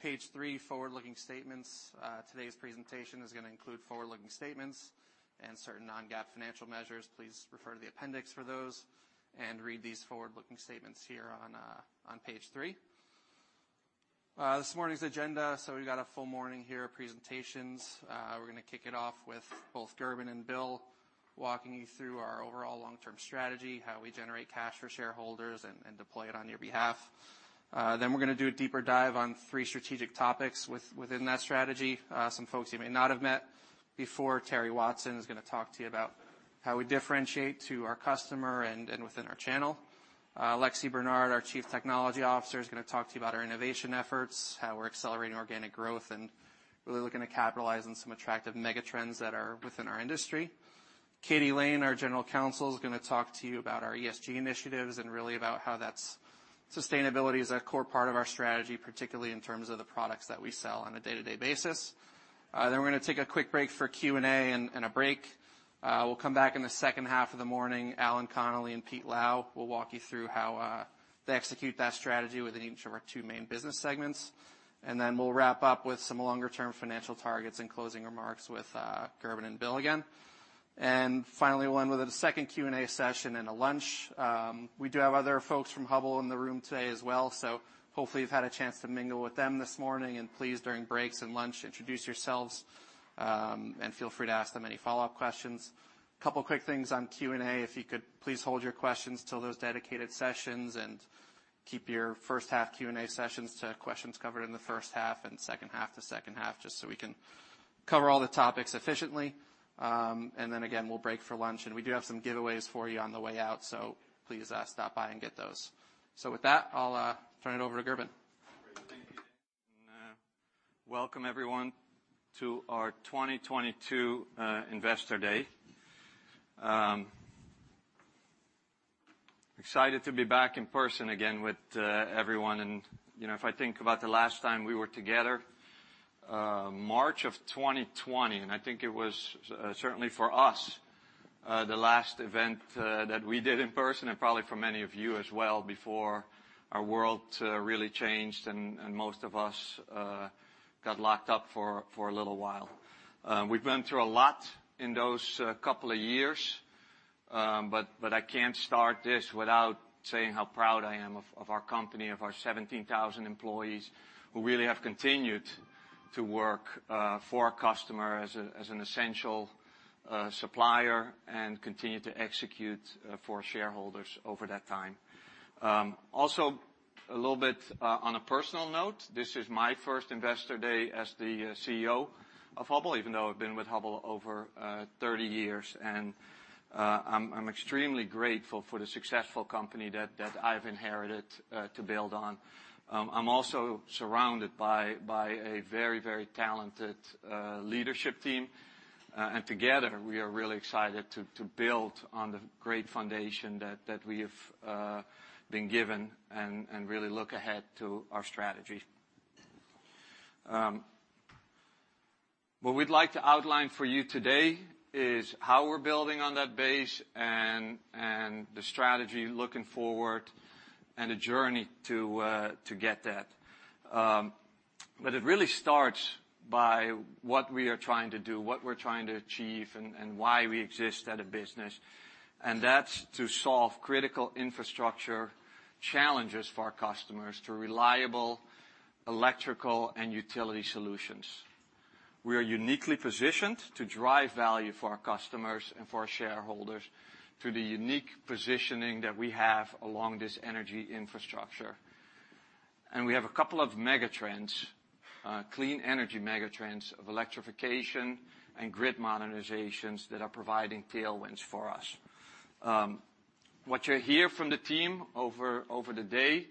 Page three, forward-looking statements. Today's presentation is gonna include forward-looking statements and certain non-GAAP financial measures. Please refer to the appendix for those and read these forward-looking statements here on page three. This morning's agenda. We've got a full morning here of presentations. We're gonna kick it off with both Gerben and Bill walking you through our overall long-term strategy, how we generate cash for shareholders and deploy it on your behalf. Then we're gonna do a deeper dive on three strategic topics within that strategy. Some folks you may not have met before. Terry Watson is gonna talk to you about how we differentiate to our customer and within our channel. Alexis Bernard, our Chief Technology Officer, is gonna talk to you about our innovation efforts, how we're accelerating organic growth, and really looking to capitalize on some attractive megatrends that are within our industry. Katie Lane, our General Counsel, is gonna talk to you about our ESG initiatives and really about how that's... Sustainability is a core part of our strategy, particularly in terms of the products that we sell on a day-to-day basis. We're gonna take a quick break for Q&A and a break. We'll come back in the second half of the morning. Allan Connolly and Pete Lau will walk you through how they execute that strategy within each of our two main business segments. We'll wrap up with some longer-term financial targets and closing remarks with Gerben Bakker and Bill again. Finally, we'll end with a second Q&A session and a lunch. We do have other folks from Hubbell in the room today as well, so hopefully you've had a chance to mingle with them this morning. Please, during breaks and lunch, introduce yourselves, and feel free to ask them any follow-up questions. Couple quick things on Q&A, if you could please hold your questions till those dedicated sessions and keep your first-half Q&A sessions to questions covered in the first half and second half to second half, just so we can cover all the topics efficiently. We'll break for lunch, and we do have some giveaways for you on the way out, so please, stop by and get those. With that, I'll turn it over to Gerben. Great. Thank you, Dan. Welcome everyone to our 2022 Investor Day. Excited to be back in person again with everyone. You know, if I think about the last time we were together, March of 2020, and I think it was certainly for us the last event that we did in person, and probably for many of you as well, before our world really changed and most of us got locked up for a little while. We've been through a lot in those couple of years, but I can't start this without saying how proud I am of our company, of our 17,000 employees who really have continued to work for our customer as an essential supplier and continue to execute for shareholders over that time. Also a little bit on a personal note, this is my first Investor Day as the CEO of Hubbell, even though I've been with Hubbell over 30 years, and I'm extremely grateful for the successful company that I've inherited to build on. I'm also surrounded by a very talented leadership team, and together we are really excited to build on the great foundation that we have been given and really look ahead to our strategy. What we'd like to outline for you today is how we're building on that base and the strategy looking forward and the journey to get that. But it really starts by what we are trying to do, what we're trying to achieve and why we exist as a business. That's to solve critical infrastructure challenges for our customers through reliable Electrical and Utility Solutions. We are uniquely positioned to drive value for our customers and for our shareholders through the unique positioning that we have along this energy infrastructure. We have a couple of megatrends, clean energy megatrends of Electrification and Grid Modernizations that are providing tailwinds for us. What you'll hear from the team over the day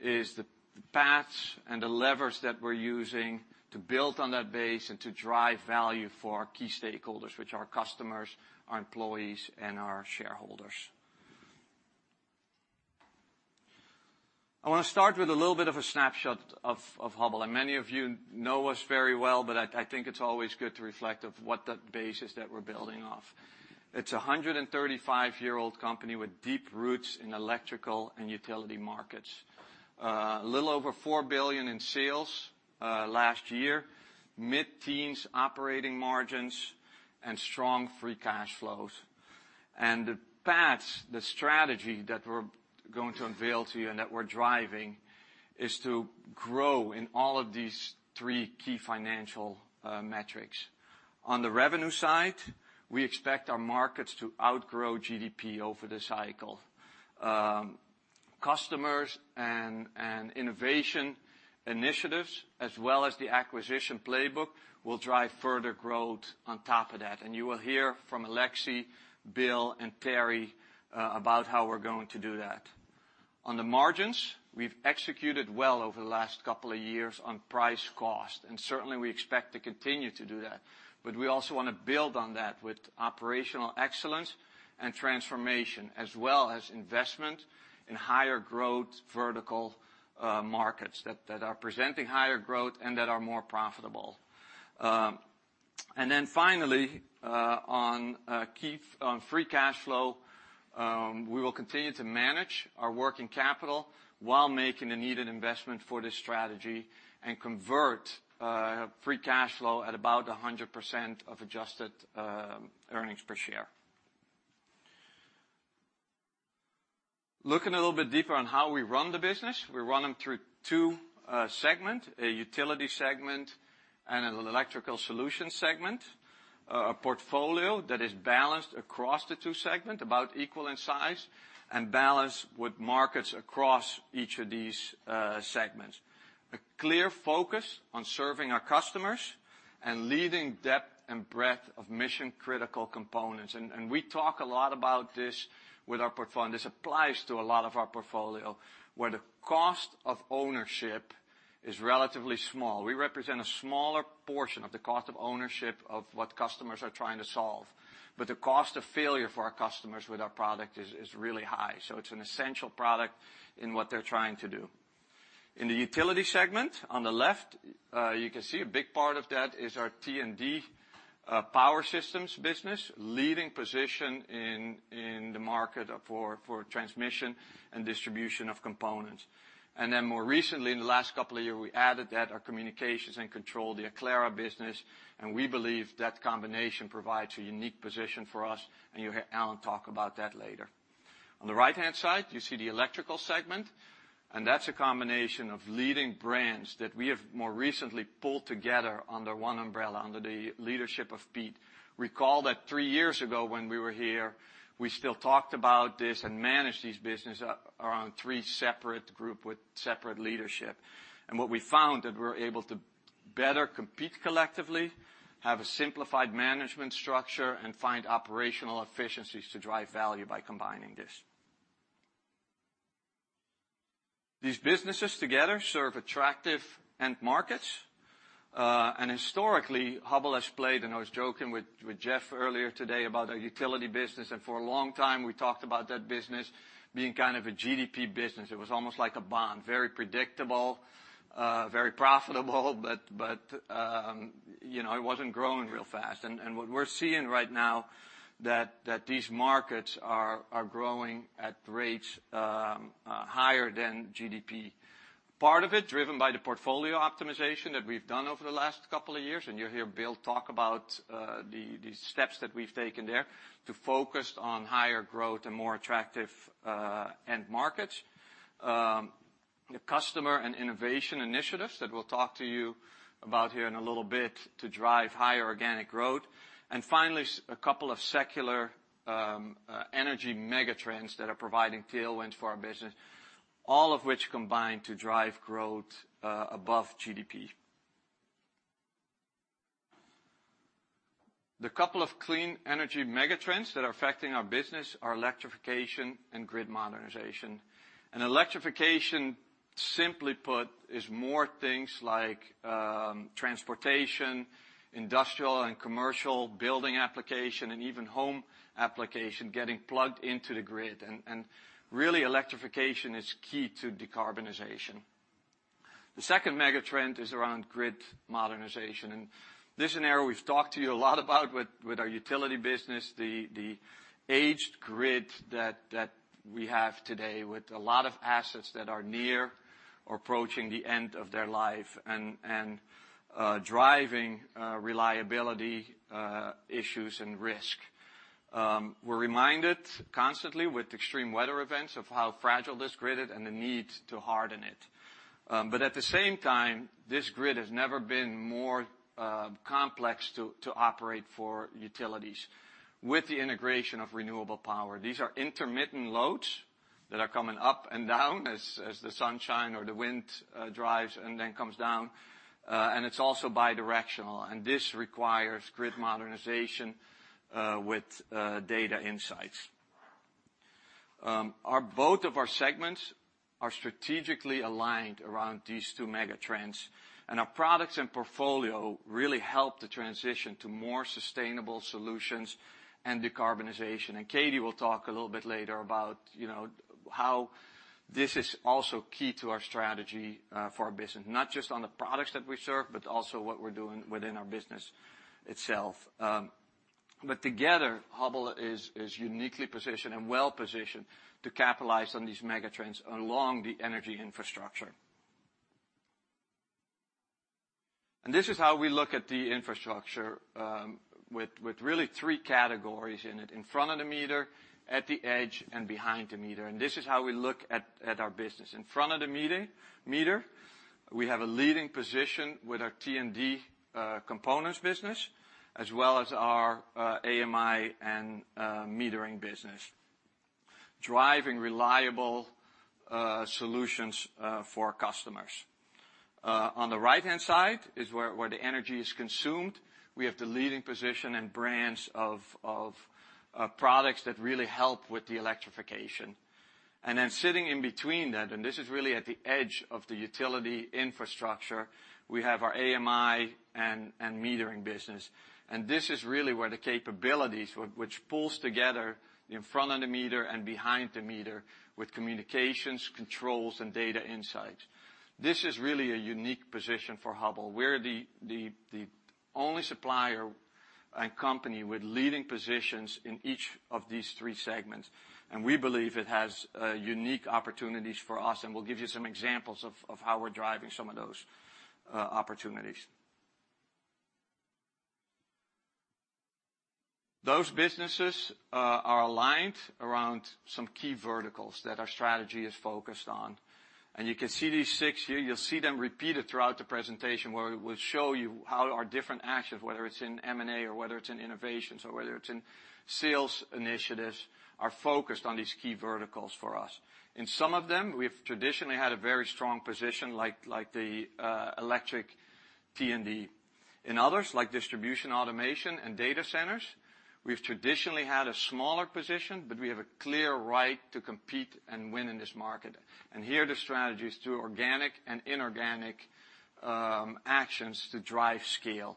is the paths and the levers that we're using to build on that base and to drive value for our key stakeholders, which are customers, our employees, and our shareholders. I wanna start with a little bit of a snapshot of Hubbell, and many of you know us very well, but I think it's always good to reflect of what that base is that we're building off. It's a 135-year-old company with deep roots in Electrical and Utility markets. A little over $4 billion in sales last year, mid-teens operating margins and strong free cash flows. The paths, the strategy that we're going to unveil to you and that we're driving is to grow in all of these three key financial metrics. On the revenue side, we expect our markets to outgrow GDP over the cycle. Customers and innovation initiatives, as well as the acquisition playbook, will drive further growth on top of that. You will hear from Alexis, Bill, and Terry about how we're going to do that. On the margins, we've executed well over the last couple of years on price cost, and certainly we expect to continue to do that. We also wanna build on that with operational excellence and transformation, as well as investment in higher growth vertical markets that are presenting higher growth and that are more profitable. Finally, on free cash flow, we will continue to manage our working capital while making the needed investment for this strategy and convert free cash flow at about 100% of adjusted earnings per share. Looking a little bit deeper on how we run the business, we run them through two segments, a Utility segment and an Electrical Solutions segment. A portfolio that is balanced across the two segments about equal in size and balanced with markets across each of these segments. A clear focus on serving our customers and leading depth and breadth of mission-critical components. We talk a lot about this and this applies to a lot of our portfolio, where the cost of ownership is relatively small. We represent a smaller portion of the cost of ownership of what customers are trying to solve, but the cost of failure for our customers with our product is really high. It's an essential product in what they're trying to do. In the Utility segment, on the left, you can see a big part of that is our T&D Power Systems business, leading position in the market for transmission and distribution of components. Then more recently, in the last couple of years, we added to our Communications and Controls, the Aclara business, and we believe that combination provides a unique position for us, and you'll hear Allan talk about that later. On the right-hand side, you see the Electrical segment, and that's a combination of leading brands that we have more recently pulled together under one umbrella, under the leadership of Pete. Recall that three years ago when we were here, we still talked about this and managed these businesses around three separate groups with separate leadership. What we found that we're able to better compete collectively, have a simplified management structure, and find operational efficiencies to drive value by combining this. These businesses together serve attractive end markets. Historically, Hubbell has played, and I was joking with Jeff earlier today about our Utility business, and for a long time, we talked about that business being kind of a GDP business. It was almost like a bond, very predictable, very profitable, but you know, it wasn't growing real fast. What we're seeing right now that these markets are growing at rates higher than GDP. Part of it driven by the portfolio optimization that we've done over the last couple of years, and you'll hear Bill talk about the steps that we've taken there to focus on higher growth and more attractive end markets. The customer and innovation initiatives that we'll talk to you about here in a little bit to drive higher organic growth. Finally, a couple of secular energy megatrends that are providing tailwinds for our business, all of which combine to drive growth above GDP. The couple of clean energy megatrends that are affecting our business are Electrification and Grid Modernization. Electrification, simply put, is more things like transportation, industrial and commercial building application, and even home application getting plugged into the grid. Really, electrification is key to decarbonization. The second megatrend is around Grid Modernization. This scenario we've talked to you a lot about with our Utility business, the aged grid that we have today with a lot of assets that are near or approaching the end of their life and driving reliability issues and risk. We're reminded constantly with extreme weather events of how fragile this grid is and the need to harden it. At the same time, this grid has never been more complex to operate for utilities. With the integration of renewable power, these are intermittent loads that are coming up and down as the sun shines or the wind drives and then comes down, and it's also bidirectional, and this requires grid modernization with data insights. Both of our segments are strategically aligned around these two megatrends, and our products and portfolio really help the transition to more sustainable solutions and decarbonization. Katie will talk a little bit later about, you know, how this is also key to our strategy for our business, not just on the products that we serve, but also what we're doing within our business itself. Together, Hubbell is uniquely positioned and well-positioned to capitalize on these megatrends along the energy infrastructure. This is how we look at the infrastructure with really three categories in it, In Front of the Meter, at The Edge, and Behind the Meter. This is how we look at our business. In Front of the Meter, we have a leading position with our T&D Components business, as well as our AMI and metering business, driving reliable solutions for our customers. On the right-hand side is where the energy is consumed. We have the leading position and brands of products that really help with the electrification. Sitting in between that, this is really at The Edge of the Utility infrastructure, we have our AMI and metering business. This is really where the capabilities which pulls together In Front of the Meter and Behind the Meter with communications, controls, and data insights. This is really a unique position for Hubbell. We're the only supplier and company with leading positions in each of these three segments. We believe it has unique opportunities for us, and we'll give you some examples of how we're driving some of those opportunities. Those businesses are aligned around some key verticals that our strategy is focused on. You can see these six here. You'll see them repeated throughout the presentation where we'll show you how our different actions, whether it's in M&A or whether it's in innovations or whether it's in sales initiatives, are focused on these key verticals for us. In some of them, we've traditionally had a very strong position like the Electric T&D. In others, like Distribution Automation and Data Centers, we've traditionally had a smaller position, but we have a clear right to compete and win in this market. Here, the strategy is through organic and inorganic actions to drive scale.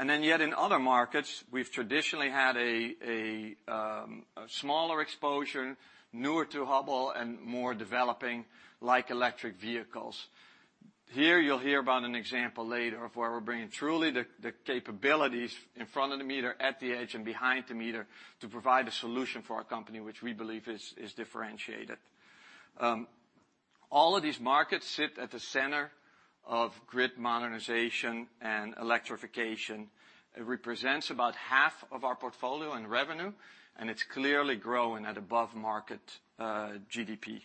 In other markets, we've traditionally had a smaller exposure, newer to Hubbell and more developing, like electric vehicles. Here, you'll hear about an example later of where we're bringing truly the capabilities In Front of the Meter, at The Edge, and Behind the Meter to provide a solution for our company which we believe is differentiated. All of these markets sit at the center of Grid Modernization and Electrification. It represents about half of our portfolio and revenue, and it's clearly growing at above-market GDP.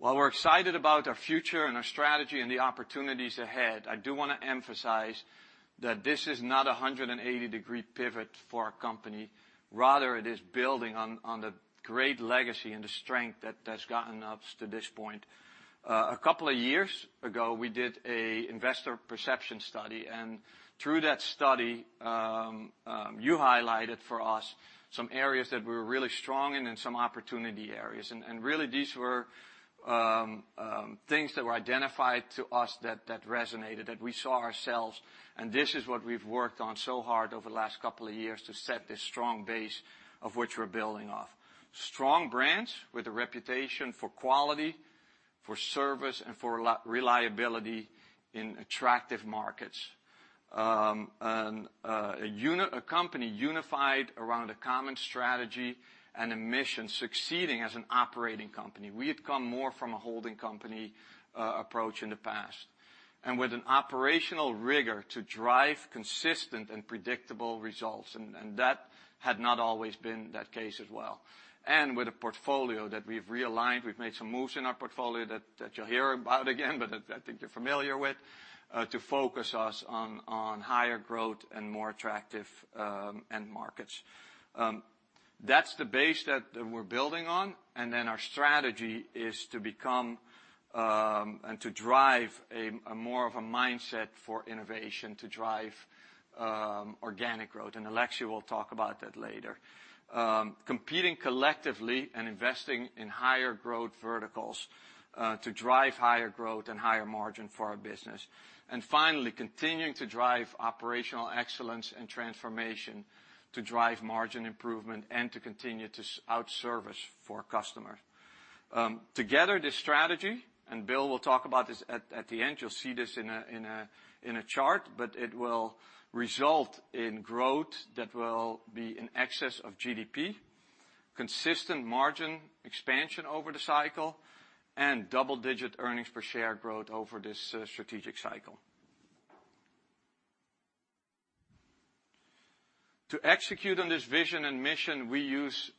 While we're excited about our future and our strategy and the opportunities ahead, I do wanna emphasize that this is not a 180-degree pivot for our company. Rather, it is building on the great legacy and the strength that has gotten us to this point. A couple of years ago, we did an investor perception study, and through that study, you highlighted for us some areas that we're really strong in and some opportunity areas. Really these were things that were identified to us that resonated that we saw ourselves, and this is what we've worked on so hard over the last couple of years to set this strong base of which we're building off. Strong brands with a reputation for quality, for service, and for reliability in attractive markets. A company unified around a common strategy and a mission succeeding as an operating company. We had come more from a holding company approach in the past. With an operational rigor to drive consistent and predictable results, and that had not always been that case as well. With a portfolio that we've realigned, we've made some moves in our portfolio that you'll hear about again, but I think you're familiar with, to focus us on higher growth and more attractive end markets. That's the base that we're building on. Our strategy is to become and to drive a more of a mindset for innovation to drive organic growth. Alexis, you will talk about that later. Competing collectively and investing in higher growth verticals to drive higher growth and higher margin for our business. Finally, continuing to drive operational excellence and transformation to drive margin improvement and to continue to out-service for customers. Together, this strategy, and Bill will talk about this at the end, you'll see this in a chart, but it will result in growth that will be in excess of GDP, consistent margin expansion over the cycle, and double-digit earnings per share growth over this strategic cycle. To execute on this vision and mission, we use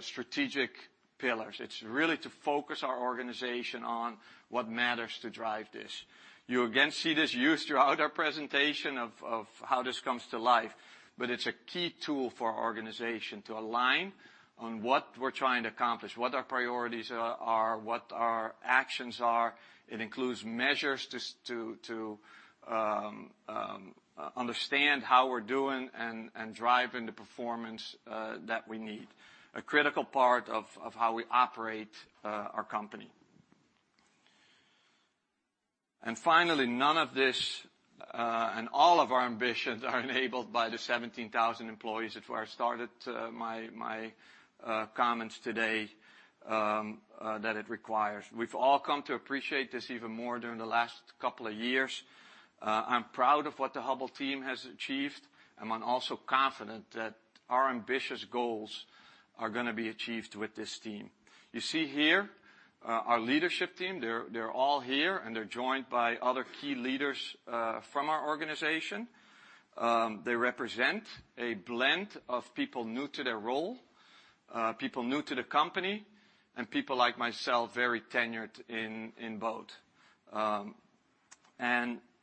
strategic pillars. It's really to focus our organization on what matters to drive this. You again see this used throughout our presentation of how this comes to life, but it's a key tool for our organization to align on what we're trying to accomplish, what our priorities are, what our actions are. It includes measures to understand how we're doing and driving the performance that we need. A critical part of how we operate our company. Finally, none of this, and all of our ambitions are enabled by the 17,000 employees of Hubbell, where I started my comments today, that it requires. We've all come to appreciate this even more during the last couple of years. I'm proud of what the Hubbell team has achieved, and I'm also confident that our ambitious goals are gonna be achieved with this team. You see here, our leadership team. They're all here, and they're joined by other key leaders from our organization. They represent a blend of people new to their role, people new to the company, and people like myself, very tenured in both,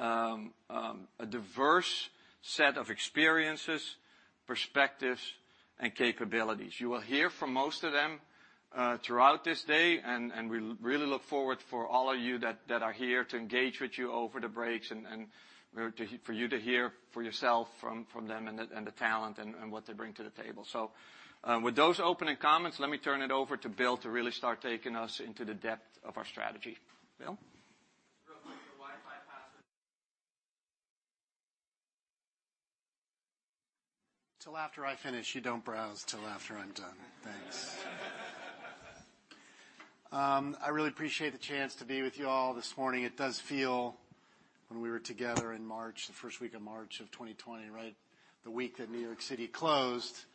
a diverse set of experiences, perspectives, and capabilities. You will hear from most of them throughout this day, and we really look forward for all of you that are here to engage with you over the breaks and for you to hear for yourself from them and the talent and what they bring to the table. With those opening comments, let me turn it over to Bill to really start taking us into the depth of our strategy. Bill? Real quick, your Wi-Fi password Till after I finish. You don't browse till after I'm done. Thanks. I really appreciate the chance to be with you all this morning. It does feel when we were together in March, the first week of March of 2020, right the week that New York City closed,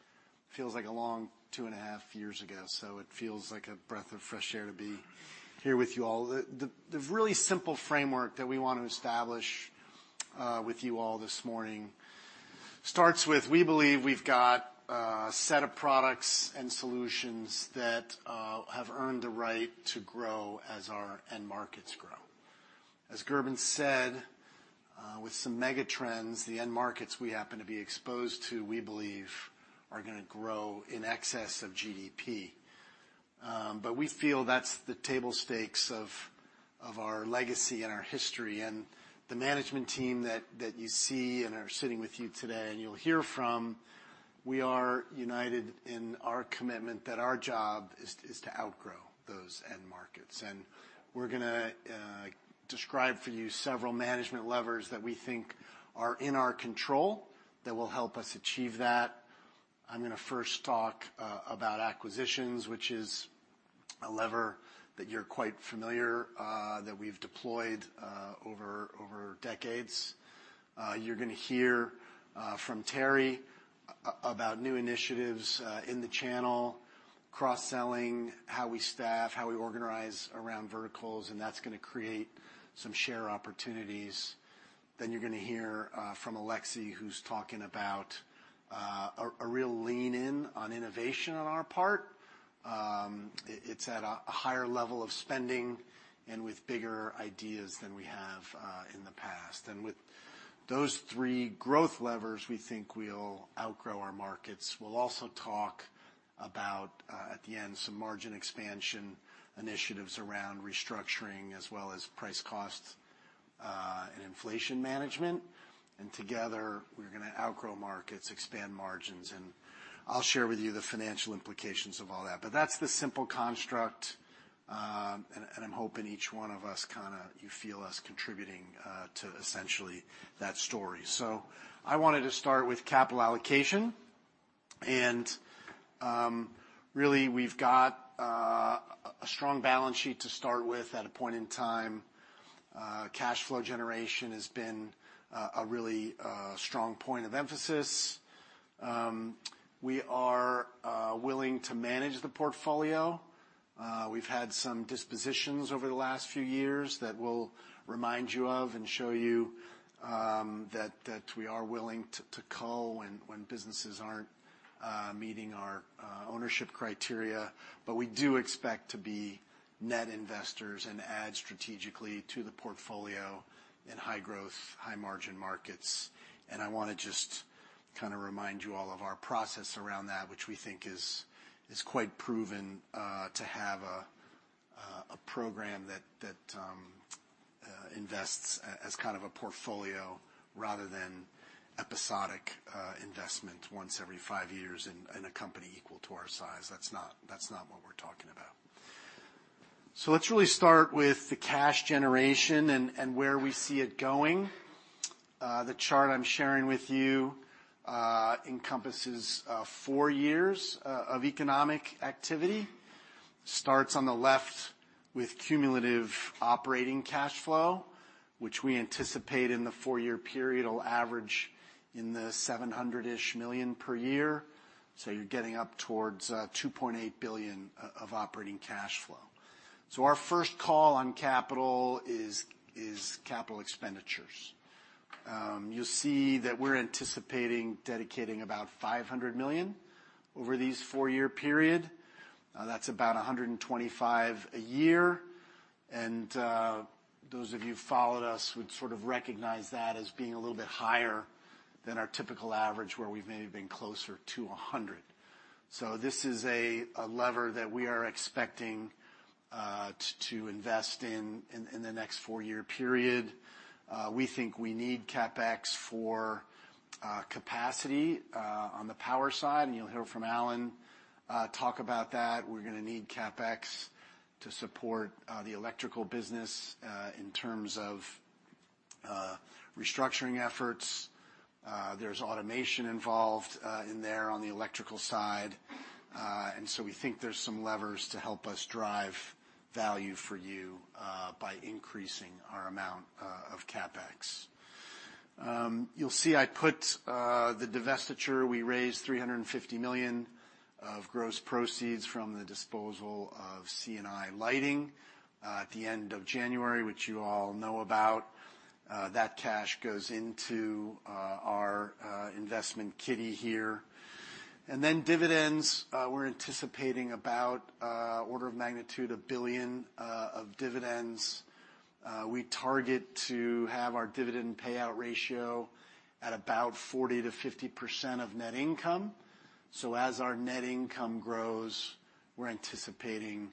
feels like a long two and a half years ago, so it feels like a breath of fresh air to be here with you all. The really simple framework that we wanna establish with you all this morning starts with we believe we've got a set of products and solutions that have earned the right to grow as our end markets grow. As Gerben said, with some megatrends, the end markets we happen to be exposed to, we believe are gonna grow in excess of GDP. We feel that's the table stakes of our legacy and our history and the management team that you see and are sitting with you today and you'll hear from. We are united in our commitment that our job is to outgrow those end markets. We're gonna describe for you several management levers that we think are in our control that will help us achieve that. I'm gonna first talk about acquisitions, which is a lever that you're quite familiar that we've deployed over decades. You're gonna hear from Terry about new initiatives in the channel, cross-selling, how we staff, how we organize around verticals, and that's gonna create some share opportunities. You're gonna hear from Alexis, who's talking about a real lean in on innovation on our part. It's at a higher level of spending and with bigger ideas than we have in the past. With those three growth levers, we think we'll outgrow our markets. We'll also talk about at the end some margin expansion initiatives around restructuring as well as price costs and inflation management. Together, we're gonna outgrow markets, expand margins, and I'll share with you the financial implications of all that. That's the simple construct, and I'm hoping each one of us kinda you feel us contributing to essentially that story. I wanted to start with capital allocation. Really, we've got a strong balance sheet to start with at a point in time. Cash flow generation has been a really strong point of emphasis. We are willing to manage the portfolio. We've had some dispositions over the last few years that we'll remind you of and show you, that we are willing to call when businesses aren't meeting our ownership criteria. We do expect to be net investors and add strategically to the portfolio in high-growth, high-margin markets. I wanna just kinda remind you all of our process around that, which we think is quite proven to have a program that invests as kind of a portfolio rather than episodic investment once every five years in a company equal to our size. That's not what we're talking about. Let's really start with the cash generation and where we see it going. The chart I'm sharing with you encompasses four years of economic activity. Starts on the left with cumulative operating cash flow, which we anticipate in the four-year period will average $700-ish million per year. You're getting up towards $2.8 billion of operating cash flow. Our first call on capital is capital expenditures. You'll see that we're anticipating dedicating about $500 million over these four-year period. That's about $125 million a year. Those of you who followed us would sort of recognize that as being a little bit higher than our typical average, where we've maybe been closer to $100 million. This is a lever that we are expecting to invest in in the next four-year period. We think we need CapEx for capacity on the Power side, and you'll hear from Allan talk about that. We're gonna need CapEx to support the Electrical business in terms of restructuring efforts. There's automation involved in there on the Electrical side. We think there's some levers to help us drive value for you by increasing our amount of CapEx. You'll see I put the divestiture. We raised $350 million of gross proceeds from the disposal of C&I Lighting at the end of January, which you all know about. That cash goes into our investment kitty here. Dividends, we're anticipating about order of magnitude $1 billion of dividends. We target to have our dividend payout ratio at about 40%-50% of net income. As our net income grows, we're anticipating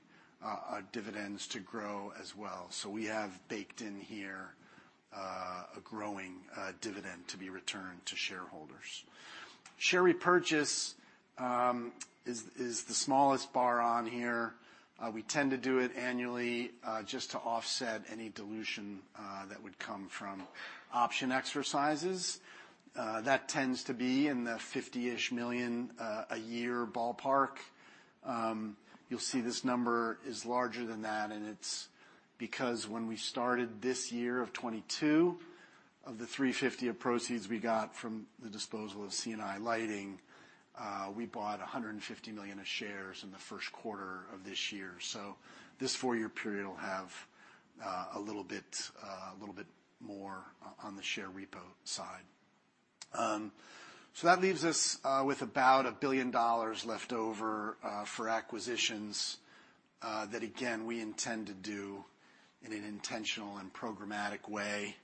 dividends to grow as well. We have baked in here a growing dividend to be returned to shareholders. Share repurchase is the smallest bar on here. We tend to do it annually, just to offset any dilution that would come from option exercises. That tends to be in the $50-ish million a year ballpark. You'll see this number is larger than that, and it's because when we started this year of 2022, of the $350 million of proceeds we got from the disposal of C&I Lighting, we bought $150 million of shares in the first quarter of this year. This four-year period will have a little bit more on the share repo side. That leaves us with about $1 billion left over for acquisitions that again, we intend to do in an intentional and programmatic way.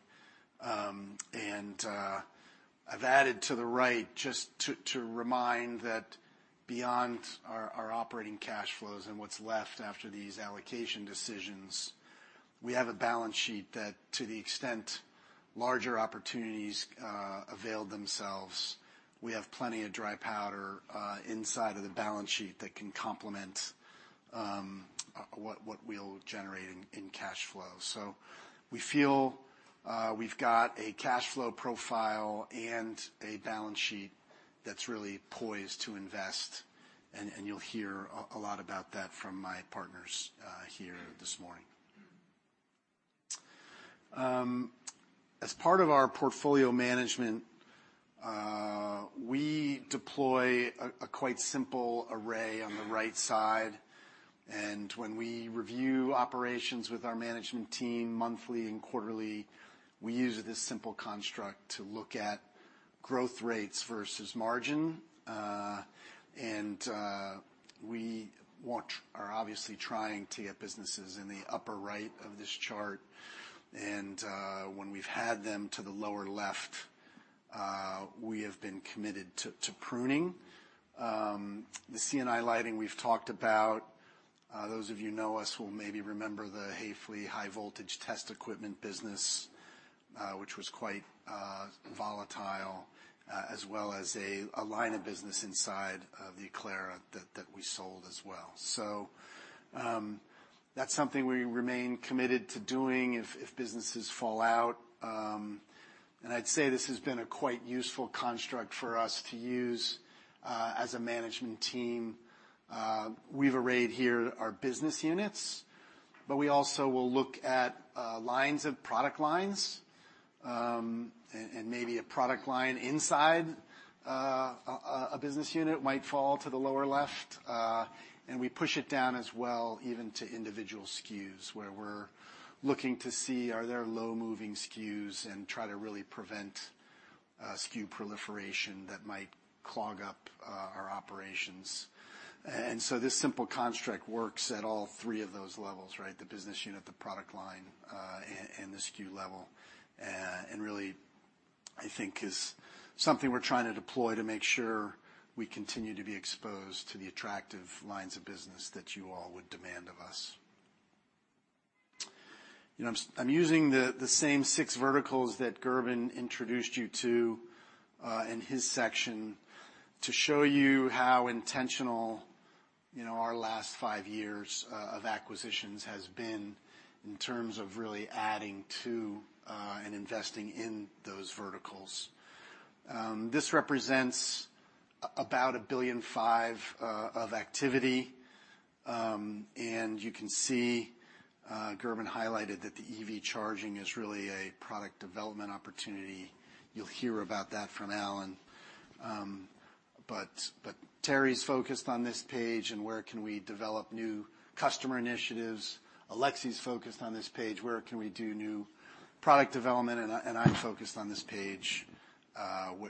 I've added to the right, just to remind that beyond our operating cash flows and what's left after these allocation decisions, we have a balance sheet that, to the extent larger opportunities avail themselves, we have plenty of dry powder inside of the balance sheet that can complement what we'll generate in cash flow. We feel we've got a cash flow profile and a balance sheet that's really poised to invest, and you'll hear a lot about that from my partners here this morning. As part of our portfolio management, we deploy a quite simple array on the right side. When we review operations with our management team monthly and quarterly, we use this simple construct to look at growth rates versus margin. We are obviously trying to get businesses in the upper right of this chart. When we've had them to the lower left, we have been committed to pruning. The C&I Lighting, we've talked about. Those of you who know us will maybe remember the Haefely high voltage test equipment business, which was quite volatile, as well as a line of business inside of the Aclara that we sold as well. That's something we remain committed to doing if businesses fall out. I'd say this has been a quite useful construct for us to use as a management team. We've arrayed here our business units, but we also will look at product lines, and maybe a product line inside a business unit might fall to the lower left, and we push it down as well, even to individual SKUs, where we're looking to see are there slow-moving SKUs and try to really prevent SKU proliferation that might clog up our operations. This simple construct works at all three of those levels, right? The business unit, the product line, and the SKU level, and really, I think, is something we're trying to deploy to make sure we continue to be exposed to the attractive lines of business that you all would demand of us. You know, I'm using the same six verticals that Gerben introduced you to in his section to show you how intentional, you know, our last five years of acquisitions has been in terms of really adding to and investing in those verticals. This represents about $1.5 billion of activity, and you can see, Gerben highlighted that the EV charging is really a product development opportunity. You'll hear about that from Allan. Terry's focused on this page and where can we develop new customer initiatives. Alexis's focused on this page, where can we do new product development? I'm focused on this page,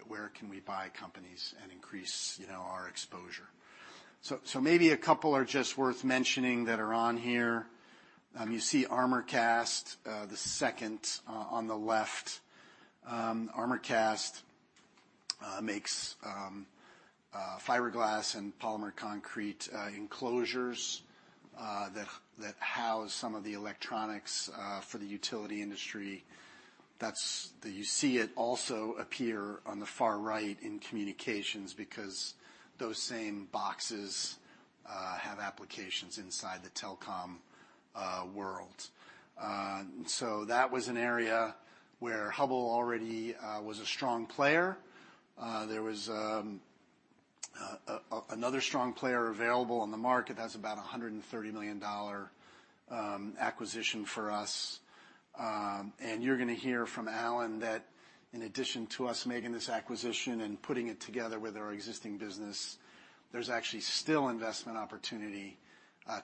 where can we buy companies and increase, you know, our exposure? Maybe a couple are just worth mentioning that are on here. You see Armorcast, the second, on the left. Armorcast makes fiberglass and polymer concrete enclosures that house some of the electronics for the Utility industry. You see it also appear on the far right in Communications because those same boxes have applications inside the telecom world. That was an area where Hubbell already was a strong player. There was another strong player available on the market. That's about a $130 million acquisition for us. You're gonna hear from Allan that in addition to us making this acquisition and putting it together with our existing business, there's actually still investment opportunity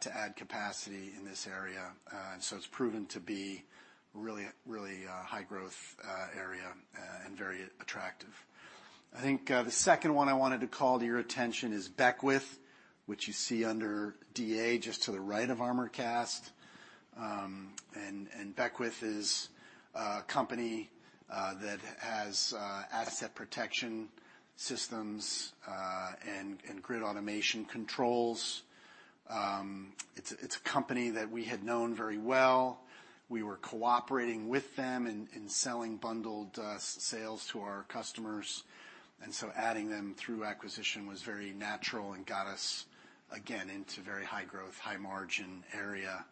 to add capacity in this area. It's proven to be a really high-growth area and very attractive. I think the second one I wanted to call to your attention is Beckwith, which you see under DA, just to the right of Armorcast. Beckwith is a company that has asset protection systems and grid automation controls. It's a company that we had known very well. We were cooperating with them in selling bundled sales to our customers. Adding them through acquisition was very natural and got us, again, into very high-growth, high-margin area.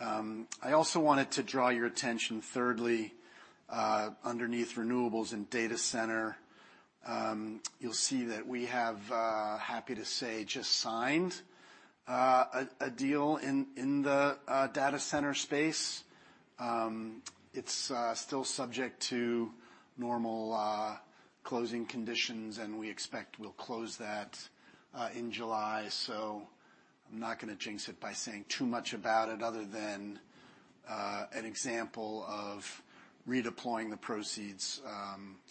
I also wanted to draw your attention, thirdly, underneath Renewables and Data Center. You'll see that we're happy to say, just signed a deal in the data center space. It's still subject to normal closing conditions, and we expect we'll close that in July, so I'm not gonna jinx it by saying too much about it other than an example of redeploying the proceeds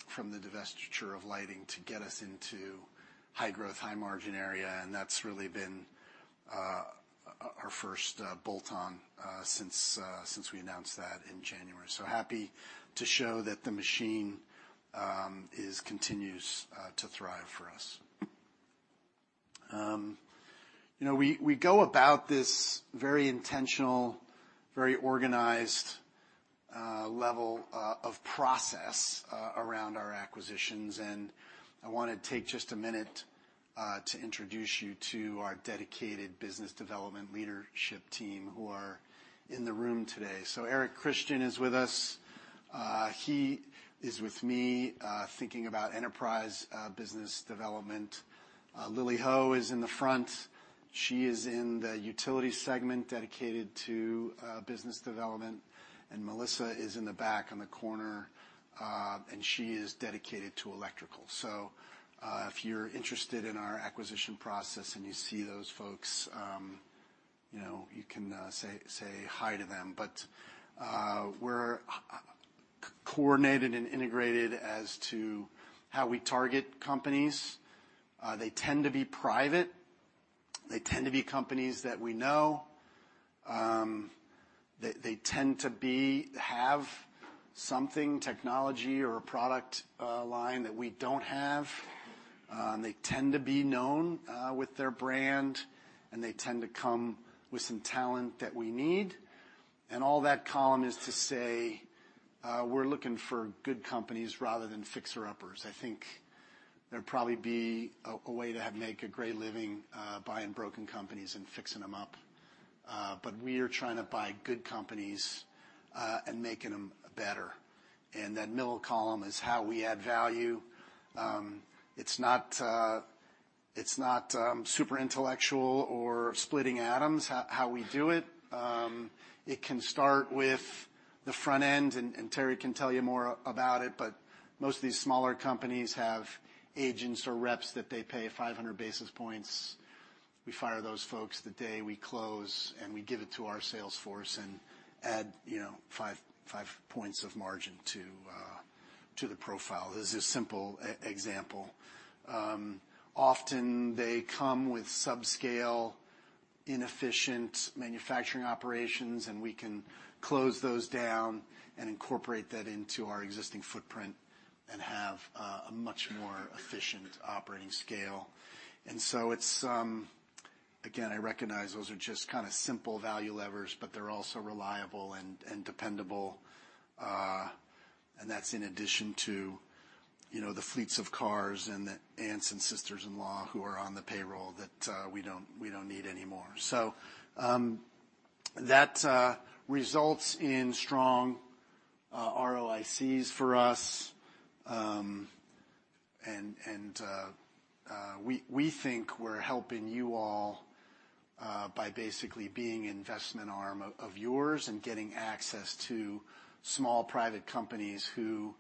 from the divestiture of lighting to get us into high-growth, high-margin area. That's really been our first bolt-on since we announced that in January. Happy to show that the machine continues to thrive for us. You know, we go about this very intentional, very organized level of process around our acquisitions, and I wanna take just a minute to introduce you to our dedicated business development leadership team who are in the room today. Eric Christian is with us. He is with me thinking about enterprise business development. Lily Ho is in the front. She is in the Utility segment dedicated to business development. Melissa is in the back on the corner, and she is dedicated to Electrical. If you're interested in our acquisition process and you see those folks, you know, you can say hi to them. We're coordinated and integrated as to how we target companies. They tend to be private. They tend to be companies that we know. They tend to have something, technology or a product line that we don't have. They tend to be known with their brand, and they tend to come with some talent that we need. All that to say, we're looking for good companies rather than fixer-uppers. I think there'd probably be a way to make a great living buying broken companies and fixing them up. We are trying to buy good companies and making them better. That middle column is how we add value. It's not super intellectual or splitting atoms how we do it. It can start with the front end, and Terry can tell you more about it, but most of these smaller companies have agents or reps that they pay 500 basis points. We fire those folks the day we close, and we give it to our sales force and add, you know, five points of margin to the profile. This is a simple example. Often they come with subscale, inefficient manufacturing operations, and we can close those down and incorporate that into our existing footprint and have a much more efficient operating scale. It's again, I recognize those are just kinda simple value levers, but they're also reliable and dependable. That's in addition to, you know, the fleets of cars and the aunts and sisters-in-law who are on the payroll that we don't need anymore. That results in strong ROICs for us. We think we're helping you all by basically being investment arm of yours and getting access to small private companies who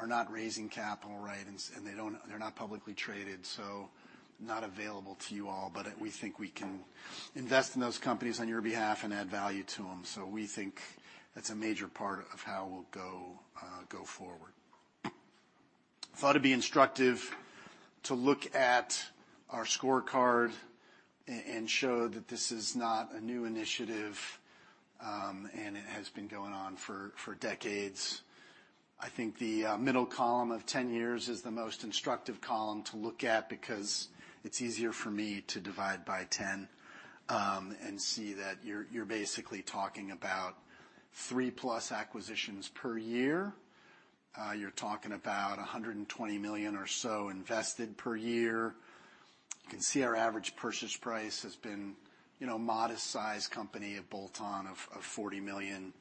are not raising capital right and they're not publicly traded, so not available to you all. We think we can invest in those companies on your behalf and add value to them. We think that's a major part of how we'll go forward. Thought it'd be instructive to look at our scorecard and show that this is not a new initiative, and it has been going on for decades. I think the middle column of 10 years is the most instructive column to look at because it's easier for me to divide by 10, and see that you're basically talking about 3+ acquisitions per year. You're talking about $120 million or so invested per year. You can see our average purchase price has been, you know, modest size company, a bolt-on of $40 million.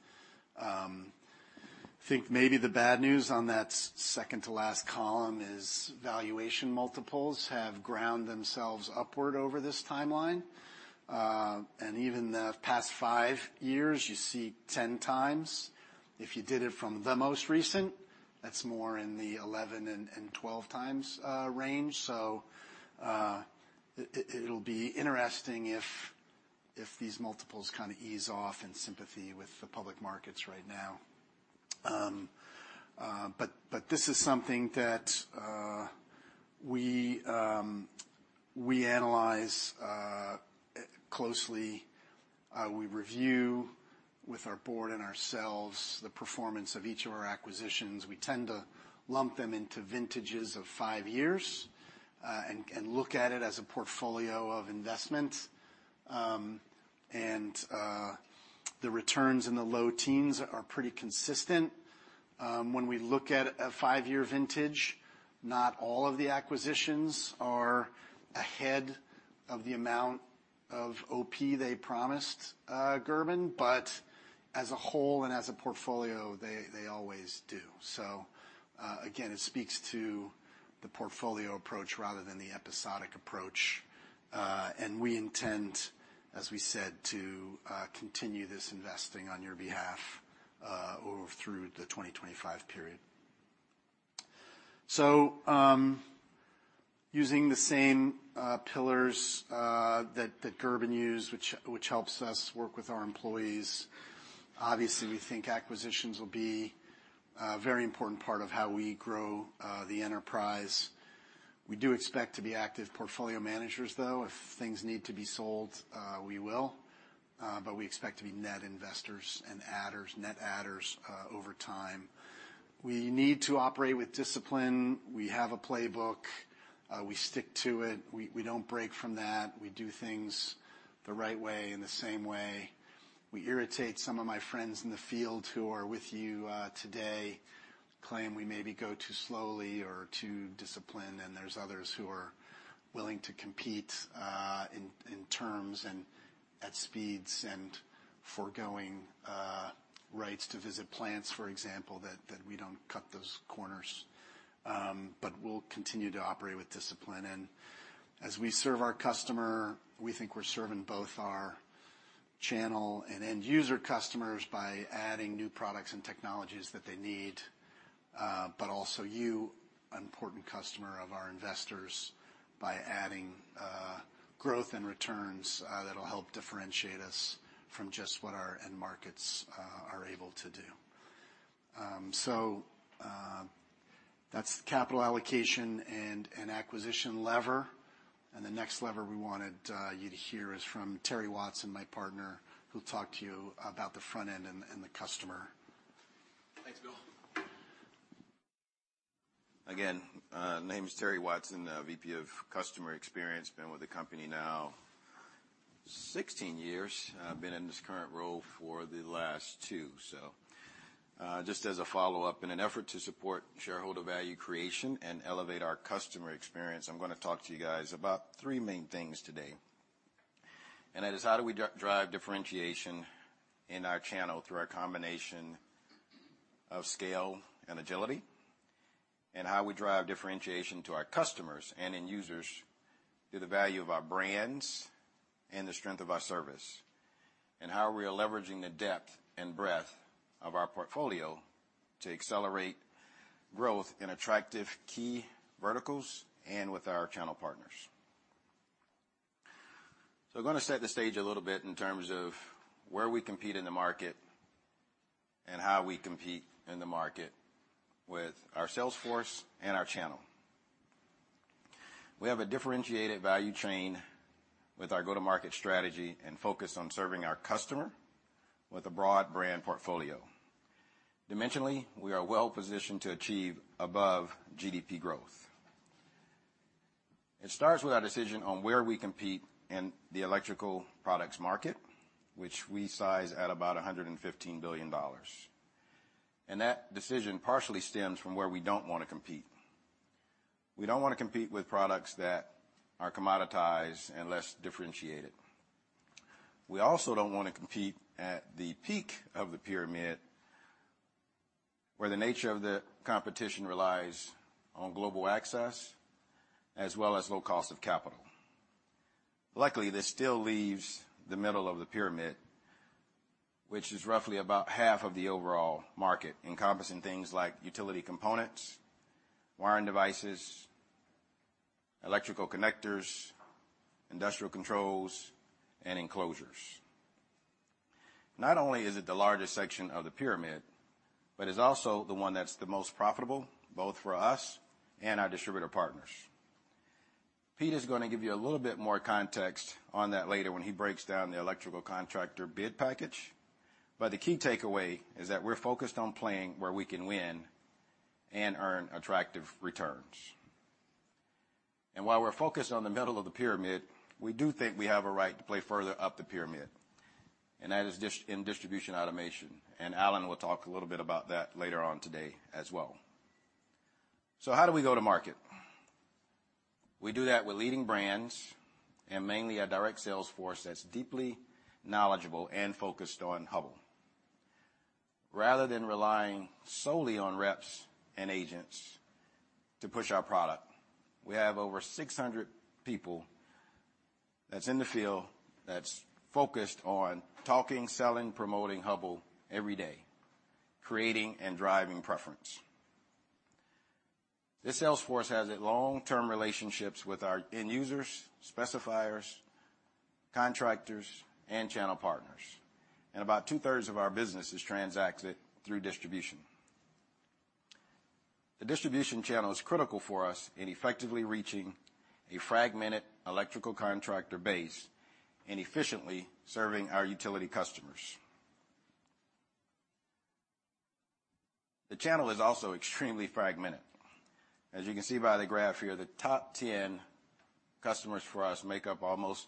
Think maybe the bad news on that second-to-last column is valuation multiples have ground themselves upward over this timeline. Even the past five years, you see 10x. If you did it from the most recent, that's more in the 11x and 12x range. It'll be interesting if these multiples kinda ease off in sympathy with the public markets right now. This is something that we analyze closely. We review with our board and ourselves the performance of each of our acquisitions. We tend to lump them into vintages of five years and look at it as a portfolio of investments. The returns in the low teens are pretty consistent. When we look at a five-year vintage, not all of the acquisitions are ahead of the amount of OP they promised, Gerben, but as a whole and as a portfolio, they always do. Again, it speaks to the portfolio approach rather than the episodic approach. We intend, as we said, to continue this investing on your behalf all through the 2025 period. Using the same pillars that Gerben used, which helps us work with our employees, obviously, we think acquisitions will be a very important part of how we grow the enterprise. We do expect to be active portfolio managers, though. If things need to be sold, we will, but we expect to be net investors and adders over time. We need to operate with discipline. We have a playbook. We stick to it. We don't break from that. We do things the right way and the same way. We irritate some of my friends in the field who are with you today, claim we maybe go too slowly or too disciplined, and there's others who are willing to compete in terms and at speeds and forgoing rights to visit plants, for example, that we don't cut those corners. But we'll continue to operate with discipline. As we serve our customer, we think we're serving both our channel and end user customers by adding new products and technologies that they need, but also you, an important customer of our investors, by adding growth and returns that'll help differentiate us from just what our end markets are able to do. That's the capital allocation and an acquisition lever. The next lever we wanted you to hear is from Terry Watson, my partner, who'll talk to you about the front end and the customer. Thanks, Bill. Again, name's Terry Watson, VP of Customer Experience. Been with the company now 16 years. Been in this current role for the last two years. Just as a follow-up, in an effort to support shareholder value creation and elevate our customer experience, I'm gonna talk to you guys about three main things today. That is how do we drive differentiation in our channel through our combination of scale and agility? How we drive differentiation to our customers and end users through the value of our brands and the strength of our service? How we are leveraging the depth and breadth of our portfolio to accelerate growth in attractive key verticals and with our channel partners. I'm gonna set the stage a little bit in terms of where we compete in the market and how we compete in the market with our sales force and our channel. We have a differentiated value chain with our go-to-market strategy and focus on serving our customer with a broad brand portfolio. Dimensionally, we are well-positioned to achieve above GDP growth. It starts with our decision on where we compete in the electrical products market, which we size at about $115 billion. That decision partially stems from where we don't wanna compete. We don't wanna compete with products that are commoditized and less differentiated. We also don't wanna compete at the peak of the pyramid, where the nature of the competition relies on global access as well as low cost of capital. Luckily, this still leaves the middle of the pyramid, which is roughly about half of the overall market, encompassing things like Utility Components, Wiring Devices, Electrical Connectors, Industrial Controls, and Enclosures. Not only is it the largest section of the pyramid, but it's also the one that's the most profitable, both for us and our distributor partners. Pete is gonna give you a little bit more context on that later when he breaks down the electrical contractor bid package, but the key takeaway is that we're focused on playing where we can win and earn attractive returns. While we're focused on the middle of the pyramid, we do think we have a right to play further up the pyramid, and that is in Distribution Automation, and Allan will talk a little bit about that later on today as well. How do we go to market? We do that with leading brands and mainly a direct sales force that's deeply knowledgeable and focused on Hubbell. Rather than relying solely on reps and agents to push our product, we have over 600 people that's in the field that's focused on talking, selling, promoting Hubbell every day, creating and driving preference. This sales force has long-term relationships with our end users, specifiers, contractors, and channel partners, and about 2/3 of our business is transacted through distribution. The distribution channel is critical for us in effectively reaching a fragmented electrical contractor base and efficiently serving our Utility customers. The channel is also extremely fragmented. As you can see by the graph here, the top 10 customers for us make up almost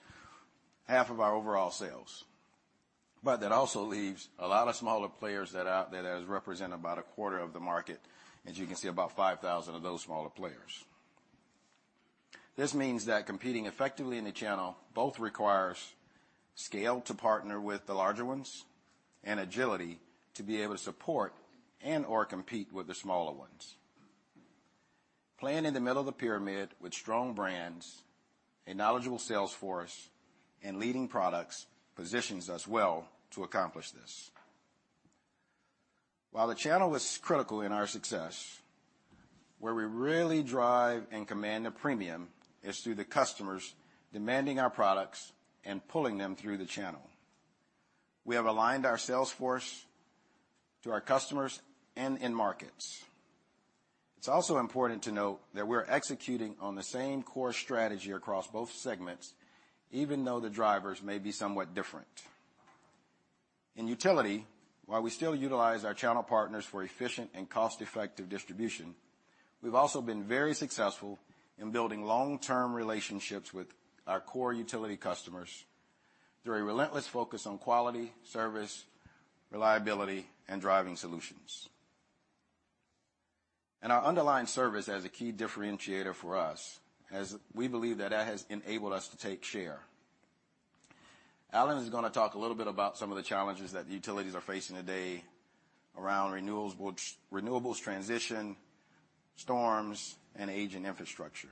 half of our overall sales. That also leaves a lot of smaller players that has represented about 1/4 of the market, as you can see, about 5,000 of those smaller players. This means that competing effectively in the channel both requires scale to partner with the larger ones and agility to be able to support and/or compete with the smaller ones. Playing in the middle of the pyramid with strong brands, a knowledgeable sales force, and leading products positions us well to accomplish this. While the channel is critical in our success, where we really drive and command a premium is through the customers demanding our products and pulling them through the channel. We have aligned our sales force to our customers and end markets. It's also important to note that we're executing on the same core strategy across both segments, even though the drivers may be somewhat different. In Utility, while we still utilize our channel partners for efficient and cost-effective distribution, we've also been very successful in building long-term relationships with our core Utility customers through a relentless focus on quality, service, reliability, and driving solutions. Our underlying service as a key differentiator for us, we believe that has enabled us to take share. Allan is gonna talk a little bit about some of the challenges that utilities are facing today around renewables transition, storms, and aging infrastructure.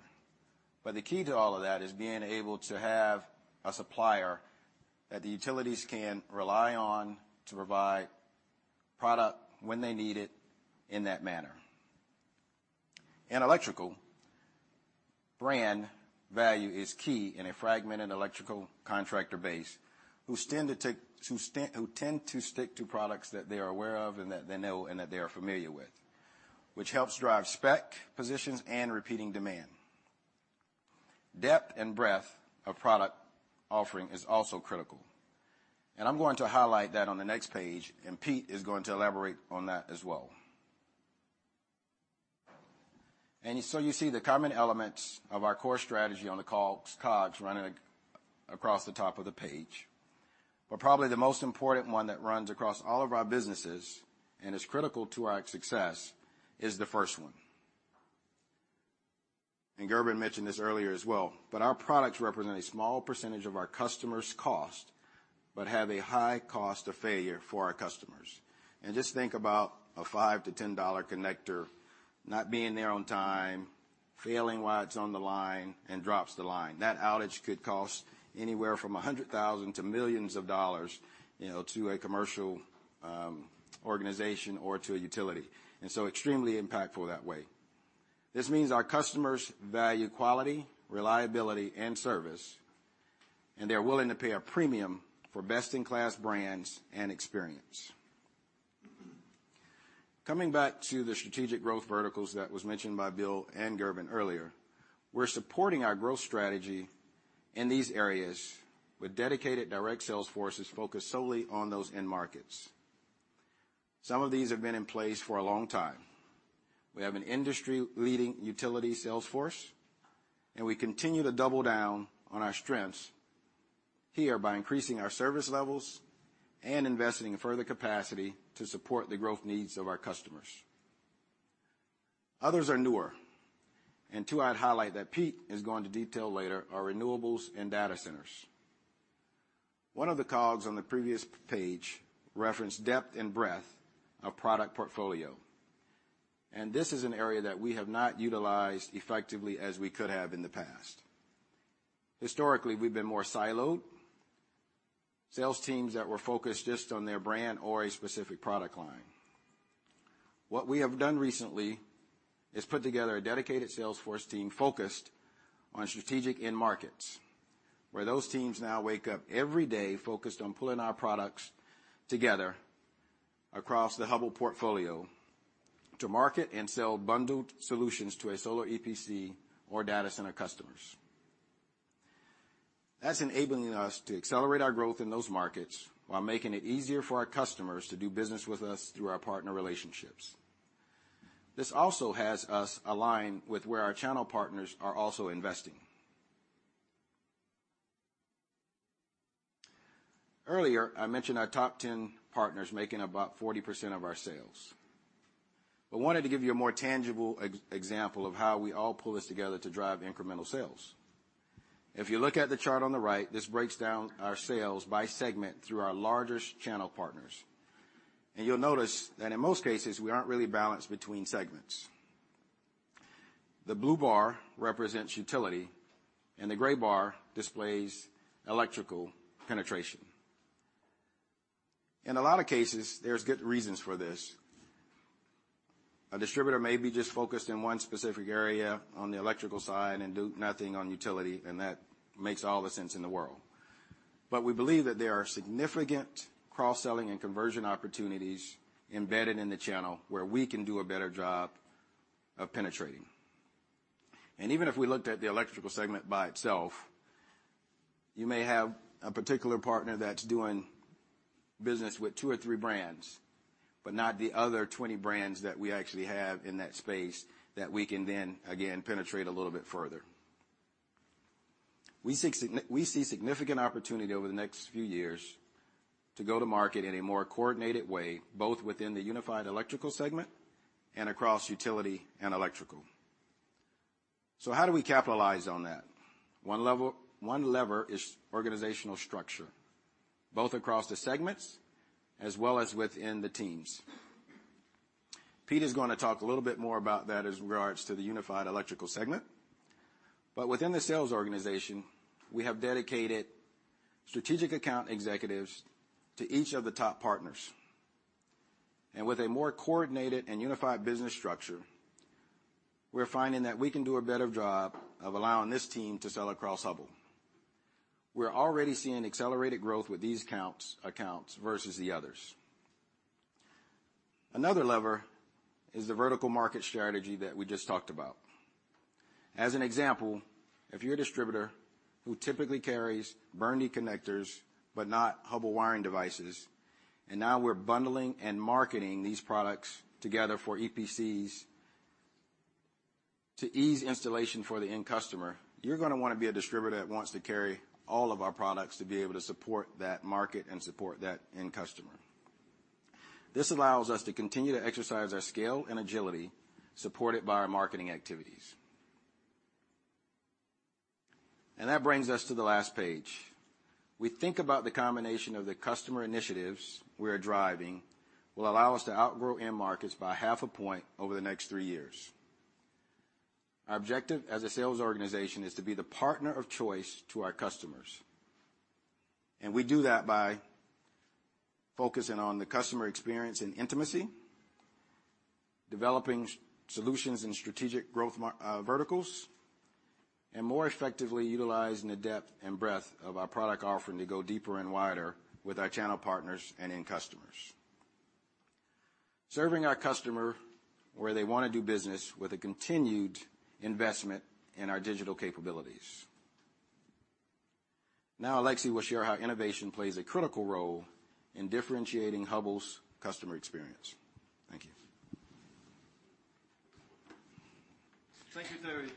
The key to all of that is being able to have a supplier that the utilities can rely on to provide product when they need it in that manner. In Electrical, brand value is key in a fragmented electrical contractor base who tend to stick to products that they are aware of and that they know and that they are familiar with, which helps drive spec positions and repeating demand. Depth and breadth of product offering is also critical. I'm going to highlight that on the next page, and Pete is going to elaborate on that as well. You see the common elements of our core strategy on the COGS running across the top of the page. Probably the most important one that runs across all of our businesses, and is critical to our success, is the first one. Gerben mentioned this earlier as well, but our products represent a small percentage of our customers' cost, but have a high cost of failure for our customers. Just think about a $5-$10 connector not being there on time, failing while it's on the line, and drops the line. That outage could cost anywhere from $100,000 to millions of dollars, you know, to a commercial organization or to a Utility, and so extremely impactful that way. This means our customers value quality, reliability, and service, and they are willing to pay a premium for best-in-class brands and experience. Coming back to the strategic growth verticals that was mentioned by Bill and Gerben earlier, we're supporting our growth strategy in these areas with dedicated direct sales forces focused solely on those end markets. Some of these have been in place for a long time. We have an industry-leading Utility sales force, and we continue to double down on our strengths here by increasing our service levels and investing in further capacity to support the growth needs of our customers. Others are newer, and two I'd highlight that Pete is going to detail later are Renewables and Data Centers. One of the quotes on the previous page referenced depth and breadth of product portfolio, and this is an area that we have not utilized effectively as we could have in the past. Historically, we've been more siloed. Sales teams that were focused just on their brand or a specific product line. What we have done recently is put together a dedicated sales force team focused on strategic end markets, where those teams now wake up every day focused on pulling our products together across the Hubbell portfolio to market and sell bundled solutions to a solar EPC or Data Center customers. That's enabling us to accelerate our growth in those markets while making it easier for our customers to do business with us through our partner relationships. This also has us aligned with where our channel partners are also investing. Earlier, I mentioned our top 10 partners making about 40% of our sales. I wanted to give you a more tangible example of how we all pull this together to drive incremental sales. If you look at the chart on the right, this breaks down our sales by segment through our largest channel partners. You'll notice that in most cases, we aren't really balanced between segments. The blue bar represents Utility and the gray bar displays electrical penetration. In a lot of cases, there's good reasons for this. A distributor may be just focused in one specific area on the Electrical side and do nothing on Utility, and that makes all the sense in the world. We believe that there are significant cross-selling and conversion opportunities embedded in the channel where we can do a better job of penetrating. Even if we looked at the Electrical segment by itself, you may have a particular partner that's doing business with two or three brands, but not the other 20 brands that we actually have in that space that we can then, again, penetrate a little bit further. We see significant opportunity over the next few years to go to market in a more coordinated way, both within the unified Electrical segment and across Utility and Electrical. How do we capitalize on that? One lever is organizational structure, both across the segments as well as within the teams. Pete is gonna talk a little bit more about that as regards to the unified Electrical segment. Within the sales organization, we have dedicated strategic account executives to each of the top partners. With a more coordinated and unified business structure, we're finding that we can do a better job of allowing this team to sell across Hubbell. We're already seeing accelerated growth with these accounts versus the others. Another lever is the vertical market strategy that we just talked about. As an example, if you're a distributor who typically carries Burndy connectors but not Hubbell Wiring Devices, and now we're bundling and marketing these products together for EPCs to ease installation for the end customer, you're gonna wanna be a distributor that wants to carry all of our products to be able to support that market and support that end customer. This allows us to continue to exercise our scale and agility supported by our marketing activities. That brings us to the last page. We think about the combination of the customer initiatives we are driving will allow us to outgrow end markets by half a point over the next three years. Our objective as a sales organization is to be the partner of choice to our customers, and we do that by focusing on the customer experience and intimacy, developing solutions and strategic growth verticals, and more effectively utilizing the depth and breadth of our product offering to go deeper and wider with our channel partners and end customers. Serving our customer where they wanna do business with a continued investment in our digital capabilities. Now, Alexis will share how innovation plays a critical role in differentiating Hubbell's customer experience. Thank you. Thank you, Terry.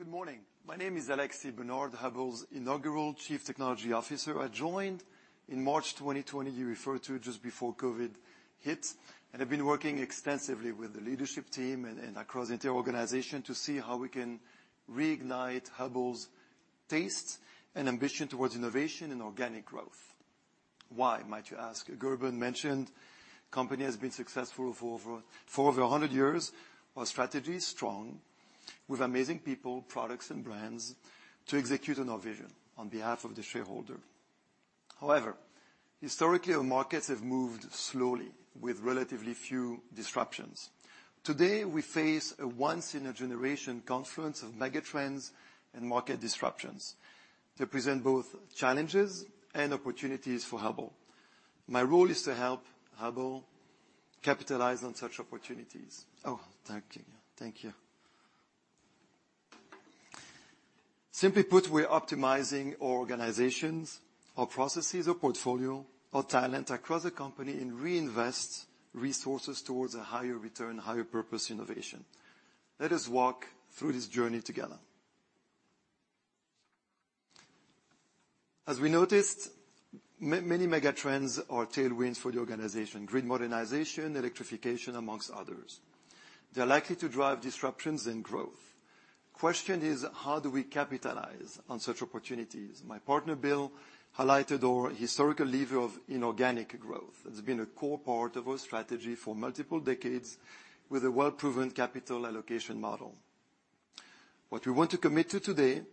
Good morning. My name is Alexis Bernard, Hubbell's inaugural Chief Technology Officer. I joined in March 2020, you referred to, just before COVID hit, and I've been working extensively with the leadership team and across the entire organization to see how we can reignite Hubbell's thirst and ambition towards innovation and organic growth. Why, might you ask? Gerben mentioned company has been successful for over 100 years. Our strategy is strong, with amazing people, products and brands to execute on our vision on behalf of the shareholder. However, historically, our markets have moved slowly with relatively few disruptions. Today, we face a once-in-a-generation confluence of megatrends and market disruptions. They present both challenges and opportunities for Hubbell. My role is to help Hubbell capitalize on such opportunities. Oh, thank you. Thank you. Simply put, we're optimizing organizations or processes or portfolio or talent across the company and reinvest resources towards a higher return, higher purpose innovation. Let us walk through this journey together. As we noticed, many megatrends are tailwinds for the organization. Grid Modernization, Electrification, among others. They are likely to drive disruptions and growth. Question is, how do we capitalize on such opportunities? My partner, Bill, highlighted our historical lever of inorganic growth. It's been a core part of our strategy for multiple decades with a well-proven capital allocation model. What we want to commit to today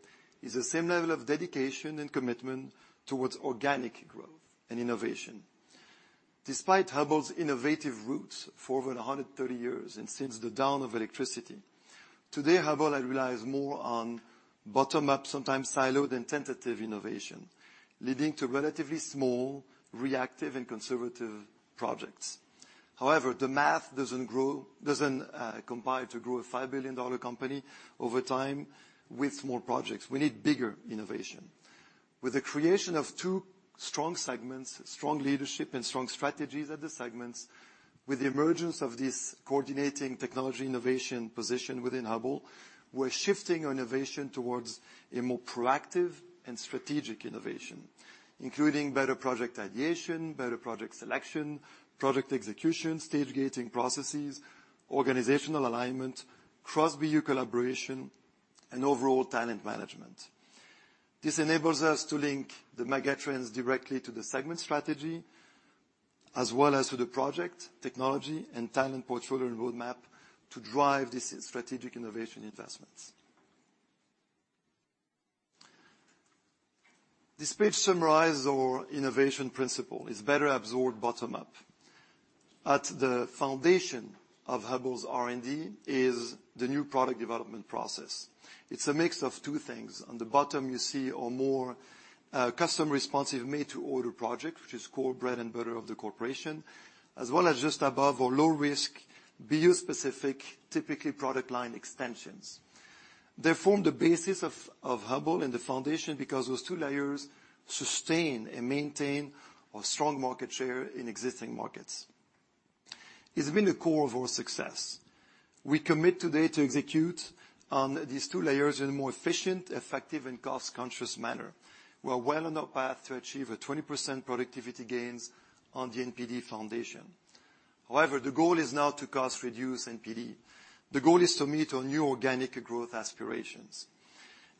is the same level of dedication and commitment towards organic growth and innovation. Despite Hubbell's innovative roots for over 130 years and since the dawn of electricity, today, Hubbell relies more on bottom-up, sometimes siloed and tentative innovation, leading to relatively small, reactive and conservative projects. However, the math doesn't compile to grow a $5 billion company over time with small projects. We need bigger innovation. With the creation of two strong segments, strong leadership and strong strategies at the segments, with the emergence of this coordinating technology innovation position within Hubbell, we're shifting our innovation towards a more proactive and strategic innovation, including better project ideation, better project selection, project execution, stage gating processes, organizational alignment, cross-BU collaboration, and overall talent management. This enables us to link the megatrends directly to the segment strategy as well as to the project, technology and talent portfolio and roadmap to drive this strategic innovation investments. This page summarize our innovation principle is better absorbed bottom up. At the foundation of Hubbell's R&D is the new product development process. It's a mix of two things. On the bottom, you see our more custom responsive made-to-order project, which is core bread and butter of the corporation, as well as just above our low-risk BU-specific, typically product line extensions. They form the basis of Hubbell and the foundation because those two layers sustain and maintain our strong market share in existing markets. It's been the core of our success. We commit today to execute on these two layers in a more efficient, effective, and cost-conscious manner. We're well on our path to achieve a 20% productivity gains on the NPD foundation. However, the goal is not to cost reduce NPD. The goal is to meet our new organic growth aspirations.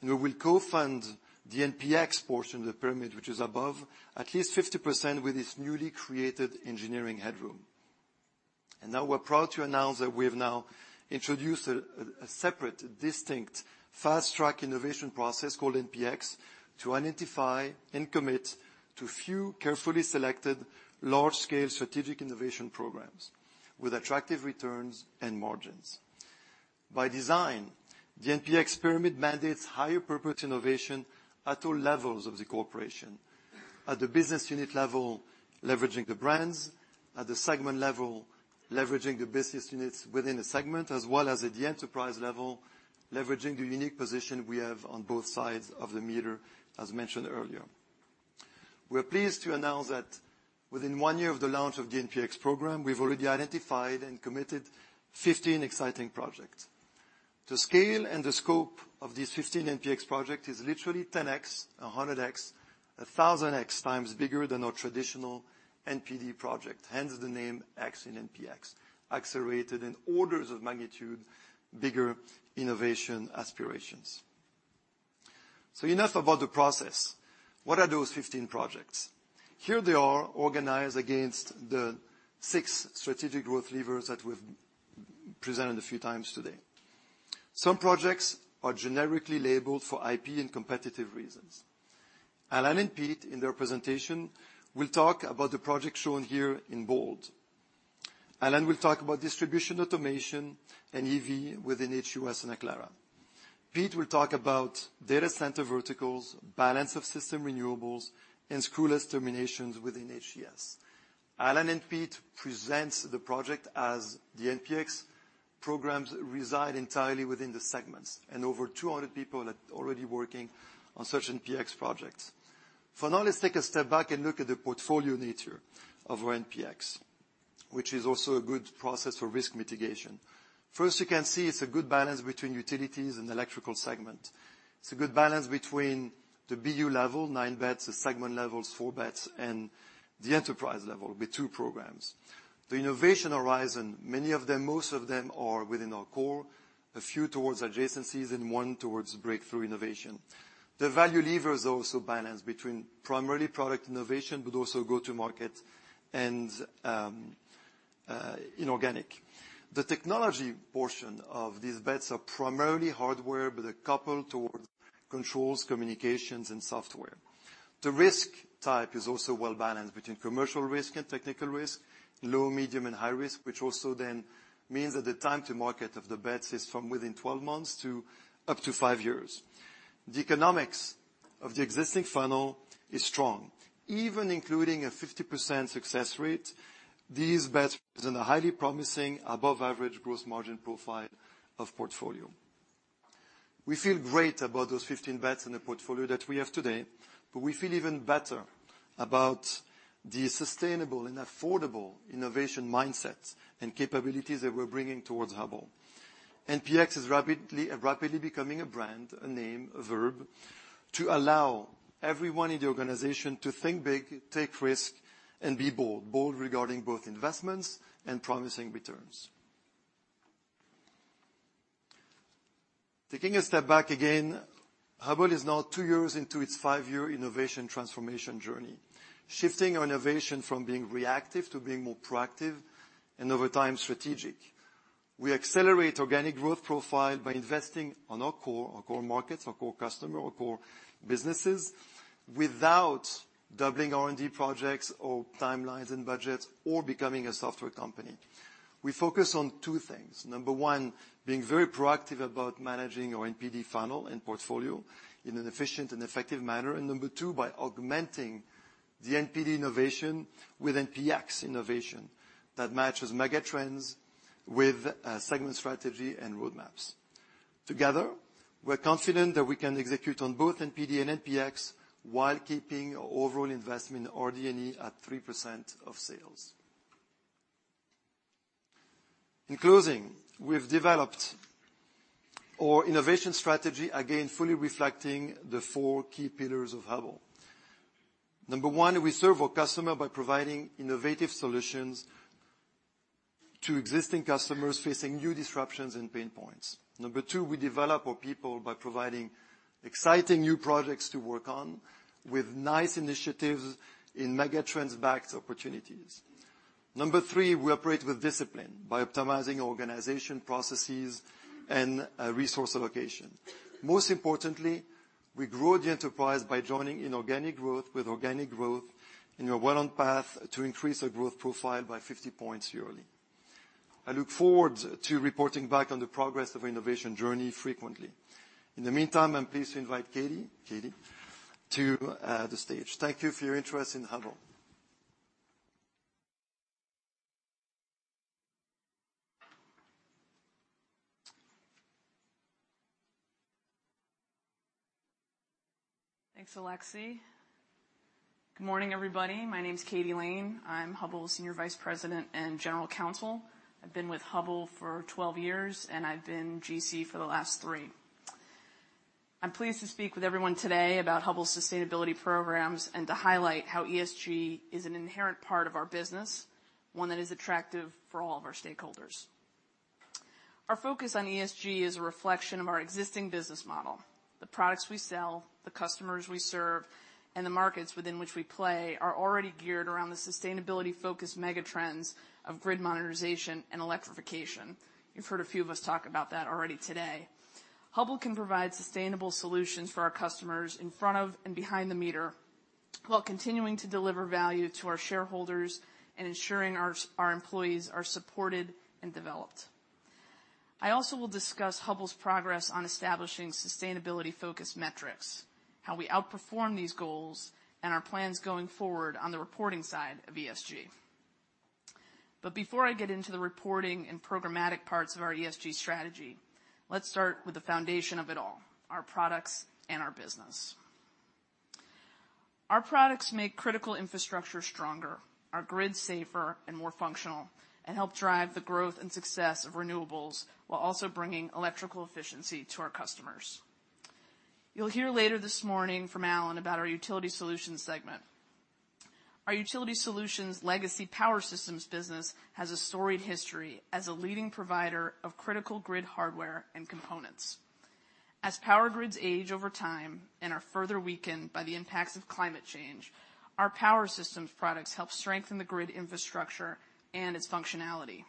We will co-fund the NPX portion of the pyramid, which is above at least 50% with this newly created engineering headroom. Now we're proud to announce that we have now introduced a separate, distinct fast-track innovation process called NPX to identify and commit to few carefully selected large-scale strategic innovation programs with attractive returns and margins. By design, the NPX pyramid mandates higher purpose innovation at all levels of the corporation. At the business unit level, leveraging the brands. At the segment level, leveraging the business units within a segment, as well as at the enterprise level, leveraging the unique position we have on both sides of the meter, as mentioned earlier. We're pleased to announce that within one year of the launch of the NPX program, we've already identified and committed 15 exciting projects. The scale and the scope of these 15 NPX projects is literally 10x, 100x, 1000x bigger than our traditional NPD projects, hence the name X in NPX, accelerated in orders of magnitude, bigger innovation aspirations. Enough about the process. What are those 15 projects? Here they are organized against the six strategic growth levers that we've presented a few times today. Some projects are generically labeled for IP and competitive reasons. Allan and Pete, in their presentation, will talk about the projects shown here in bold. Allan will talk about Distribution Automation, and EV within HUS and Aclara. Pete will talk about Data Center verticals, Balance of System Renewables, and Screwless Terminations within HES. Allan and Pete present the projects as the NPX programs reside entirely within the segments, and over 200 people are already working on such NPX projects. For now, let's take a step back and look at the portfolio nature of our NPX, which is also a good process for risk mitigation. First, you can see it's a good balance between Utilities and Electrical segment. It's a good balance between the BU level, nine bets, the segment levels, four bets, and the enterprise level with two programs. The innovation horizon, many of them, most of them are within our core, a few towards adjacencies, and one towards breakthrough innovation. The value lever is also balanced between primarily product innovation, but also go-to-market and inorganic. The technology portion of these bets are primarily hardware, but they're coupled towards controls, communications, and software. The risk type is also well-balanced between commercial risk and technical risk, low, medium, and high risk, which also then means that the time to market of the bets is from within 12 months to up to five years. The economics of the existing funnel is strong. Even including a 50% success rate, these bets result in a highly promising above average gross margin profile of portfolio. We feel great about those 15 bets in the portfolio that we have today, but we feel even better about the sustainable and affordable innovation mindsets and capabilities that we're bringing towards Hubbell. NPX is rapidly becoming a brand, a name, a verb, to allow everyone in the organization to think big, take risk, and be bold. Bold regarding both investments and promising returns. Taking a step back again, Hubbell is now two years into its five-year innovation transformation journey, shifting our innovation from being reactive to being more proactive, and over time, strategic. We accelerate organic growth profile by investing on our core, our core markets, our core customer, our core businesses, without doubling R&D projects or timelines and budgets or becoming a software company. We focus on two things. Number one, being very proactive about managing our NPD funnel and portfolio in an efficient and effective manner. Number two, by augmenting the NPD innovation with NPX innovation that matches megatrends with segment strategy and roadmaps. Together, we're confident that we can execute on both NPD and NPX while keeping our overall investment in RD&E at 3% of sales. In closing, we've developed our innovation strategy, again, fully reflecting the four key pillars of Hubbell. Number one, we serve our customer by providing innovative solutions to existing customers facing new disruptions and pain points. Number two, we develop our people by providing exciting new projects to work on with nice initiatives in megatrends-backed opportunities. Number three, we operate with discipline by optimizing organization processes and resource allocation. Most importantly, we grow the enterprise by joining inorganic growth with organic growth and are well on path to increase our growth profile by 50 points yearly. I look forward to reporting back on the progress of our innovation journey frequently. In the meantime, I'm pleased to invite Katie to the stage. Thank you for your interest in Hubbell. Thanks, Alexis. Good morning, everybody. My name's Katie Lane. I'm Hubbell's Senior Vice President and General Counsel. I've been with Hubbell for 12 years, and I've been GC for the last three years. I'm pleased to speak with everyone today about Hubbell's sustainability programs and to highlight how ESG is an inherent part of our business, one that is attractive for all of our stakeholders. Our focus on ESG is a reflection of our existing business model. The products we sell, the customers we serve, and the markets within which we play are already geared around the sustainability-focused megatrends of Grid Modernization and Electrification. You've heard a few of us talk about that already today. Hubbell can provide sustainable solutions for our customers In front of the Meter and Behind the Meter while continuing to deliver value to our shareholders and ensuring our employees are supported and developed. I also will discuss Hubbell's progress on establishing sustainability-focused metrics, how we outperform these goals, and our plans going forward on the reporting side of ESG. Before I get into the reporting and programmatic parts of our ESG strategy, let's start with the foundation of it all, our products and our business. Our products make critical infrastructure stronger, our grid safer and more functional, and help drive the growth and success of renewables while also bringing electrical efficiency to our customers. You'll hear later this morning from Allan about our Utility Solutions segment. Our Utility Solutions legacy Power Systems business has a storied history as a leading provider of critical grid hardware and components. As power grids age over time and are further weakened by the impacts of climate change, our Power Systems products help strengthen the grid infrastructure and its functionality.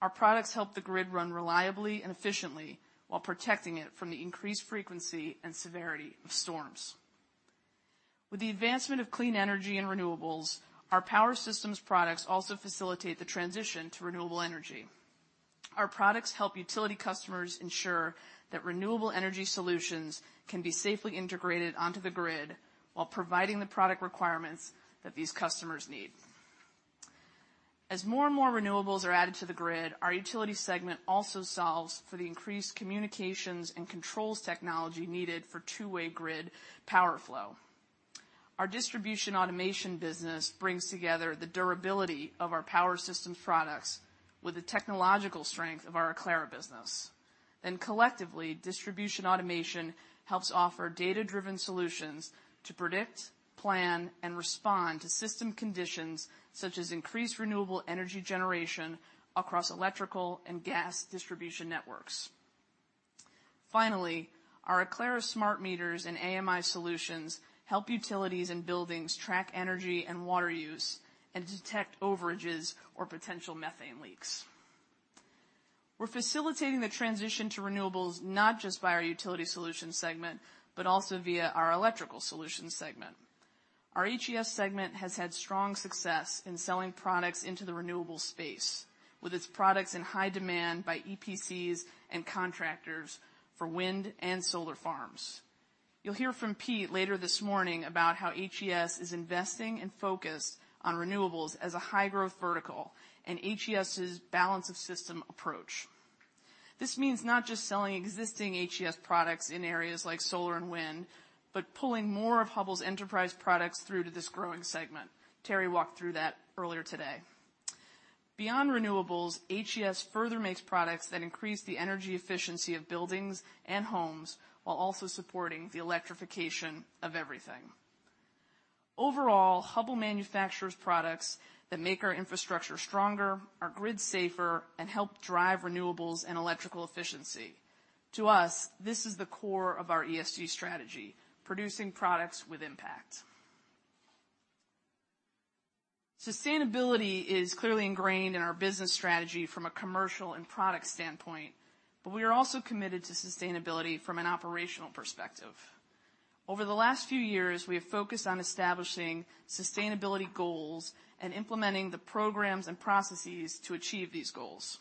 Our products help the grid run reliably and efficiently while protecting it from the increased frequency and severity of storms. With the advancement of clean energy and renewables, our Power Systems products also facilitate the transition to renewable energy. Our products help Utility customers ensure that renewable energy solutions can be safely integrated onto the grid while providing the product requirements that these customers need. As more and more renewables are added to the grid, our Utility segment also solves for the increased Communications and Controls technology needed for two-way grid power flow. Our Distribution Automation business brings together the durability of our Power Systems products with the technological strength of our Aclara business. Collectively, Distribution Automation helps offer data-driven solutions to predict, plan, and respond to system conditions such as increased renewable energy generation across electrical and gas distribution networks. Finally, our Aclara smart meters and AMI solutions help utilities and buildings track energy and water use and detect overages or potential methane leaks. We're facilitating the transition to Renewables not just by our Utility Solutions segment, but also via our Electrical Solutions segment. Our HES segment has had strong success in selling products into the renewable space, with its products in high demand by EPCs and contractors for wind and solar farms. You'll hear from Pete later this morning about how HES is investing and focused on Renewables as a high-growth vertical and HES's Balance of System approach. This means not just selling existing HES products in areas like solar and wind, but pulling more of Hubbell's enterprise products through to this growing segment. Terry walked through that earlier today. Beyond Renewables, HES further makes products that increase the energy efficiency of buildings and homes while also supporting the Electrification of Everything. Overall, Hubbell manufactures products that make our infrastructure stronger, our grid safer, and help drive renewables and electrical efficiency. To us, this is the core of our ESG strategy, producing products with impact. Sustainability is clearly ingrained in our business strategy from a commercial and product standpoint, but we are also committed to sustainability from an operational perspective. Over the last few years, we have focused on establishing sustainability goals and implementing the programs and processes to achieve these goals.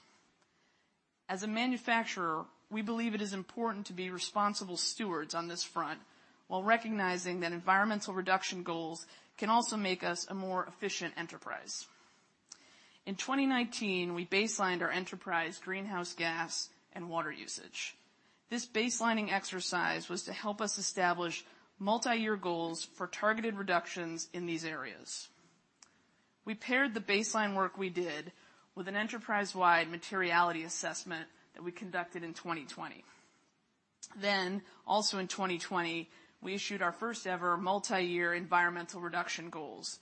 As a manufacturer, we believe it is important to be responsible stewards on this front while recognizing that environmental reduction goals can also make us a more efficient enterprise. In 2019, we baselined our enterprise greenhouse gas and water usage. This baselining exercise was to help us establish multi-year goals for targeted reductions in these areas. We paired the baseline work we did with an enterprise-wide materiality assessment that we conducted in 2020. Also in 2020, we issued our first-ever multi-year environmental reduction goals,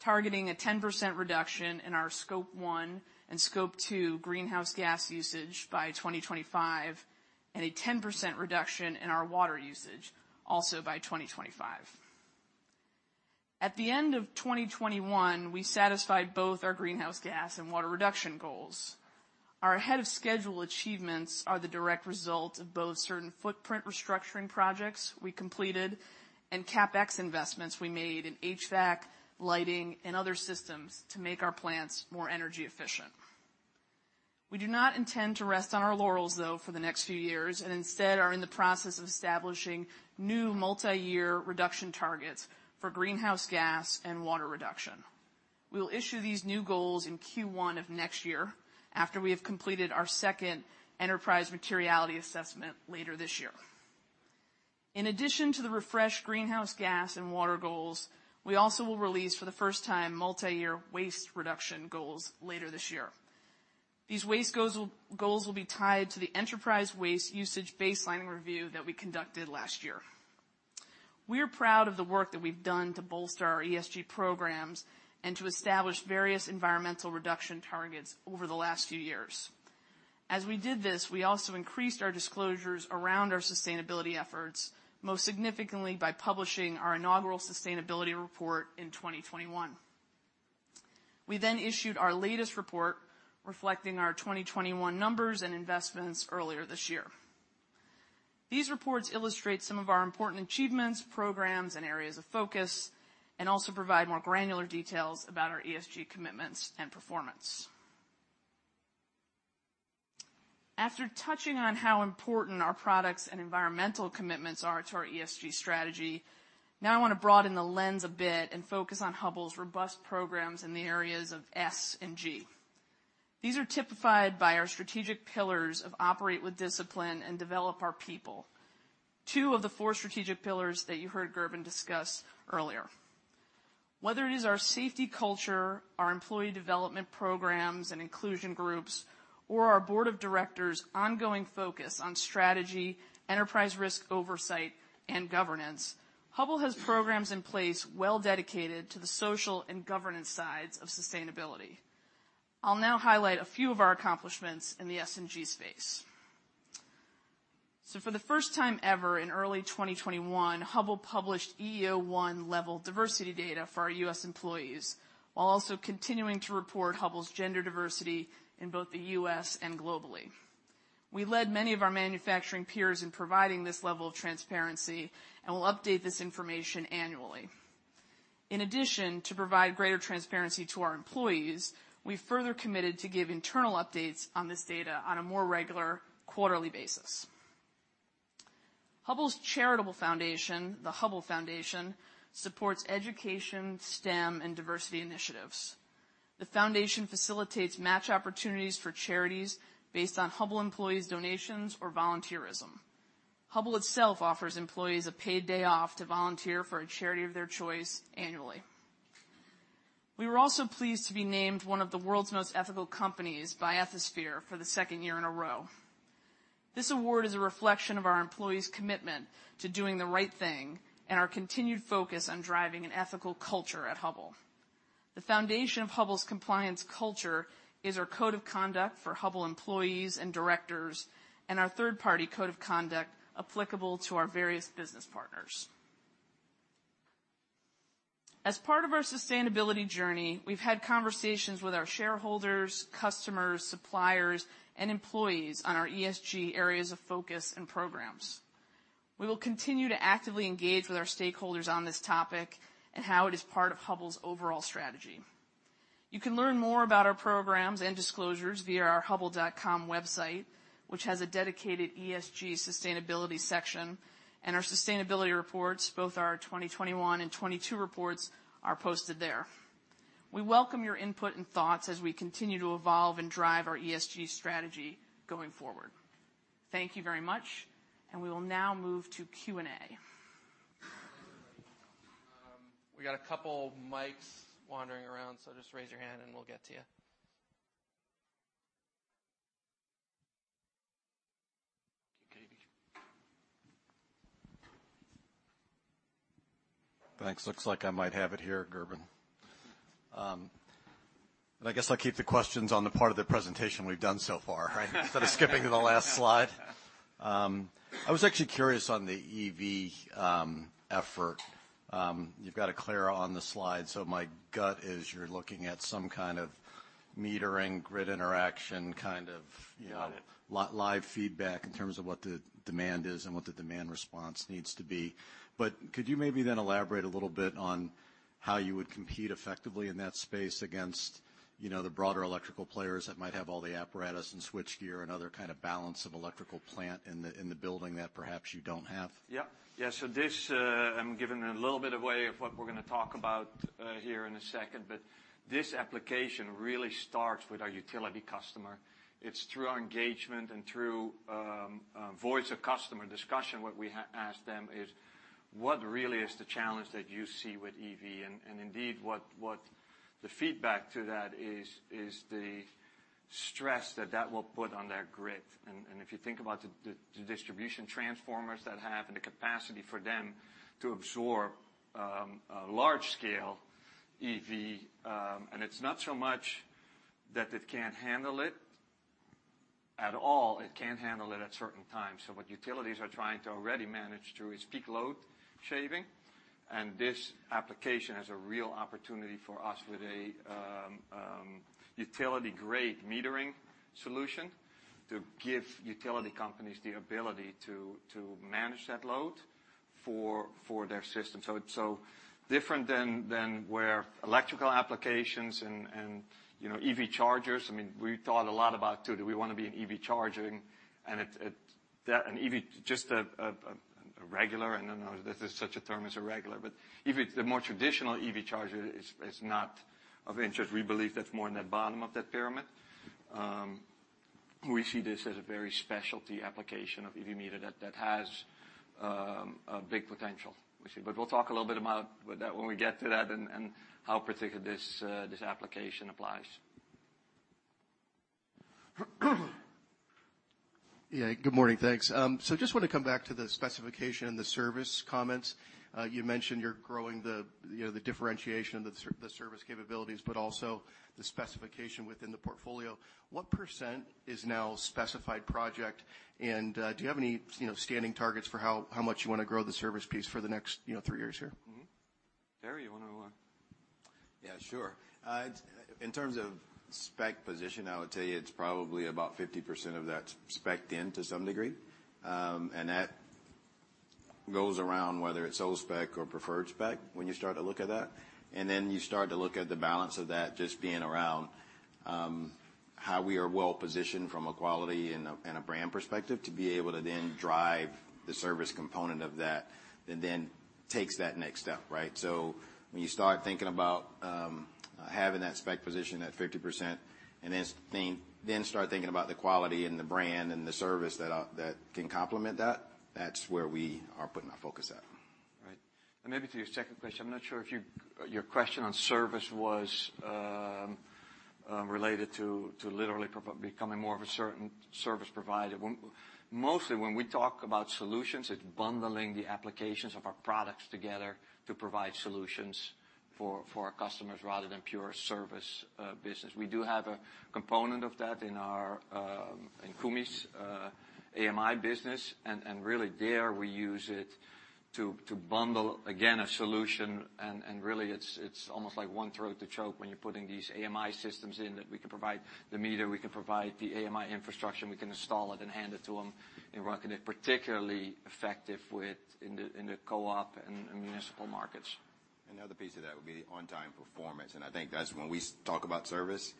targeting a 10% reduction in our Scope 1 and Scope 2 greenhouse gas usage by 2025. A 10% reduction in our water usage, also by 2025. At the end of 2021, we satisfied both our greenhouse gas and water reduction goals. Our ahead of schedule achievements are the direct result of both certain footprint restructuring projects we completed and CapEx investments we made in HVAC, lighting, and other systems to make our plants more energy efficient. We do not intend to rest on our laurels, though, for the next few years, and instead are in the process of establishing new multi-year reduction targets for greenhouse gas and water reduction. We will issue these new goals in Q1 of next year, after we have completed our second enterprise materiality assessment later this year. In addition to the refreshed greenhouse gas and water goals, we also will release, for the first time, multi-year waste reduction goals later this year. These goals will be tied to the enterprise waste usage baselining review that we conducted last year. We're proud of the work that we've done to bolster our ESG programs and to establish various environmental reduction targets over the last few years. As we did this, we also increased our disclosures around our sustainability efforts, most significantly by publishing our inaugural sustainability report in 2021. We issued our latest report reflecting our 2021 numbers and investments earlier this year. These reports illustrate some of our important achievements, programs, and areas of focus, and also provide more granular details about our ESG commitments and performance. After touching on how important our products and environmental commitments are to our ESG strategy, now I want to broaden the lens a bit and focus on Hubbell's robust programs in the areas of S&G. These are typified by our strategic pillars of Operate with Discipline and Develop Our People, two of the four strategic pillars that you heard Gerben discuss earlier. Whether it is our safety culture, our employee development programs and inclusion groups, or our board of directors' ongoing focus on strategy, enterprise risk oversight, and governance, Hubbell has programs in place well-dedicated to the social and governance sides of sustainability. I'll now highlight a few of our accomplishments in the S&G space. For the first time ever, in early 2021, Hubbell published EEO-1 level diversity data for our U.S. employees, while also continuing to report Hubbell's gender diversity in both the U.S. and globally. We led many of our manufacturing peers in providing this level of transparency, and we'll update this information annually. In addition, to provide greater transparency to our employees, we further committed to give internal updates on this data on a more regular quarterly basis. Hubbell's charitable foundation, the Hubbell Foundation, supports education, STEM, and diversity initiatives. The foundation facilitates match opportunities for charities based on Hubbell employees' donations or volunteerism. Hubbell itself offers employees a paid day off to volunteer for a charity of their choice annually. We were also pleased to be named one of the world's most ethical companies by Ethisphere for the second year in a row. This award is a reflection of our employees' commitment to doing the right thing and our continued focus on driving an ethical culture at Hubbell. The foundation of Hubbell's compliance culture is our code of conduct for Hubbell employees and directors, and our third-party code of conduct applicable to our various business partners. As part of our sustainability journey, we've had conversations with our shareholders, customers, suppliers, and employees on our ESG areas of focus and programs. We will continue to actively engage with our stakeholders on this topic and how it is part of Hubbell's overall strategy. You can learn more about our programs and disclosures via our hubbell.com website, which has a dedicated ESG sustainability section, and our sustainability reports, both our 2021 and 2022 reports are posted there. We welcome your input and thoughts as we continue to evolve and drive our ESG strategy going forward. Thank you very much, and we will now move to Q&A. We got a couple mics wandering around, so just raise your hand and we'll get to you. Thanks. Looks like I might have it here, Gerben. I guess I'll keep the questions on the part of the presentation we've done so far, right? Instead of skipping to the last slide. I was actually curious on the EV effort. You've got it clear on the slide, so my gut is you're looking at some kind of metering grid interaction kind of... Yeah. Got it.... real-time feedback in terms of what the demand is and what the demand response needs to be. Could you maybe then elaborate a little bit on how you would compete effectively in that space against, you know, the broader electrical players that might have all the apparatus and switchgear and other kind of balance of plant in the building that perhaps you don't have? Yeah. This, I'm giving a little bit away of what we're gonna talk about here in a second, but this application really starts with our utility customer. It's through our engagement and through voice of customer discussion. What we ask them is, "What really is the challenge that you see with EV?" Indeed, what the feedback to that is the stress that that will put on their grid. If you think about the distribution transformers that have and the capacity for them to absorb a large scale EV. It's not so much that it can't handle it at all. It can't handle it at certain times. What utilities are trying to already manage through is peak load shaving. This application has a real opportunity for us with a utility-grade metering solution to give utility companies the ability to manage that load for their system. Different than where electrical applications and you know EV chargers. I mean, we thought a lot about too, do we wanna be in EV Charging? That an EV, just a regular, and I know there's such a term as a regular, but EV, the more traditional EV charger is not of interest. We believe that's more in the bottom of that pyramid. We see this as a very specialty application of EV meter that has a big potential we see. We'll talk a little bit about that when we get to that and how particular this application applies. Yeah. Good morning. Thanks. So just wanna come back to the specification and the service comments. You mentioned you're growing the, you know, the differentiation of the service capabilities, but also the specification within the portfolio. What percent is now specified project? And, do you have any, you know, standing targets for how much you wanna grow the service piece for the next, you know, three years here? Mm-hmm. Terry, you wanna? Yeah, sure. In terms of spec position, I would tell you it's probably about 50% of that's spec'd in to some degree. That goes around whether it's sole spec or preferred spec when you start to look at that. You start to look at the balance of that just being around how we are well positioned from a quality and brand perspective to be able to then drive the service component of that that then takes that next step, right? When you start thinking about having that spec position at 50% and then start thinking about the quality and the brand and the service that that can complement that's where we are putting our focus at. Right. Maybe to your second question, I'm not sure if your question on service was related to literally becoming more of a certain service provider. Mostly when we talk about solutions, it's bundling the applications of our products together to provide solutions for our customers rather than pure service business. We do have a component of that in our Kumi's AMI business. Really there we use it to bundle again a solution and really it's almost like one throat to choke when you're putting these AMI systems in that we can provide the meter, we can provide the AMI infrastructure, and we can install it and hand it to them and run it. Particularly effective within the co-op and municipal markets. Another piece of that would be the on-time performance, and I think that's when we talk about service,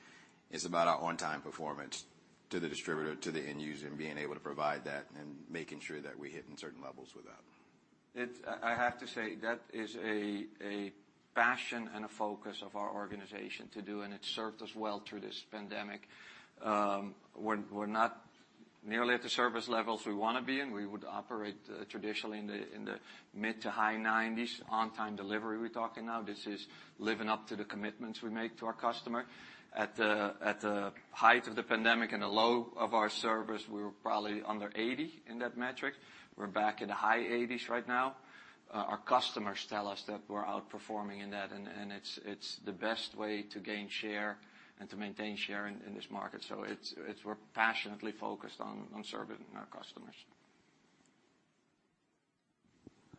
it's about our on-time performance to the distributor, to the end user, and being able to provide that and making sure that we hit in certain levels with that. I have to say that is a passion and a focus of our organization to do, and it served us well through this pandemic. We're not nearly at the service levels we wanna be in. We would operate traditionally in the mid- to high 90s% on-time delivery we're talking now. This is living up to the commitments we make to our customer. At the height of the pandemic and the low of our service, we were probably under 80% in that metric. We're back in the high 80s% right now. Our customers tell us that we're outperforming in that and it's the best way to gain share and to maintain share in this market. We're passionately focused on serving our customers.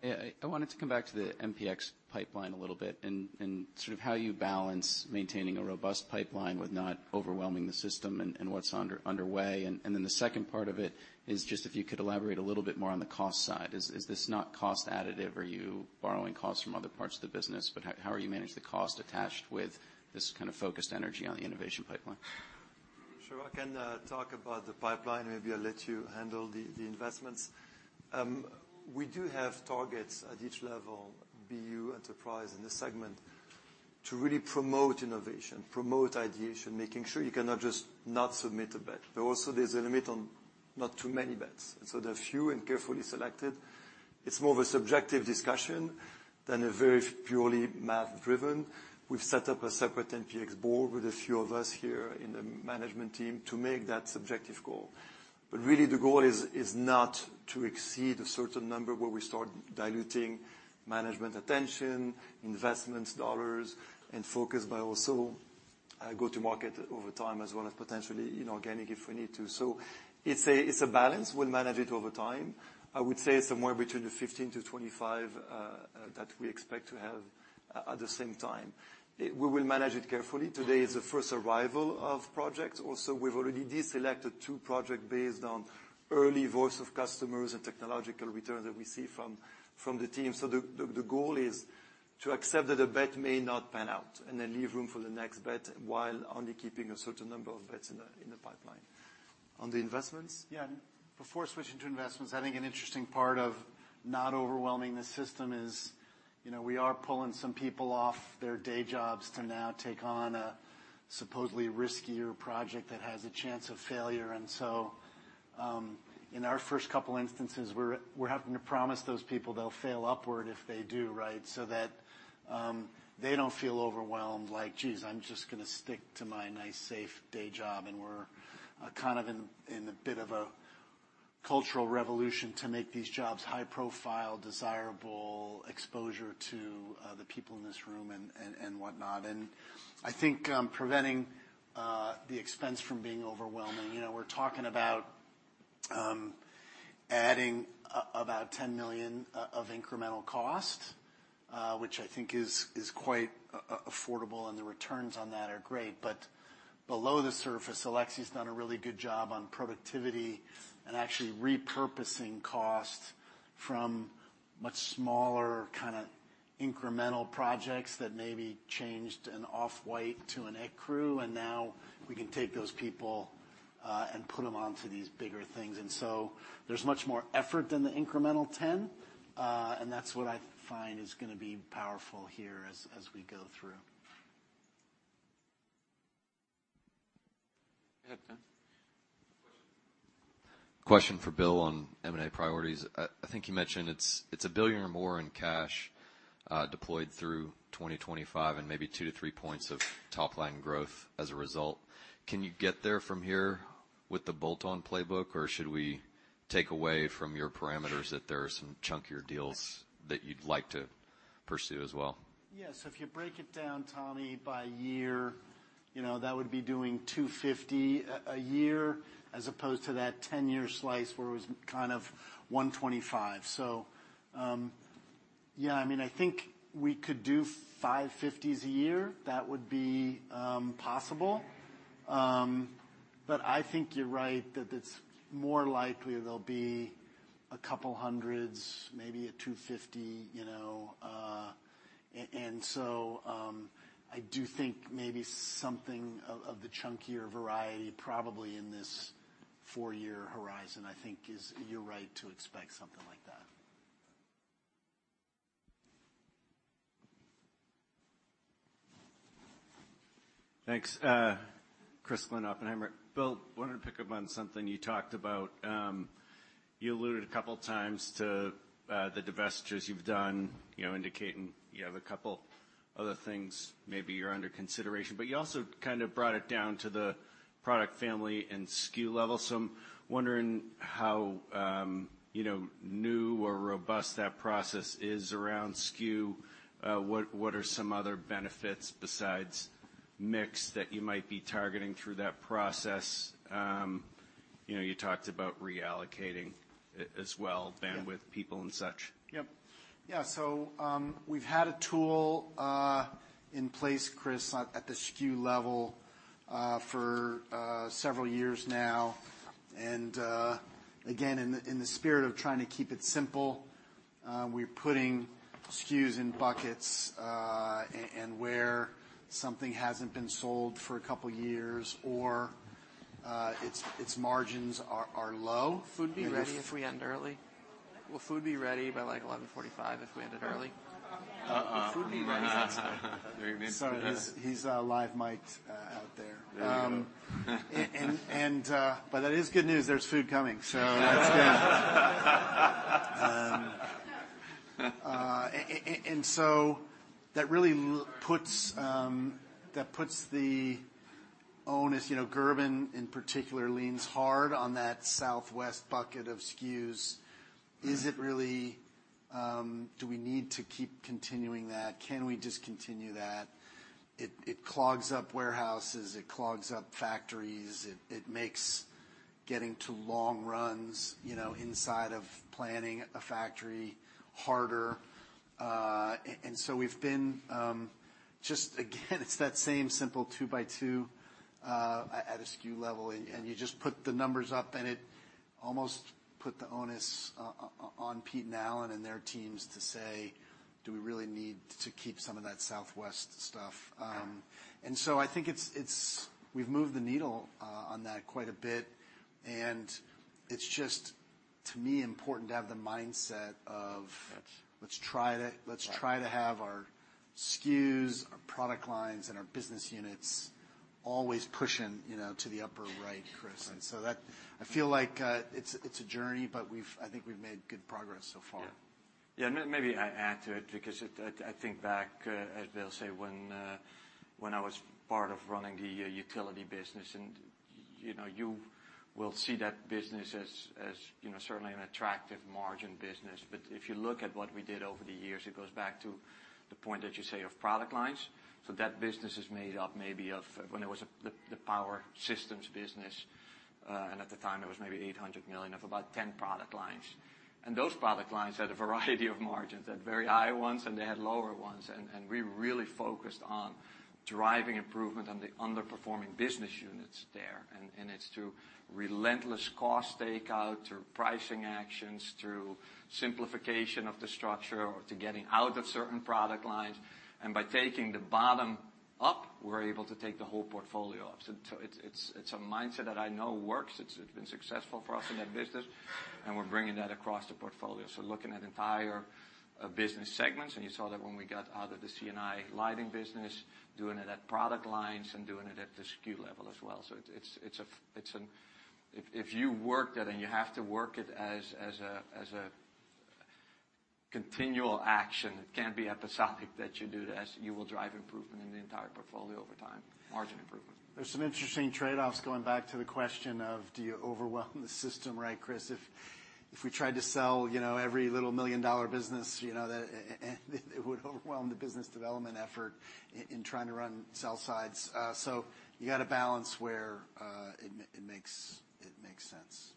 Yeah. I wanted to come back to the NPX pipeline a little bit and sort of how you balance maintaining a robust pipeline with not overwhelming the system and what's underway. Then the second part of it is just if you could elaborate a little bit more on the cost side. Is this not cost additive? Are you borrowing costs from other parts of the business? How are you managing the cost attached with this kind of focused energy on the innovation pipeline? Sure. I can talk about the pipeline. Maybe I'll let you handle the investments. We do have targets at each level, BU enterprise in this segment, to really promote innovation, promote ideation, making sure you cannot just not submit a bet. Also there's a limit on not too many bets. They're few and carefully selected. It's more of a subjective discussion than a very purely math driven. We've set up a separate NPX board with a few of us here in the management team to make that subjective call. Really the goal is not to exceed a certain number where we start diluting management attention, investment dollars and focus, but also go-to-market over time as well as potentially, you know, organic if we need to. It's a balance. We'll manage it over time. I would say it's somewhere between the 15-25 that we expect to have at the same time. We will manage it carefully. Today is the first arrival of projects. Also, we've already deselected two projects based on early voice of customers and technological returns that we see from the team. The goal is to accept that a bet may not pan out and then leave room for the next bet while only keeping a certain number of bets in the pipeline. On the investments? Yeah. Before switching to investments, I think an interesting part of not overwhelming the system is, you know, we are pulling some people off their day jobs to now take on a supposedly riskier project that has a chance of failure. In our first couple instances, we're having to promise those people they'll fail upward if they do, right? So that, they don't feel overwhelmed, like, "Geez, I'm just gonna stick to my nice, safe day job." We're kind of in a bit of a cultural revolution to make these jobs high profile, desirable exposure to the people in this room and whatnot. I think preventing the expense from being overwhelming. You know, we're talking about adding about $10 million of incremental cost, which I think is quite affordable and the returns on that are great. Below the surface, Alexis has done a really good job on productivity and actually repurposing costs from much smaller kind of incremental projects that maybe changed an off-white to an ecru, and now we can take those people and put them onto these bigger things. There's much more effort than the incremental $10 million, and that's what I find is gonna be powerful here as we go through. Go ahead, Tom. Question for Bill on M&A priorities. I think you mentioned it's $1 billion or more in cash deployed through 2025 and maybe two to three points of top line growth as a result. Can you get there from here with the bolt-on playbook? Or should we take away from your parameters that there are some chunkier deals that you'd like to pursue as well? Yes. If you break it down, Tommy, by year, you know, that would be doing $250 million a year as opposed to that 10-year slice where it was kind of $125 million. Yeah, I mean, I think we could do $550 million a year. That would be possible. But I think you're right that it's more likely there'll be a couple hundreds, maybe a $250 million, you know. I do think maybe something of the chunkier variety probably in this four-year horizon. I think you're right to expect something like that. Thanks. Chris Glynn, Oppenheimer. Bill, wanted to pick up on something you talked about. You alluded a couple times to the divestitures you've done, you know, indicating you have a couple other things maybe are under consideration. You also kind of brought it down to the product family and SKU level. I'm wondering how, you know, new or robust that process is around SKU. What are some other benefits besides mix that you might be targeting through that process? You know, you talked about reallocating as well, bandwidth, people and such. Yep. Yeah, so we've had a tool in place, Chris, at the SKU level, for several years now. Again, in the spirit of trying to keep it simple, we're putting SKUs in buckets, and where something hasn't been sold for a couple years or its margins are low. Will food be ready by, like, 11:45 if we end it early? Uh, uh. Will food be ready? Sorry. He's live miked out there. That is good news. There's food coming. That's good. That really puts the onus, you know, Gerben in particular leans hard on that Southwest bucket of SKUs. Is it really, do we need to keep continuing that? Can we discontinue that? It clogs up warehouses, it clogs up factories, it makes getting to long runs, you know, inside of planning a factory harder. We've been just again, it's that same simple two by two at a SKU level, and you just put the numbers up and it almost put the onus on Pete and Allan and their teams to say, "Do we really need to keep some of that Southwest stuff?" I think it's, we've moved the needle on that quite a bit. It's just, to me, important to have the mindset of- Yes. Let's try to have our SKUs, our product lines, and our business units always pushing, you know, to the upper right, Chris. Right. That I feel like it's a journey, but we've, I think we've made good progress so far. Yeah. Yeah. Maybe I add to it because I think back, as Bill say, when I was part of running the Utility business, and you know, you will see that business as, you know, certainly an attractive margin business. If you look at what we did over the years, it goes back to the point that you say of product lines. That business is made up maybe of when it was the Power Systems business, and at the time it was maybe $800 million of about 10 product lines. Those product lines had a variety of margins. They had very high ones, and they had lower ones. We really focused on driving improvement on the underperforming business units there. It's through relentless cost takeout, through pricing actions, through simplification of the structure, or to getting out of certain product lines. By taking the bottom up, we're able to take the whole portfolio up. It's a mindset that I know works. It's been successful for us in that business, and we're bringing that across the portfolio. Looking at entire business segments, and you saw that when we got out of the C&I Lighting business, doing it at product lines and doing it at the SKU level as well. If you work that, and you have to work it as a continual action. It can't be episodic that you do this. You will drive improvement in the entire portfolio over time, margin improvement. There's some interesting trade-offs going back to the question of do you overwhelm the system, right, Chris? If we tried to sell, you know, every little million-dollar business, you know, that it would overwhelm the business development effort in trying to run sell sides. You gotta balance where it makes sense.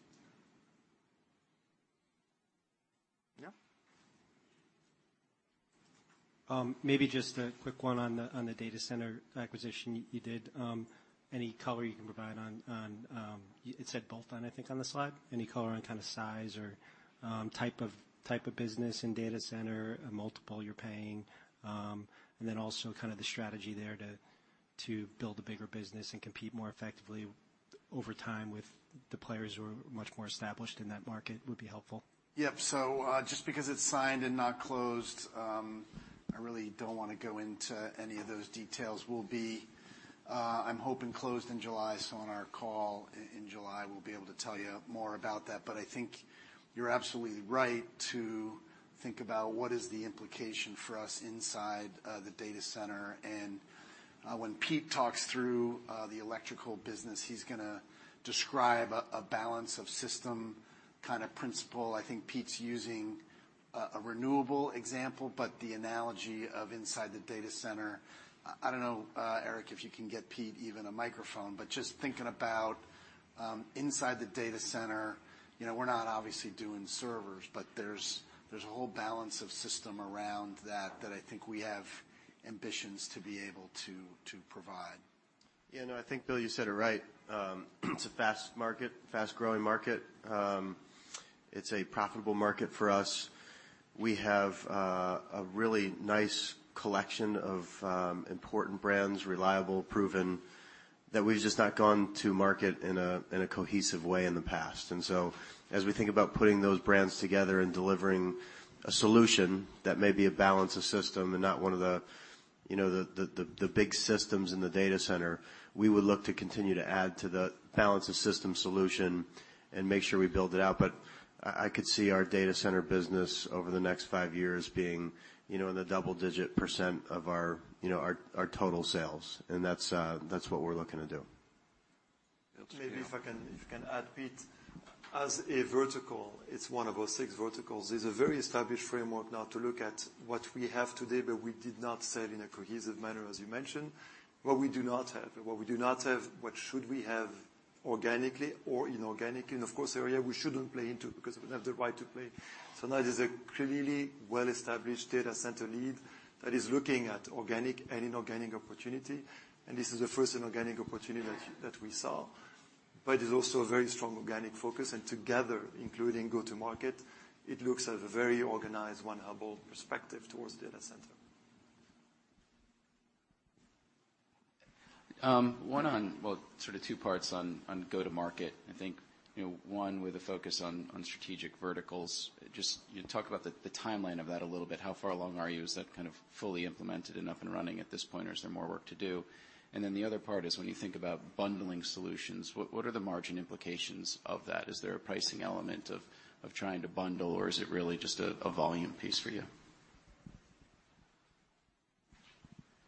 Yeah. Maybe just a quick one on the Data Center acquisition you did. Any color you can provide on. It said bolt-on, I think, on the slide. Any color on kind of size or type of business and Data Center, a multiple you're paying, and then also kind of the strategy there to build a bigger business and compete more effectively over time with the players who are much more established in that market would be helpful. Yep. Just because it's signed and not closed, I really don't wanna go into any of those details. We'll be, I'm hoping, closed in July, so on our call in July, we'll be able to tell you more about that. I think you're absolutely right to think about what is the implication for us inside the Data Center. When Pete talks through the Electrical business, he's gonna describe a Balance of System kind of principle. I think Pete's using a renewable example, but the analogy of inside the Data Center. I don't know, Eric, if you can get Pete even a microphone, but just thinking about inside the Data Center, you know, we're not obviously doing servers, but there's a whole Balance of System around that that I think we have ambitions to be able to provide. Yeah, no, I think, Bill, you said it right. It's a fast market, fast-growing market. It's a profitable market for us. We have a really nice collection of important brands, reliable, proven, that we've just not gone to market in a cohesive way in the past. As we think about putting those brands together and delivering a solution that may be a Balance of System and not one of the you know, the big systems in the Data Center, we would look to continue to add to the Balance of System solution and make sure we build it out. I could see our Data Center business over the next five years being you know, in the double-digit percent of our you know, our total sales, and that's what we're looking to do. Maybe if I can add, Pete. As a vertical, it's one of our six verticals. There's a very established framework now to look at what we have today, but we did not sell in a cohesive manner, as you mentioned. What we do not have, what should we have organically or inorganically, and of course, areas we shouldn't play into because we don't have the right to play. Now there's a clearly well-established Data Center lead that is looking at organic and inorganic opportunity, and this is the first inorganic opportunity that we saw. But there's also a very strong organic focus, and together, including go-to-market, it looks at a very organized one Hubbell perspective towards Data Center. Well, sort of two parts on go-to-market. I think, you know, one with a focus on Strategic verticals. Just can you talk about the timeline of that a little bit? How far along are you? Is that kind of fully implemented and up and running at this point, or is there more work to do? And then the other part is when you think about bundling solutions, what are the margin implications of that? Is there a pricing element of trying to bundle, or is it really just a volume piece for you?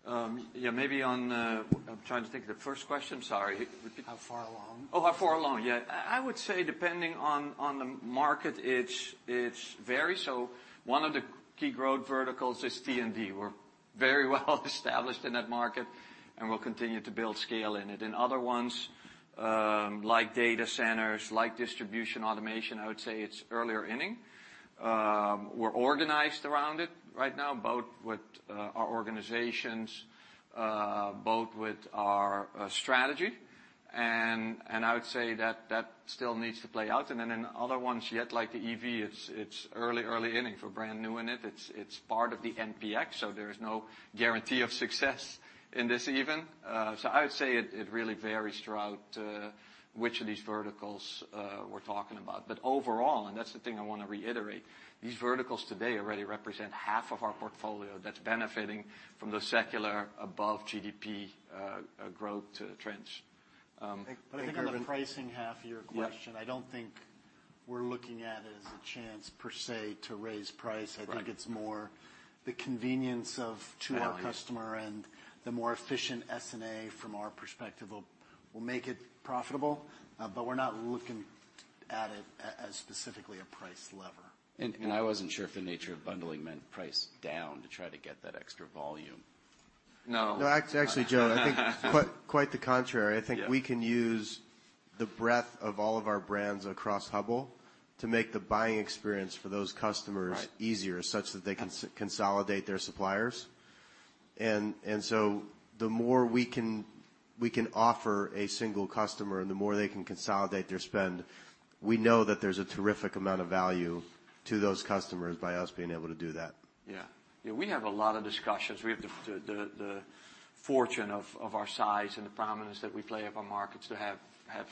I'm trying to think of the first question. Sorry. Repeat. How far along? Oh, how far along. Yeah. I would say depending on the market, it's varied. One of the key growth verticals is T&D. We're very well established in that market and we'll continue to build scale in it. In other ones, like Data Centers, like Distribution Automation, I would say it's earlier innings. We're organized around it right now, both with our organizations, both with our strategy, and I would say that that still needs to play out. Then in other ones yet, like the EV, it's early innings. We're brand new in it. It's part of the NPX, so there is no guarantee of success in this even. I would say it really varies throughout which of these verticals we're talking about. Overall, and that's the thing I wanna reiterate, these verticals today already represent half of our portfolio that's benefiting from the secular above GDP growth trends. I think on the pricing half of your question. Yeah I don't think we're looking at it as a chance per se to raise price. Right. I think it's more the convenience to our customer. Value... The more efficient SG&A from our perspective will make it profitable. We're not looking at it as specifically a price lever. I wasn't sure if the nature of bundling meant price down to try to get that extra volume. No. No. Actually, Joe, I think quite the contrary. Yeah. I think we can use the breadth of all of our brands across Hubbell to make the buying experience for those customers. Right... easier, such that they can consolidate their suppliers. The more we can offer a single customer and the more they can consolidate their spend, we know that there's a terrific amount of value to those customers by us being able to do that. Yeah. Yeah, we have a lot of discussions. We have the fortune of our size and the prominence that we play up on markets to have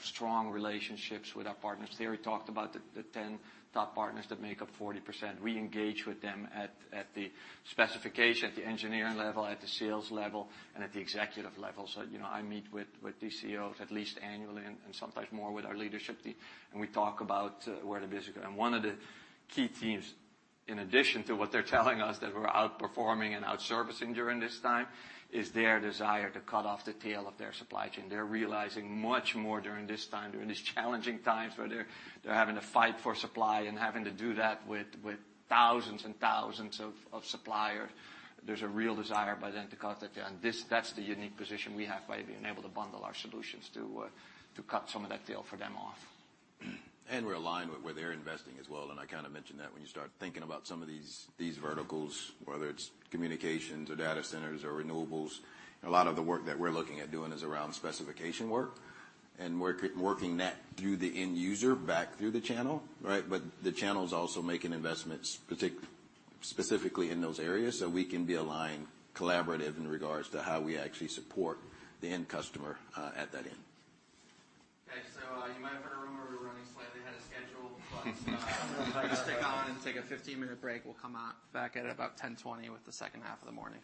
strong relationships with our partners. Terry talked about the top ten partners that make up 40%. We engage with them at the specification, at the engineering level, at the sales level, and at the executive level. You know, I meet with these CEOs at least annually and sometimes more with our leadership team, and we talk about where the business go. One of the key themes, in addition to what they're telling us that we're outperforming and out-servicing during this time, is their desire to cut off the tail of their supply chain. They're realizing much more during this time, during these challenging times, where they're having to fight for supply and having to do that with thousands and thousands of suppliers. There's a real desire by them to cut that down. That's the unique position we have by being able to bundle our solutions to cut some of that tail for them off. We're aligned with where they're investing as well, and I kinda mentioned that when you start thinking about some of these verticals, whether it's communications or Data Centers or Renewables, a lot of the work that we're looking at doing is around specification work, and working that through the end user back through the channel, right? The channel's also making investments specifically in those areas, so we can be aligned, collaborative in regards to how we actually support the end customer at that end. Okay. You might have heard a rumor we're running slightly ahead of schedule, but we're gonna stick on and take a 15-minute break. We'll come back at about 10:20 A.M. with the second half of the morning.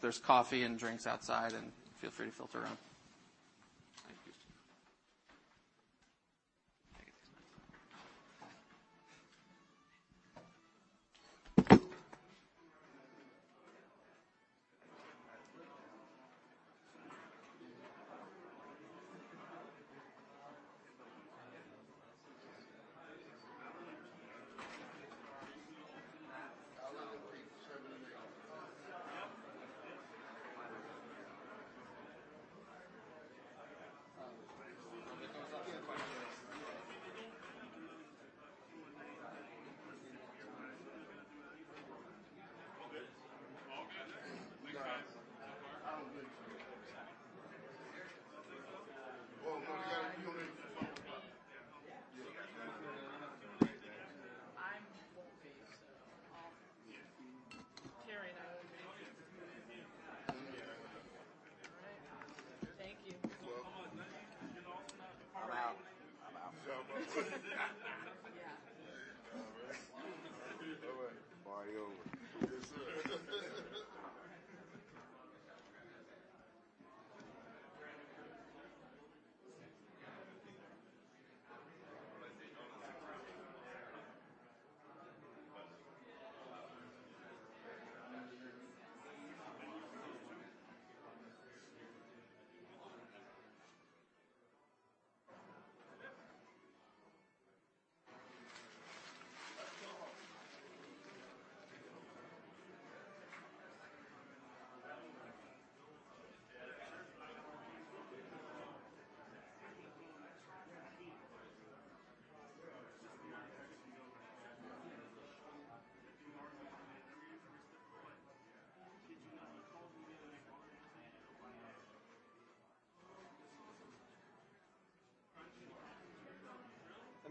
There's coffee and drinks outside, and feel free to filter out.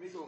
Thank you.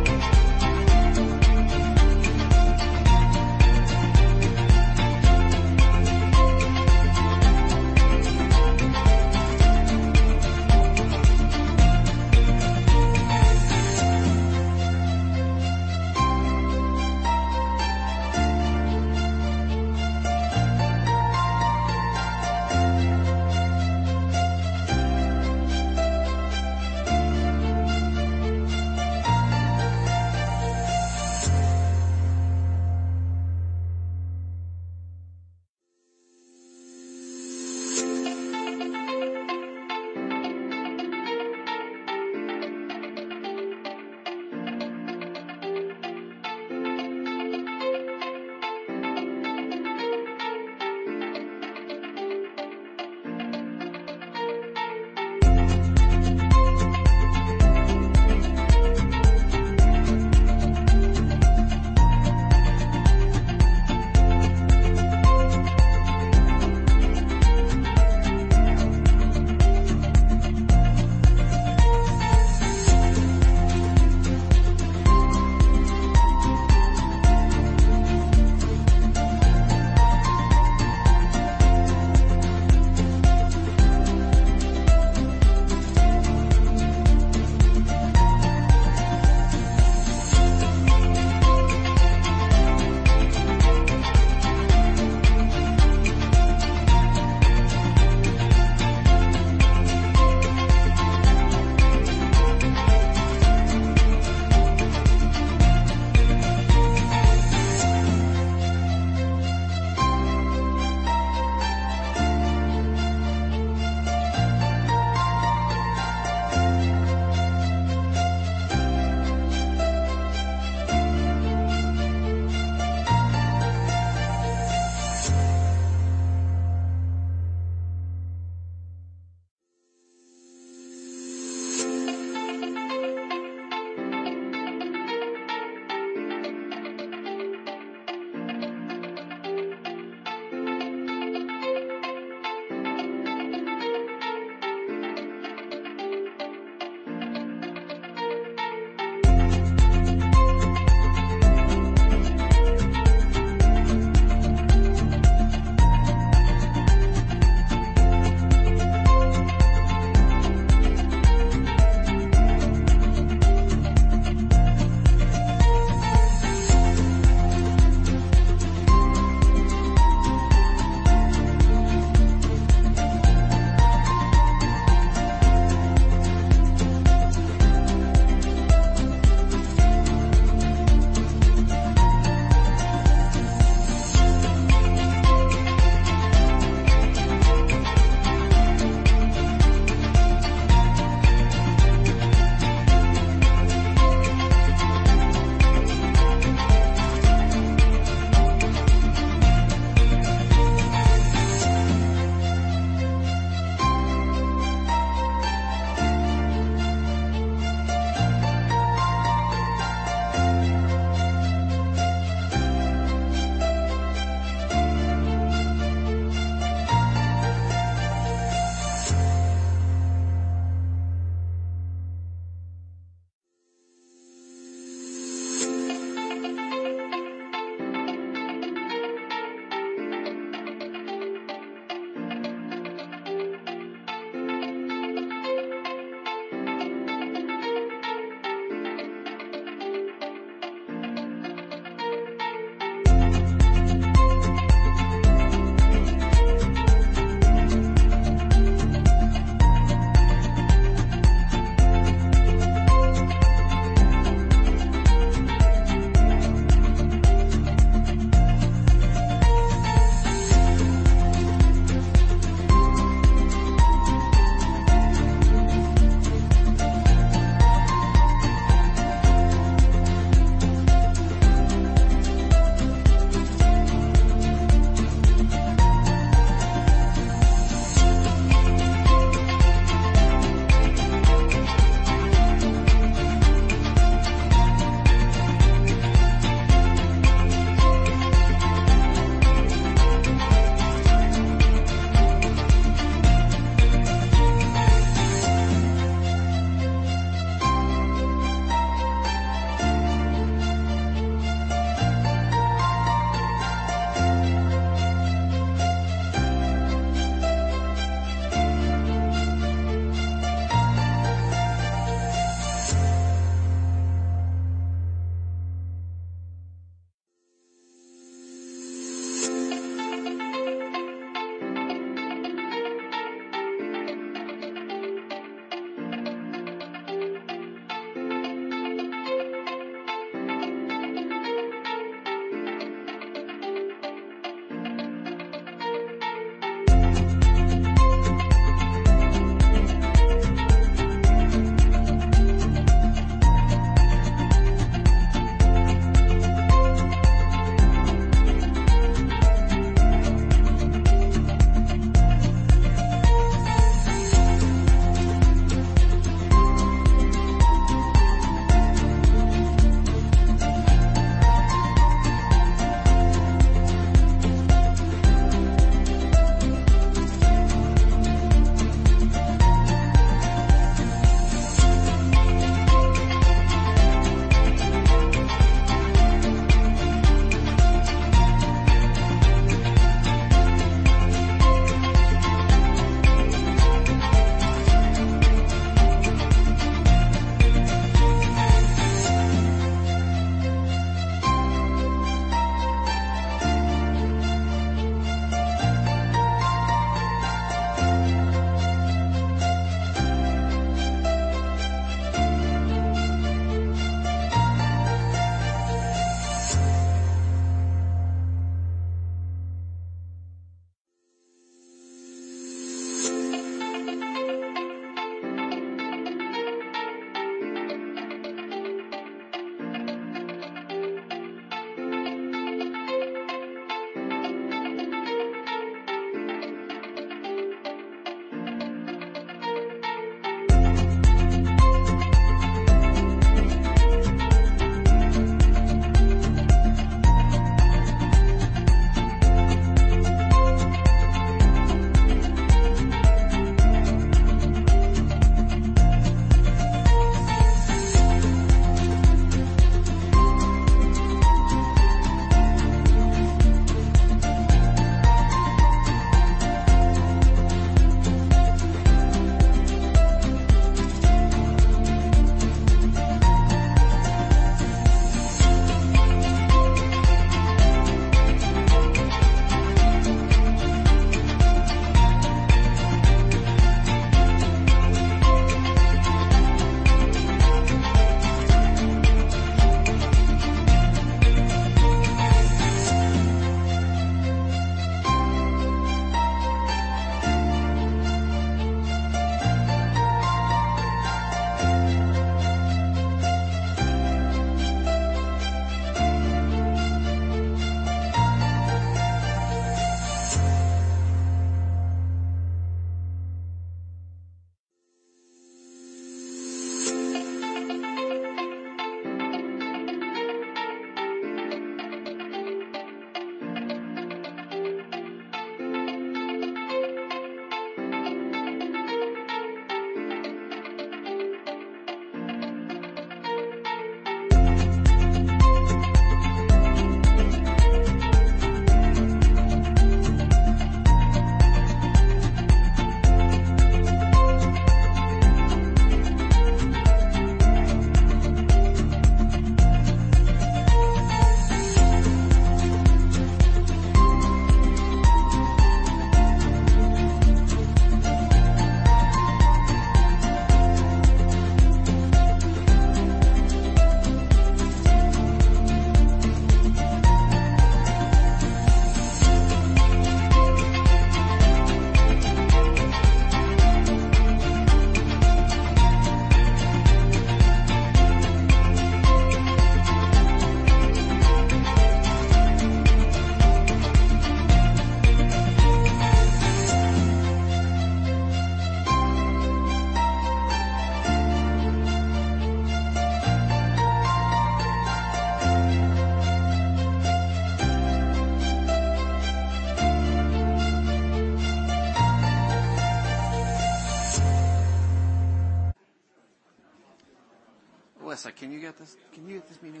Just grab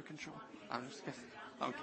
a coffee, I got.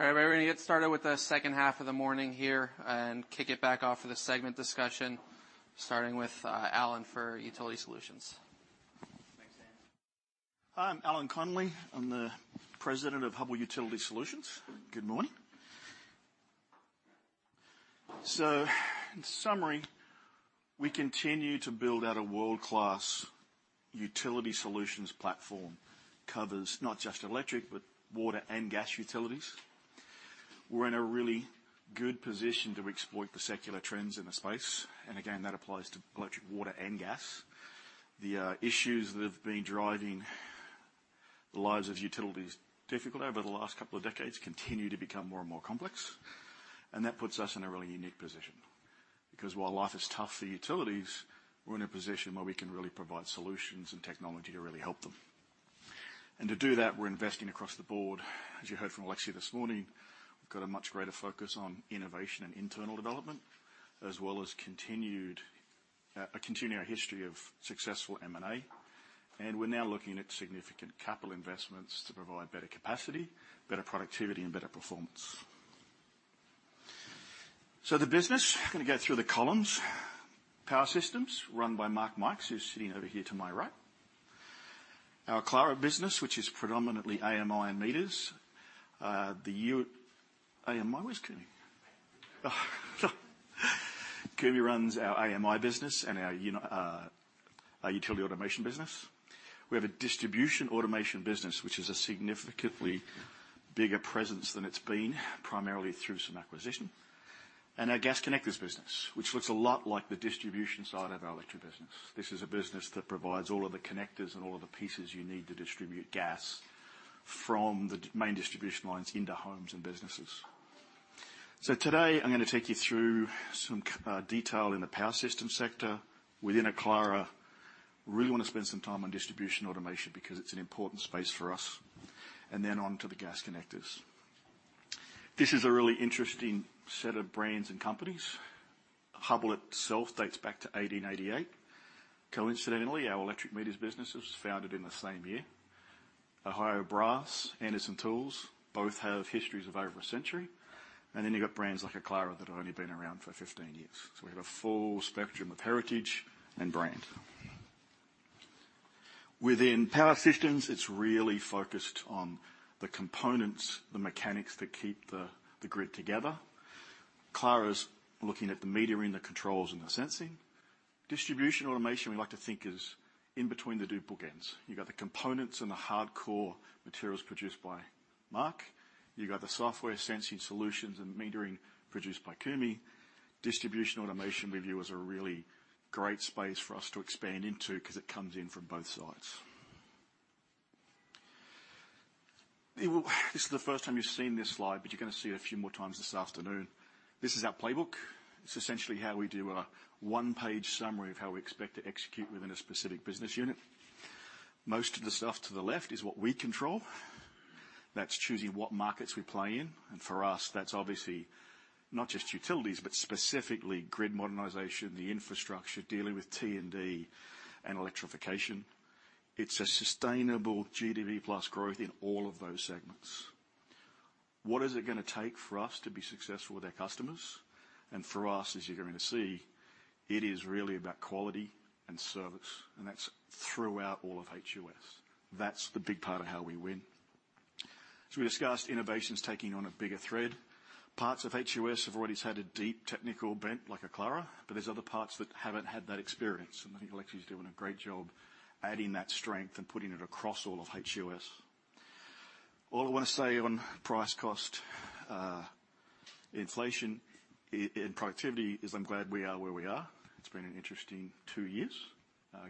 All right, we're gonna get started with the second half of the morning here and kick it back off for the segment discussion, starting with Allan for Utility Solutions. Thanks, Dan. Hi, I'm Allan Connolly. I'm the President of Hubbell Utility Solutions. Good morning. In summary, we continue to build out a world-class Utility Solutions platform. It covers not just electric, but water and gas utilities. We're in a really good position to exploit the secular trends in the space, and again, that applies to electric, water, and gas. The issues that have been driving the lives of utilities difficult over the last couple of decades continue to become more and more complex. That puts us in a really unique position because while life is tough for utilities, we're in a position where we can really provide solutions and technology to really help them. To do that, we're investing across the board. As you heard from Alexis this morning, we've got a much greater focus on innovation and internal development, as well as continuing our history of successful M&A. We're now looking at significant capital investments to provide better capacity, better productivity, and better performance. The business, I'm gonna go through the columns. Power Systems run by Mark Mikes, who's sitting over here to my right. Our Aclara business, which is predominantly AMI and meters. Where's Kumi? Kumi runs our AMI business and our utility automation business. We have a Distribution Automation business, which is a significantly bigger presence than it's been, primarily through some acquisition. Our Gas Connectors business, which looks a lot like the distribution side of our electric business. This is a business that provides all of the connectors and all of the pieces you need to distribute gas from the main distribution lines into homes and businesses. Today I'm gonna take you through some detail in the Power Systems sector. Within Aclara, really wanna spend some time on Distribution Automation because it's an important space for us. On to the Gas Connectors. This is a really interesting set of brands and companies. Hubbell itself dates back to 1888. Coincidentally, our Electric Meters business was founded in the same year. Ohio Brass, Anderson, both have histories of over a century. You've got brands like Aclara that have only been around for 15 years. We have a full spectrum of heritage and brand. Within Power Systems, it's really focused on the components, the mechanics that keep the grid together. Aclara's looking at the metering, the controls and the sensing. Distribution Automation, we like to think, is in between the two bookends. You've got the components and the hardcore materials produced by Mark. You've got the software sensing solutions and metering produced by Kumi. Distribution Automation we view as a really great space for us to expand into 'cause it comes in from both sides. This is the first time you've seen this slide, but you're gonna see it a few more times this afternoon. This is our playbook. It's essentially how we do a one-page summary of how we expect to execute within a specific business unit. Most of the stuff to the left is what we control. That's choosing what markets we play in. For us, that's obviously not just utilities, but specifically Grid Modernization, the infrastructure, dealing with T&D and Electrification. It's a sustainable GDP-plus growth in all of those segments. What is it gonna take for us to be successful with our customers? For us, as you're going to see, it is really about quality and service, and that's throughout all of HUS. That's the big part of how we win. We discussed innovations taking on a bigger thread. Parts of HUS have always had a deep technical bent, like Aclara, but there's other parts that haven't had that experience. I think Alexis is doing a great job adding that strength and putting it across all of HUS. All I wanna say on price-cost, inflation in productivity is I'm glad we are where we are. It's been an interesting two years,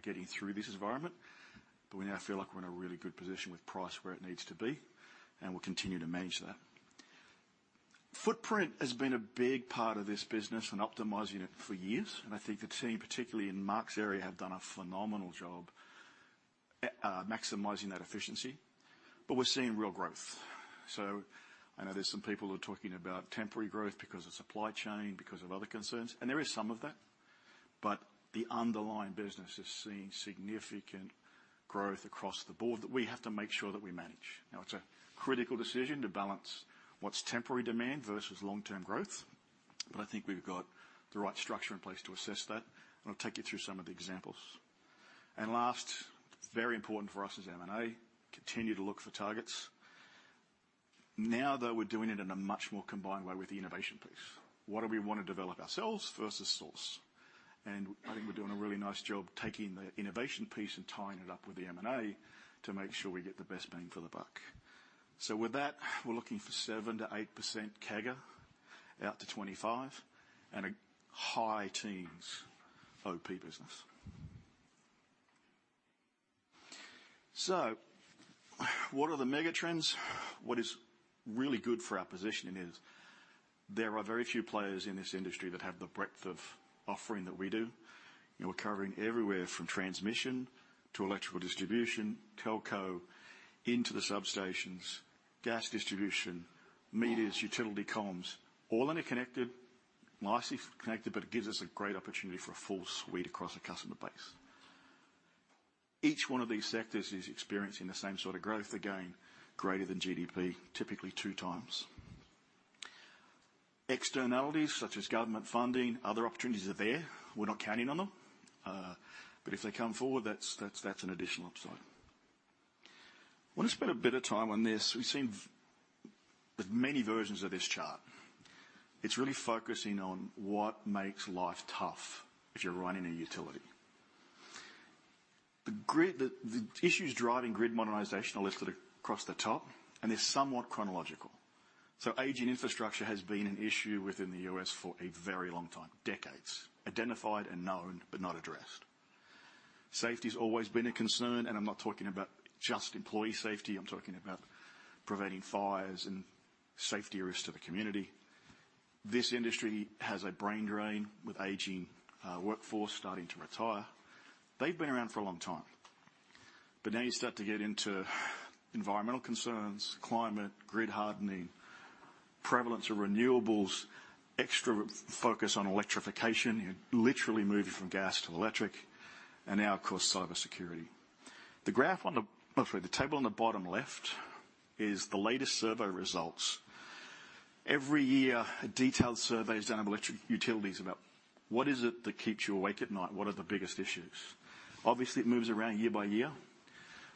getting through this environment, but we now feel like we're in a really good position with price where it needs to be, and we'll continue to manage that. Footprint has been a big part of this business and optimizing it for years. I think the team, particularly in Mark's area, have done a phenomenal job maximizing that efficiency. We're seeing real growth. I know there's some people who are talking about temporary growth because of supply chain, because of other concerns, and there is some of that. The underlying business is seeing significant growth across the board that we have to make sure that we manage. Now, it's a critical decision to balance what's temporary demand versus long-term growth, but I think we've got the right structure in place to assess that. I'll take you through some of the examples. Last, very important for us is M&A. Continue to look for targets. Now that we're doing it in a much more combined way with the innovation piece. What do we wanna develop ourselves versus source? I think we're doing a really nice job taking the innovation piece and tying it up with the M&A to make sure we get the best bang for the buck. With that, we're looking for 7%-8% CAGR out to 2025 and a high teens OP business. What are the megatrends? What is really good for our positioning is there are very few players in this industry that have the breadth of offering that we do. We're covering everywhere from transmission to Electrical distribution, telco into the substations, gas distribution, meters, utility columns, all in a connected, nicely connected, but it gives us a great opportunity for a full suite across a customer base. Each one of these sectors is experiencing the same sort of growth, again, greater than GDP, typically 2x. Externalities such as government funding, other opportunities are there. We're not counting on them. But if they come forward, that's an additional upside. Wanna spend a bit of time on this. We've seen the many versions of this chart. It's really focusing on what makes life tough if you're running a utility. The issues driving Grid Modernization are listed across the top, and they're somewhat chronological. Aging infrastructure has been an issue within the U.S. for a very long time, decades. Identified and known, but not addressed. Safety has always been a concern, and I'm not talking about just employee safety, I'm talking about preventing fires and safety risks to the community. This industry has a brain drain with aging workforce starting to retire. They've been around for a long time. Now you start to get into environmental concerns, climate, grid hardening, prevalence of renewables, extra focus on electrification, you're literally moving from gas to electric, and now, of course, cybersecurity. The table on the bottom left is the latest survey results. Every year, a detailed survey is done of electric utilities about what is it that keeps you awake at night? What are the biggest issues? Obviously, it moves around year by year,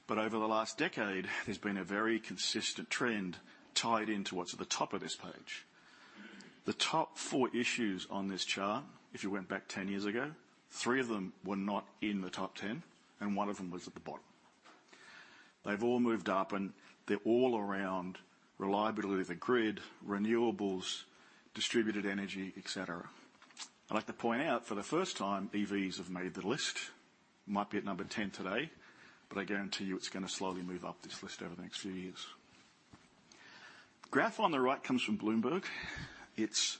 but over the last decade, there's been a very consistent trend tied into what's at the top of this page. The top four issues on this chart, if you went back 10 years ago, three of them were not in the top 10, and one of them was at the bottom. They've all moved up, and they're all around reliability of the grid, renewables, distributed energy, et cetera. I'd like to point out, for the first time, EVs have made the list. Might be at number 10 today, but I guarantee you it's gonna slowly move up this list over the next few years. Graph on the right comes from Bloomberg. It's,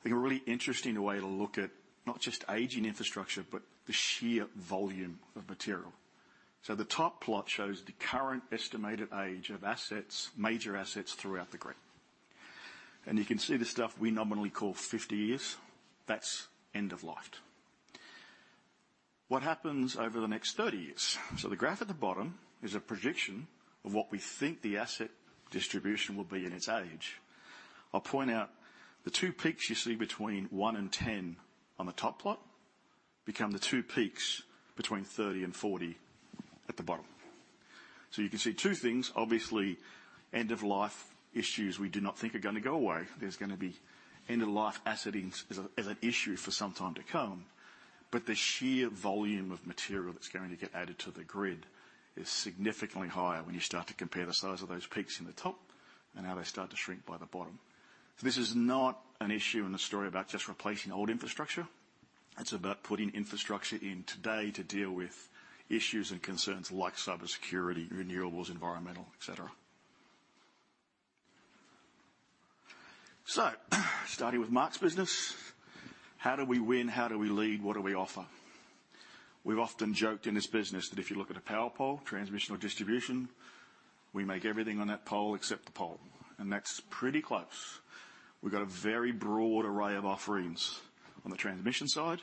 I think, a really interesting way to look at not just aging infrastructure, but the sheer volume of material. So the top plot shows the current estimated age of assets, major assets throughout the grid. You can see the stuff we nominally call 50 years. That's end of life. What happens over the next 30 years? The graph at the bottom is a prediction of what we think the asset distribution will be in its age. I'll point out the two peaks you see between one and 10 on the top plot become the two peaks between 30 and 40 at the bottom. You can see two things. Obviously, end of life issues we do not think are gonna go away. There's gonna be end of life assets as an issue for some time to come, but the sheer volume of material that's going to get added to the grid is significantly higher when you start to compare the size of those peaks in the top and how they start to shrink by the bottom. This is not an issue and a story about just replacing old infrastructure. It's about putting infrastructure in today to deal with issues and concerns like cybersecurity, renewables, environmental, et cetera. Starting with Mark's business, how do we win? How do we lead? What do we offer? We've often joked in this business that if you look at a power pole, transmission or distribution, we make everything on that pole except the pole, and that's pretty close. We've got a very broad array of offerings on the transmission side,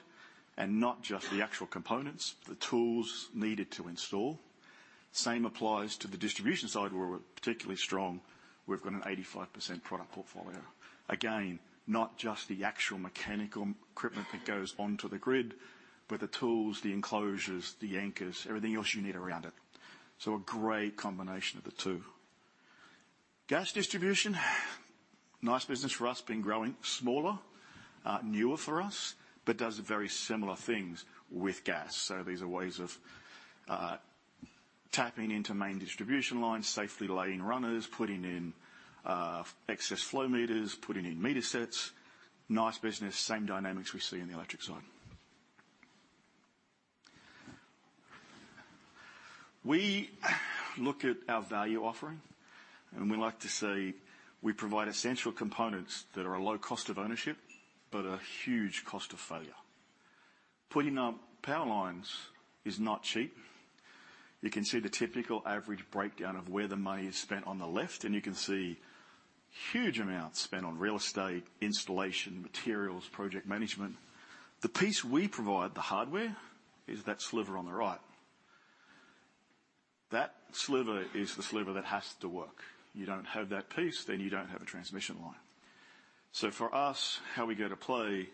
and not just the actual components, the tools needed to install. Same applies to the distribution side, where we're particularly strong. We've got an 85% product portfolio. Again, not just the actual mechanical equipment that goes onto the grid, but the tools, the enclosures, the anchors, everything else you need around it. A great combination of the two. Gas distribution, nice business for us, been growing smaller, newer for us, but does very similar things with gas. These are ways of tapping into main distribution lines, safely laying runners, putting in excess flow meters, putting in meter sets. Nice business. Same dynamics we see in the electric side. We look at our value offering, and we like to say we provide essential components that are a low cost of ownership, but a huge cost of failure. Putting up power lines is not cheap. You can see the typical average breakdown of where the money is spent on the left, and you can see huge amounts spent on real estate, installation, materials, project management. The piece we provide, the hardware, is that sliver on the right. That sliver is the sliver that has to work. You don't have that piece. You don't have a transmission line. For us, how we go to play,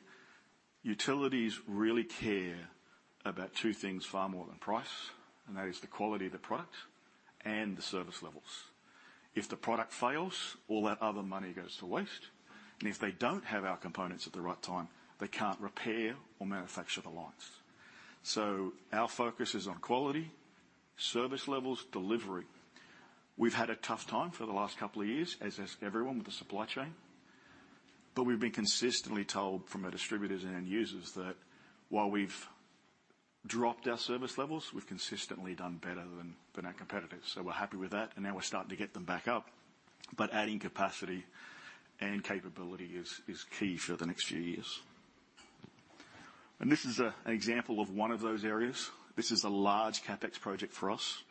utilities really care about two things far more than price, and that is the quality of the product and the service levels. If the product fails, all that other money goes to waste. If they don't have our components at the right time, they can't repair or manufacture the lines. Our focus is on quality, service levels, delivery. We've had a tough time for the last couple of years, as has everyone with the supply chain, but we've been consistently told from our distributors and end users that while we've dropped our service levels, we've consistently done better than our competitors. We're happy with that, and now we're starting to get them back up. Adding capacity and capability is key for the next few years. This is an example of one of those areas. This is a large CapEx project for us.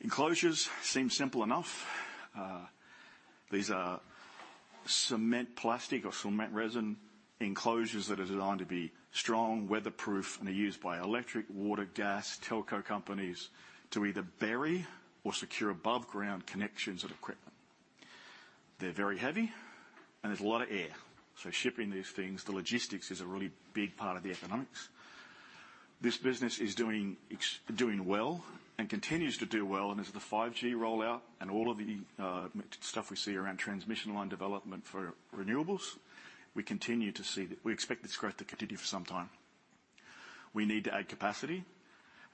Enclosures seem simple enough. These are cement plastic or cement resin enclosures that are designed to be strong, weatherproof, and are used by electric, water, gas, telco companies to either bury or secure above ground connections of equipment. They're very heavy and there's a lot of air, so shipping these things, the logistics is a really big part of the economics. This business is doing well and continues to do well. As the 5G rollout and all of the stuff we see around transmission line development for renewables, we continue to see. We expect this growth to continue for some time. We need to add capacity,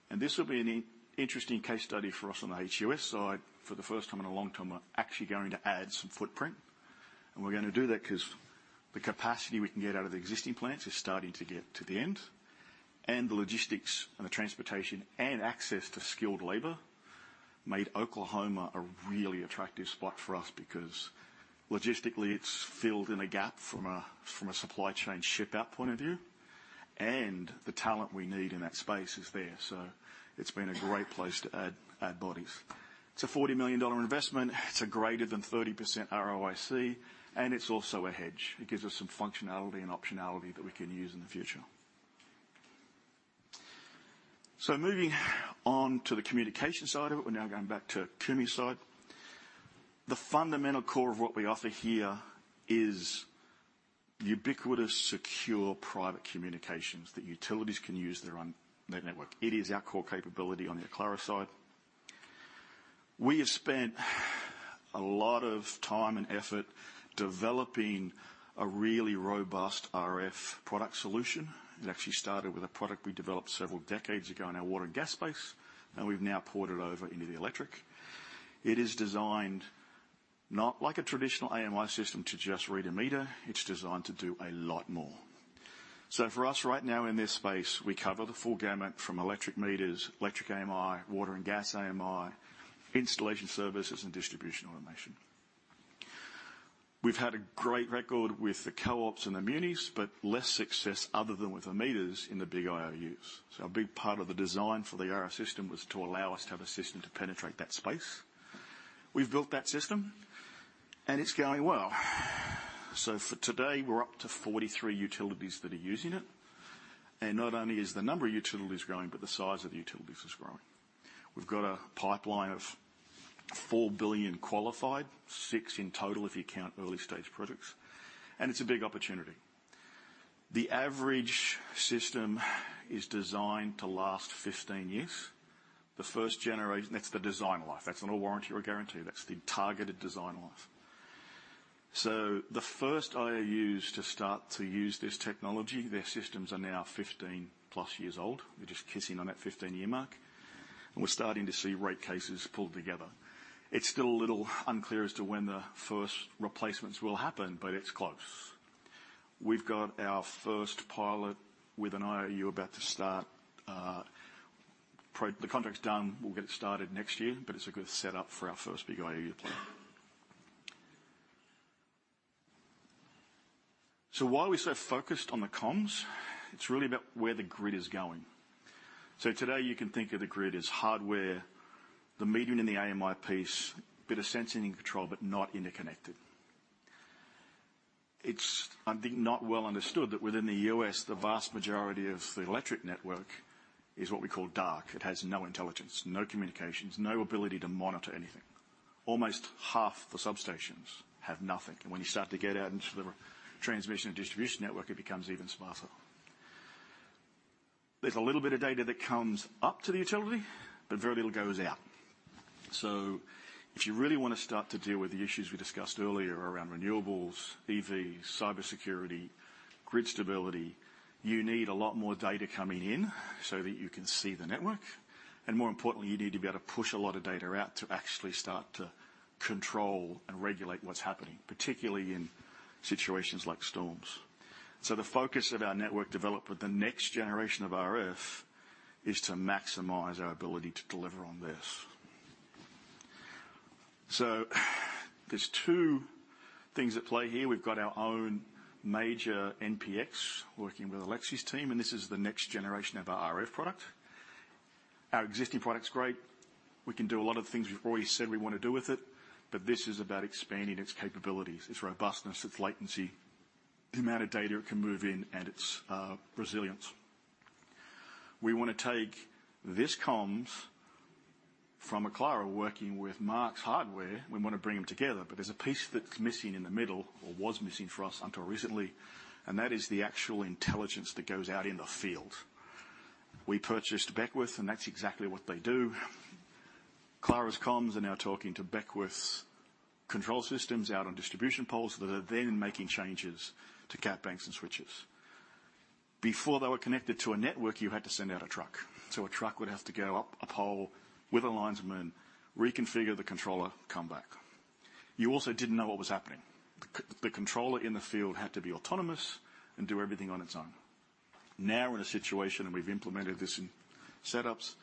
and this will be an interesting case study for us on the HUS side. For the first time in a long time, we're actually going to add some footprint. We're gonna do that 'cause the capacity we can get out of the existing plants is starting to get to the end. The logistics and the transportation and access to skilled labor made Oklahoma a really attractive spot for us because logistically it's filled in a gap from a supply chain ship-out point of view, and the talent we need in that space is there. It's been a great place to add bodies. It's a $40 million investment. It's a greater than 30% ROIC, and it's also a hedge. It gives us some functionality and optionality that we can use in the future. Moving on to the communication side of it. We're now going back to Kumi's side. The fundamental core of what we offer here is ubiquitous, secure private communications that utilities can use their own network. It is our core capability on the Aclara side. We have spent a lot of time and effort developing a really robust RF product solution. It actually started with a product we developed several decades ago in our water and gas space, and we've now ported over into the electric. It is designed not like a traditional AMI system to just read a meter, it's designed to do a lot more. For us right now in this space, we cover the full gamut from Electric Meters, Electric AMI, Water and Gas AMI, Installation services, and Distribution Automation. We've had a great record with the co-ops and the munis, but less success other than with the meters in the big IOUs. A big part of the design for the RF system was to allow us to have a system to penetrate that space. We've built that system and it's going well. For today, we're up to 43 utilities that are using it. Not only is the number of utilities growing, but the size of the utilities is growing. We've got a pipeline of $4 billion qualified, $6 billion in total if you count early stage projects, and it's a big opportunity. The average system is designed to last 15 years. The first generation. That's the design life. That's not a warranty or guarantee, that's the targeted design life. The first IOUs to start to use this technology, their systems are now 15+ years old. They're just kissing on that 15-year mark, and we're starting to see rate cases pulled together. It's still a little unclear as to when the first replacements will happen, but it's close. We've got our first pilot with an IOU about to start. The contract's done, we'll get it started next year, but it's a good setup for our first big IOU play. Why are we so focused on the comms? It's really about where the grid is going. Today you can think of the grid as hardware, the modem in the AMI piece, bit of sensing and control, but not interconnected. It's, I think, not well understood that within the U.S., the vast majority of the electric network is what we call dark. It has no intelligence, no communications, no ability to monitor anything. Almost half the substations have nothing. When you start to get out into the transmission and distribution network, it becomes even sparser. There's a little bit of data that comes up to the utility, but very little goes out. If you really wanna start to deal with the issues we discussed earlier around renewables, EVs, cybersecurity, grid stability, you need a lot more data coming in so that you can see the network. More importantly, you need to be able to push a lot of data out to actually start to control and regulate what's happening, particularly in situations like storms. The focus of our network development, the next generation of RF, is to maximize our ability to deliver on this. There's two things at play here. We've got our own major NPX working with Alexis's team, and this is the next generation of our RF product. Our existing product's great. We can do a lot of the things we've already said we wanna do with it, but this is about expanding its capabilities, its robustness, its latency, the amount of data it can move in, and its resilience. We wanna take this comms from Aclara working with Mark's hardware, we wanna bring them together. There's a piece that's missing in the middle or was missing for us until recently, and that is the actual intelligence that goes out in the field. We purchased Beckwith, and that's exactly what they do. Aclara's comms are now talking to Beckwith's control systems out on distribution poles that are then making changes to capacitor banks and switches. Before they were connected to a network, you had to send out a truck. A truck would have to go up a pole with a linesman, reconfigure the controller, come back. You also didn't know what was happening. The controller in the field had to be autonomous and do everything on its own. Now we're in a situation, and we've implemented this in setups.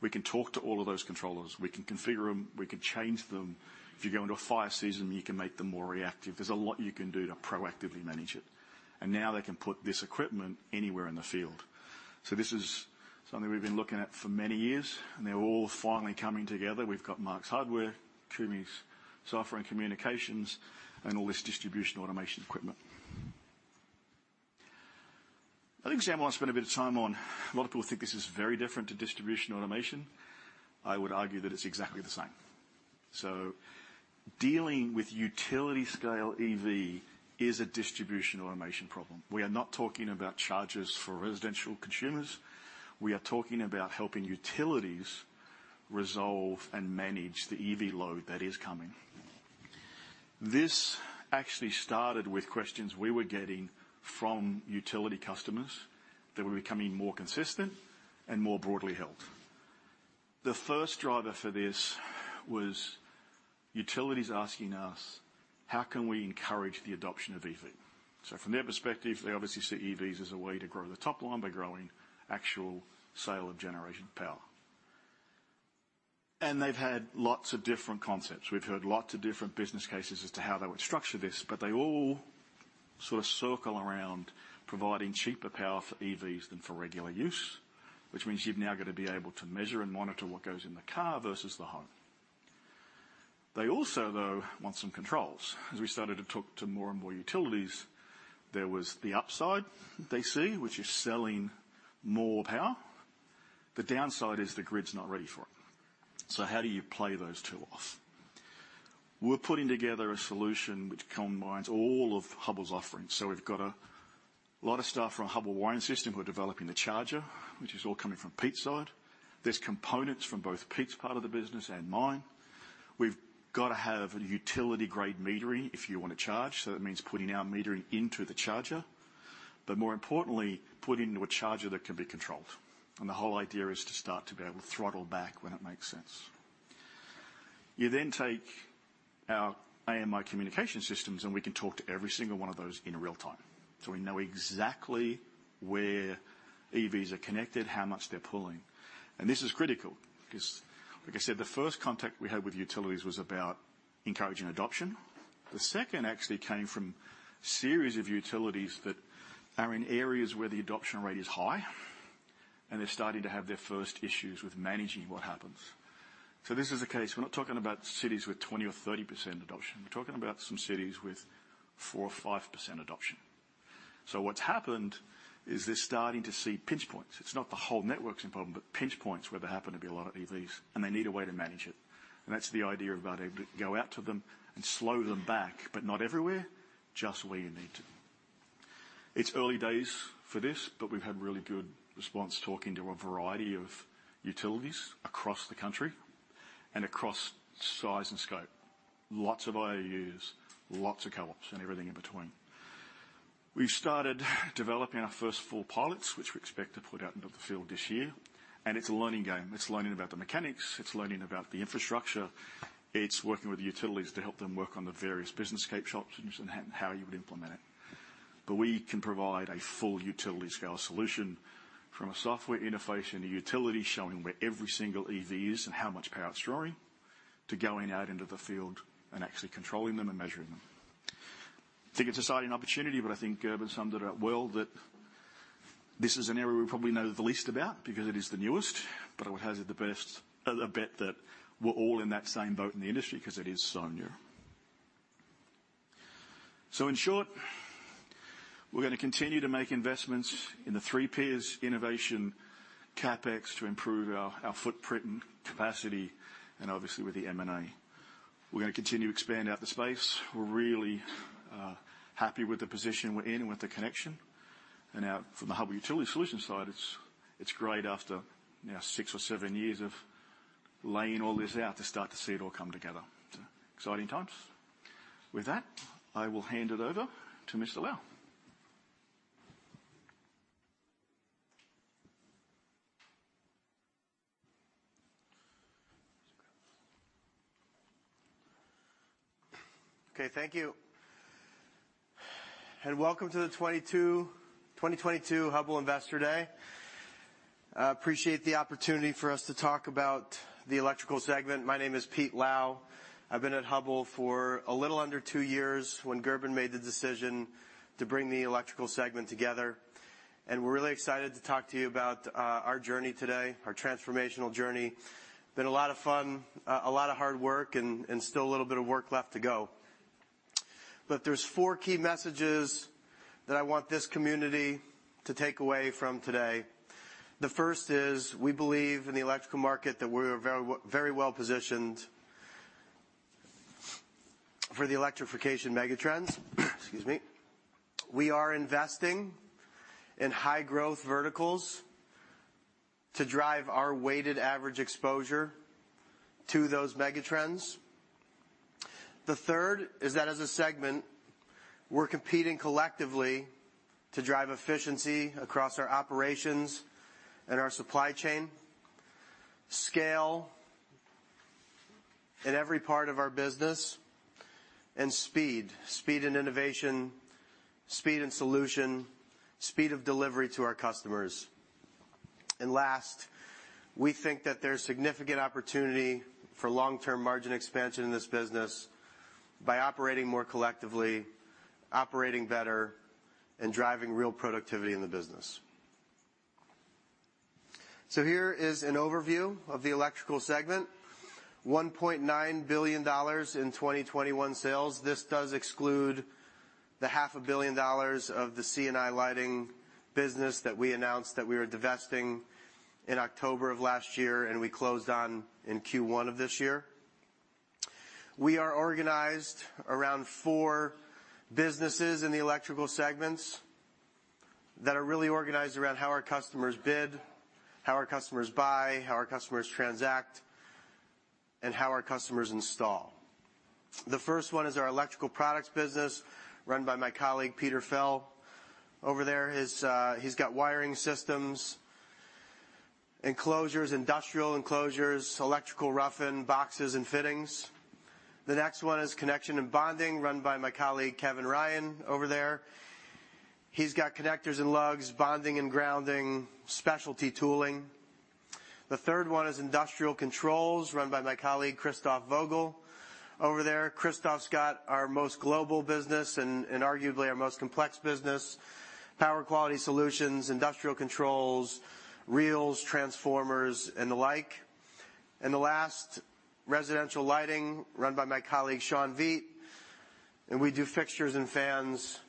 We can talk to all of those controllers. We can configure them, we can change them. If you go into a fire season, you can make them more reactive. There's a lot you can do to proactively manage it. Now they can put this equipment anywhere in the field. This is something we've been looking at for many years, and they're all finally coming together. We've got Mark's hardware, Kumi's software and communications, and all this Distribution Automation equipment. An example I spend a bit of time on, a lot of people think this is very different to Distribution Automation. I would argue that it's exactly the same. Dealing with utility scale EV is a Distribution Automation problem. We are not talking about charges for residential consumers. We are talking about helping utilities resolve and manage the EV load that is coming. This actually started with questions we were getting from Utility customers that were becoming more consistent and more broadly held. The first driver for this was utilities asking us, "How can we encourage the adoption of EV?" From their perspective, they obviously see EVs as a way to grow the top line by growing actual sale of generation power. They've had lots of different concepts. We've heard lots of different business cases as to how they would structure this, but they all sort of circle around providing cheaper power for EVs than for regular use, which means you've now gotta be able to measure and monitor what goes in the car versus the home. They also, though, want some controls. As we started to talk to more and more utilities, there was the upside they see, which is selling more power. The downside is the grid's not ready for it. How do you play those two off? We're putting together a solution which combines all of Hubbell's offerings. We've got a lot of staff from Hubbell Wiring Systems who are developing the charger, which is all coming from Pete's side. There's components from both Pete's part of the business and mine. We've gotta have a utility grade metering if you wanna charge, so that means putting our metering into the charger. More importantly, putting into a charger that can be controlled. The whole idea is to start to be able to throttle back when it makes sense. You take our AMI communication systems, and we can talk to every single one of those in real time. We know exactly where EVs are connected, how much they're pulling. This is critical 'cause like I said, the first contact we had with utilities was about encouraging adoption. The second actually came from series of utilities that are in areas where the adoption rate is high, and they're starting to have their first issues with managing what happens. This is a case. We're not talking about cities with 20% or 30% adoption. We're talking about some cities with 4% or 5% adoption. What's happened is they're starting to see pinch points. It's not the whole network's a problem, but pinch points where there happen to be a lot of EVs, and they need a way to manage it. That's the idea about able to go out to them and slow them back, but not everywhere, just where you need to. It's early days for this, but we've had really good response talking to a variety of utilities across the country and across size and scope. Lots of IOUs, lots of co-ops, and everything in between. We've started developing our first 4 pilots, which we expect to put out into the field this year, and it's a learning game. It's learning about the mechanics. It's learning about the infrastructure. It's working with the utilities to help them work on the various business case workshops and just on how you would implement it. We can provide a full utility scale solution from a software interface in a utility showing where every single EV is and how much power it's drawing, to going out into the field and actually controlling them and measuring them. Think it's an exciting opportunity, but I think Gerben summed it up well that this is an area we probably know the least about because it is the newest, but I would hazard the best bet that we're all in that same boat in the industry 'cause it is so new. In short, we're gonna continue to make investments in the three phases, innovation, CapEx to improve our footprint and capacity, and obviously with the M&A. We're gonna continue to expand out the space. We're really happy with the position we're in and with the connection. Now from the Hubbell Utility Solutions side, it's great after, you know, six or seven years of laying all this out to start to see it all come together. Exciting times. With that, I will hand it over to Mr. Lau. Okay, thank you. Welcome to the 2022 Hubbell Investor Day. I appreciate the opportunity for us to talk about the Electrical segment. My name is Pete Lau. I've been at Hubbell for a little under two years when Gerben made the decision to bring the Electrical segment together. We're really excited to talk to you about our journey today, our transformational journey. Been a lot of fun, a lot of hard work and still a little bit of work left to go. There's four key messages that I want this community to take away from today. The first is, we believe in the electrical market that we're very well positioned for the electrification megatrends. Excuse me. We are investing in high-growth verticals to drive our weighted average exposure to those megatrends. The third is that as a segment, we're competing collectively to drive efficiency across our operations and our supply chain, scale in every part of our business, and speed in innovation, speed in solution, speed of delivery to our customers. Last, we think that there's significant opportunity for long-term margin expansion in this business by operating more collectively, operating better, and driving real productivity in the business. Here is an overview of the Electrical segment. $1.9 billion in 2021 sales. This does exclude the $500 million dollars of the C&I Lighting business that we announced that we were divesting in October of last year and we closed on in Q1 of this year. We are organized around four businesses in the Electrical segments that are really organized around how our customers bid, how our customers buy, how our customers transact, and how our customers install. The first one is our Electrical Products business run by my colleague, Peter Fehl over there. He's got Wiring Systems, Enclosures, Industrial Enclosures, Electrical Rough-in Boxes and Fittings. The next one is Connection and Bonding, run by my colleague, Kevin Ryan over there. He's got Connectors and Lugs, Bonding and Grounding, Specialty Tooling. The third one is Industrial Controls, run by my colleague, Christoph Vogel over there. Christoph's got our most global business and arguably our most complex business, Power Quality Solutions, Industrial Controls, Reels, Transformers, and the like. The last, residential lighting, run by my colleague, Sean Veit. We do fixtures and fans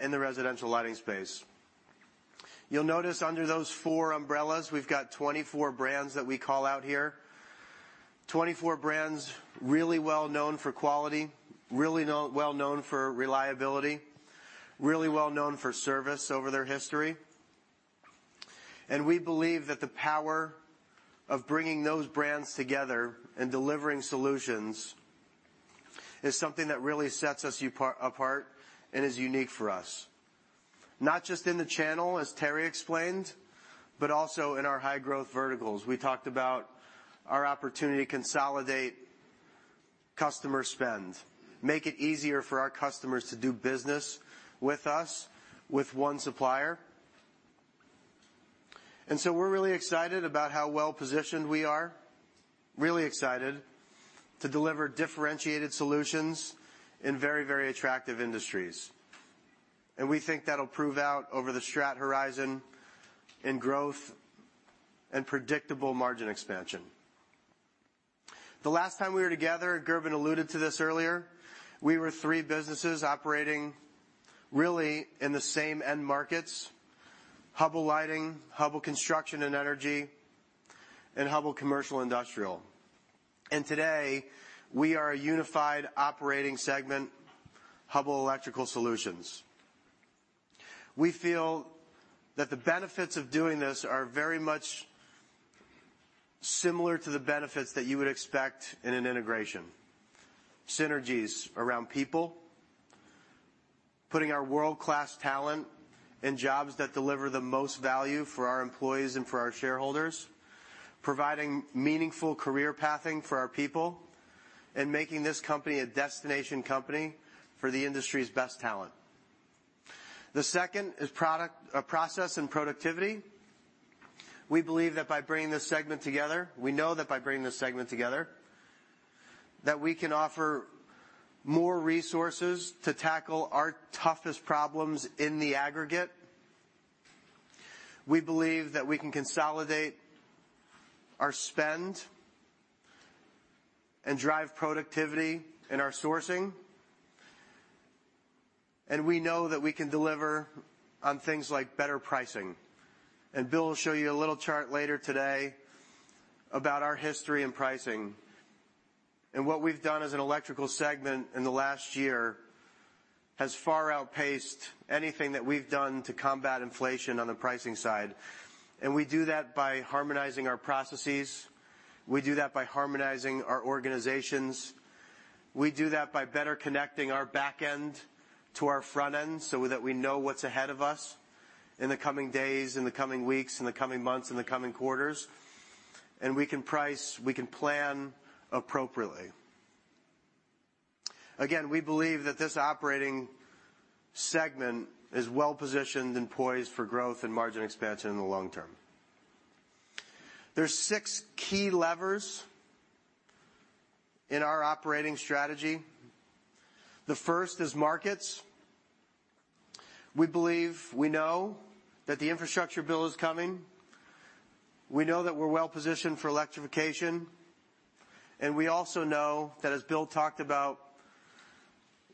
in the residential lighting space. You'll notice under those four umbrellas, we've got 24 brands that we call out here. 24 brands, really well-known for quality, really well-known for reliability, really well-known for service over their history. We believe that the power of bringing those brands together and delivering solutions is something that really sets us apart and is unique for us, not just in the channel, as Terry explained, but also in our high-growth verticals. We talked about our opportunity to consolidate customer spend, make it easier for our customers to do business with us, with one supplier. We're really excited about how well-positioned we are, really excited to deliver differentiated solutions in very, very attractive industries. We think that'll prove out over the strategic horizon in growth and predictable margin expansion. The last time we were together, Gerben alluded to this earlier, we were three businesses operating really in the same end markets, Hubbell Lighting, Hubbell Construction and Energy, and Hubbell Commercial and Industrial. Today, we are a unified operating segment, Hubbell Electrical Solutions. We feel that the benefits of doing this are very much similar to the benefits that you would expect in an integration. Synergies around people, putting our world-class talent in jobs that deliver the most value for our employees and for our shareholders, providing meaningful career pathing for our people, and making this company a destination company for the industry's best talent. The second is product, process and productivity. We believe that by bringing this segment together, we know that we can offer more resources to tackle our toughest problems in the aggregate. We believe that we can consolidate our spend and drive productivity in our sourcing. We know that we can deliver on things like better pricing. Bill will show you a little chart later today about our history in pricing. What we've done as an Electrical segment in the last year has far outpaced anything that we've done to combat inflation on the pricing side. We do that by harmonizing our processes. We do that by harmonizing our organizations. We do that by better connecting our back end to our front end so that we know what's ahead of us in the coming days, in the coming weeks, in the coming months, in the coming quarters. We can price, we can plan appropriately. Again, we believe that this operating segment is well-positioned and poised for growth and margin expansion in the long term. There's six key levers in our operating strategy. The first is markets. We believe we know that the infrastructure bill is coming. We know that we're well-positioned for electrification. We also know that, as Bill talked about,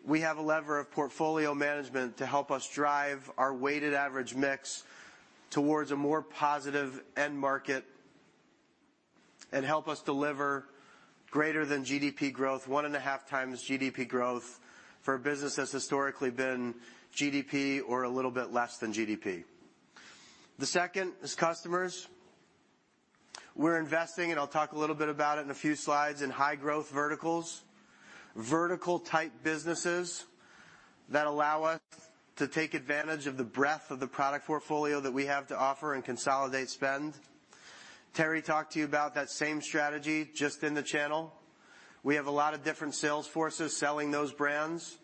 we have a lever of portfolio management to help us drive our weighted average mix towards a more positive end market and help us deliver greater than GDP growth, 1.5x GDP growth, for a business that's historically been GDP or a little bit less than GDP. The second is customers. We're investing, and I'll talk a little bit about it in a few slides, in high-growth verticals. Vertical-type businesses that allow us to take advantage of the breadth of the product portfolio that we have to offer and consolidate spend. Terry talked to you about that same strategy, just in the channel. We have a lot of different sales forces selling those brands,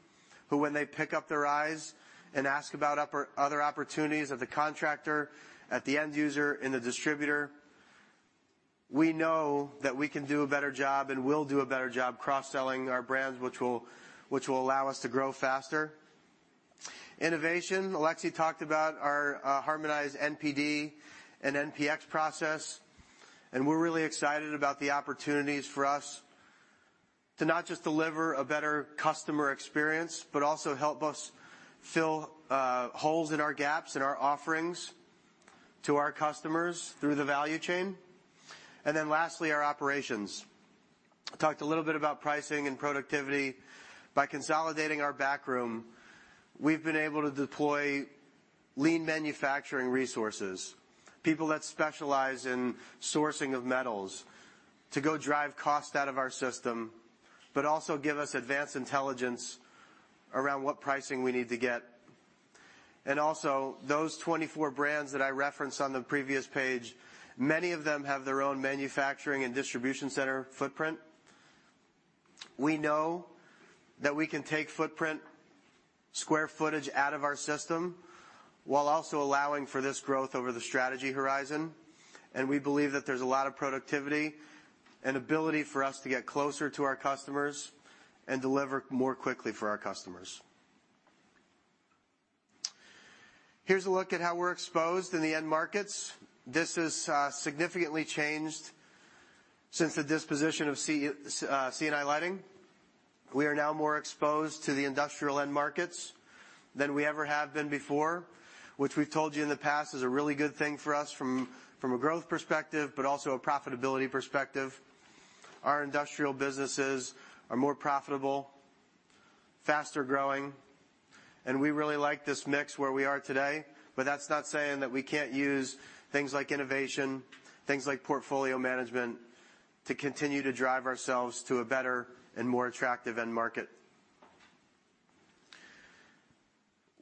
who when they prick up their ears and ask about other opportunities of the contractor, at the end user, in the distributor, we know that we can do a better job and will do a better job cross-selling our brands, which will allow us to grow faster. Innovation. Alexis talked about our harmonized NPD and NPX process, and we're really excited about the opportunities for us to not just deliver a better customer experience, but also help us fill holes and gaps in our offerings to our customers through the value chain. Lastly, our operations. Talked a little bit about pricing and productivity. By consolidating our back room, we've been able to deploy lean manufacturing resources, people that specialize in sourcing of metals, to go drive cost out of our system, but also give us advanced intelligence around what pricing we need to get. Also, those 24 brands that I referenced on the previous page, many of them have their own manufacturing and distribution center footprint. We know that we can take footprint square footage out of our system while also allowing for this growth over the strategy horizon, and we believe that there's a lot of productivity and ability for us to get closer to our customers and deliver more quickly for our customers. Here's a look at how we're exposed in the end markets. This has significantly changed since the disposition of C&I Lighting. We are now more exposed to the industrial end markets than we ever have been before, which we've told you in the past is a really good thing for us from a growth perspective, but also a profitability perspective. Our industrial businesses are more profitable, faster-growing, and we really like this mix where we are today, but that's not saying that we can't use things like innovation, things like portfolio management to continue to drive ourselves to a better and more attractive end market.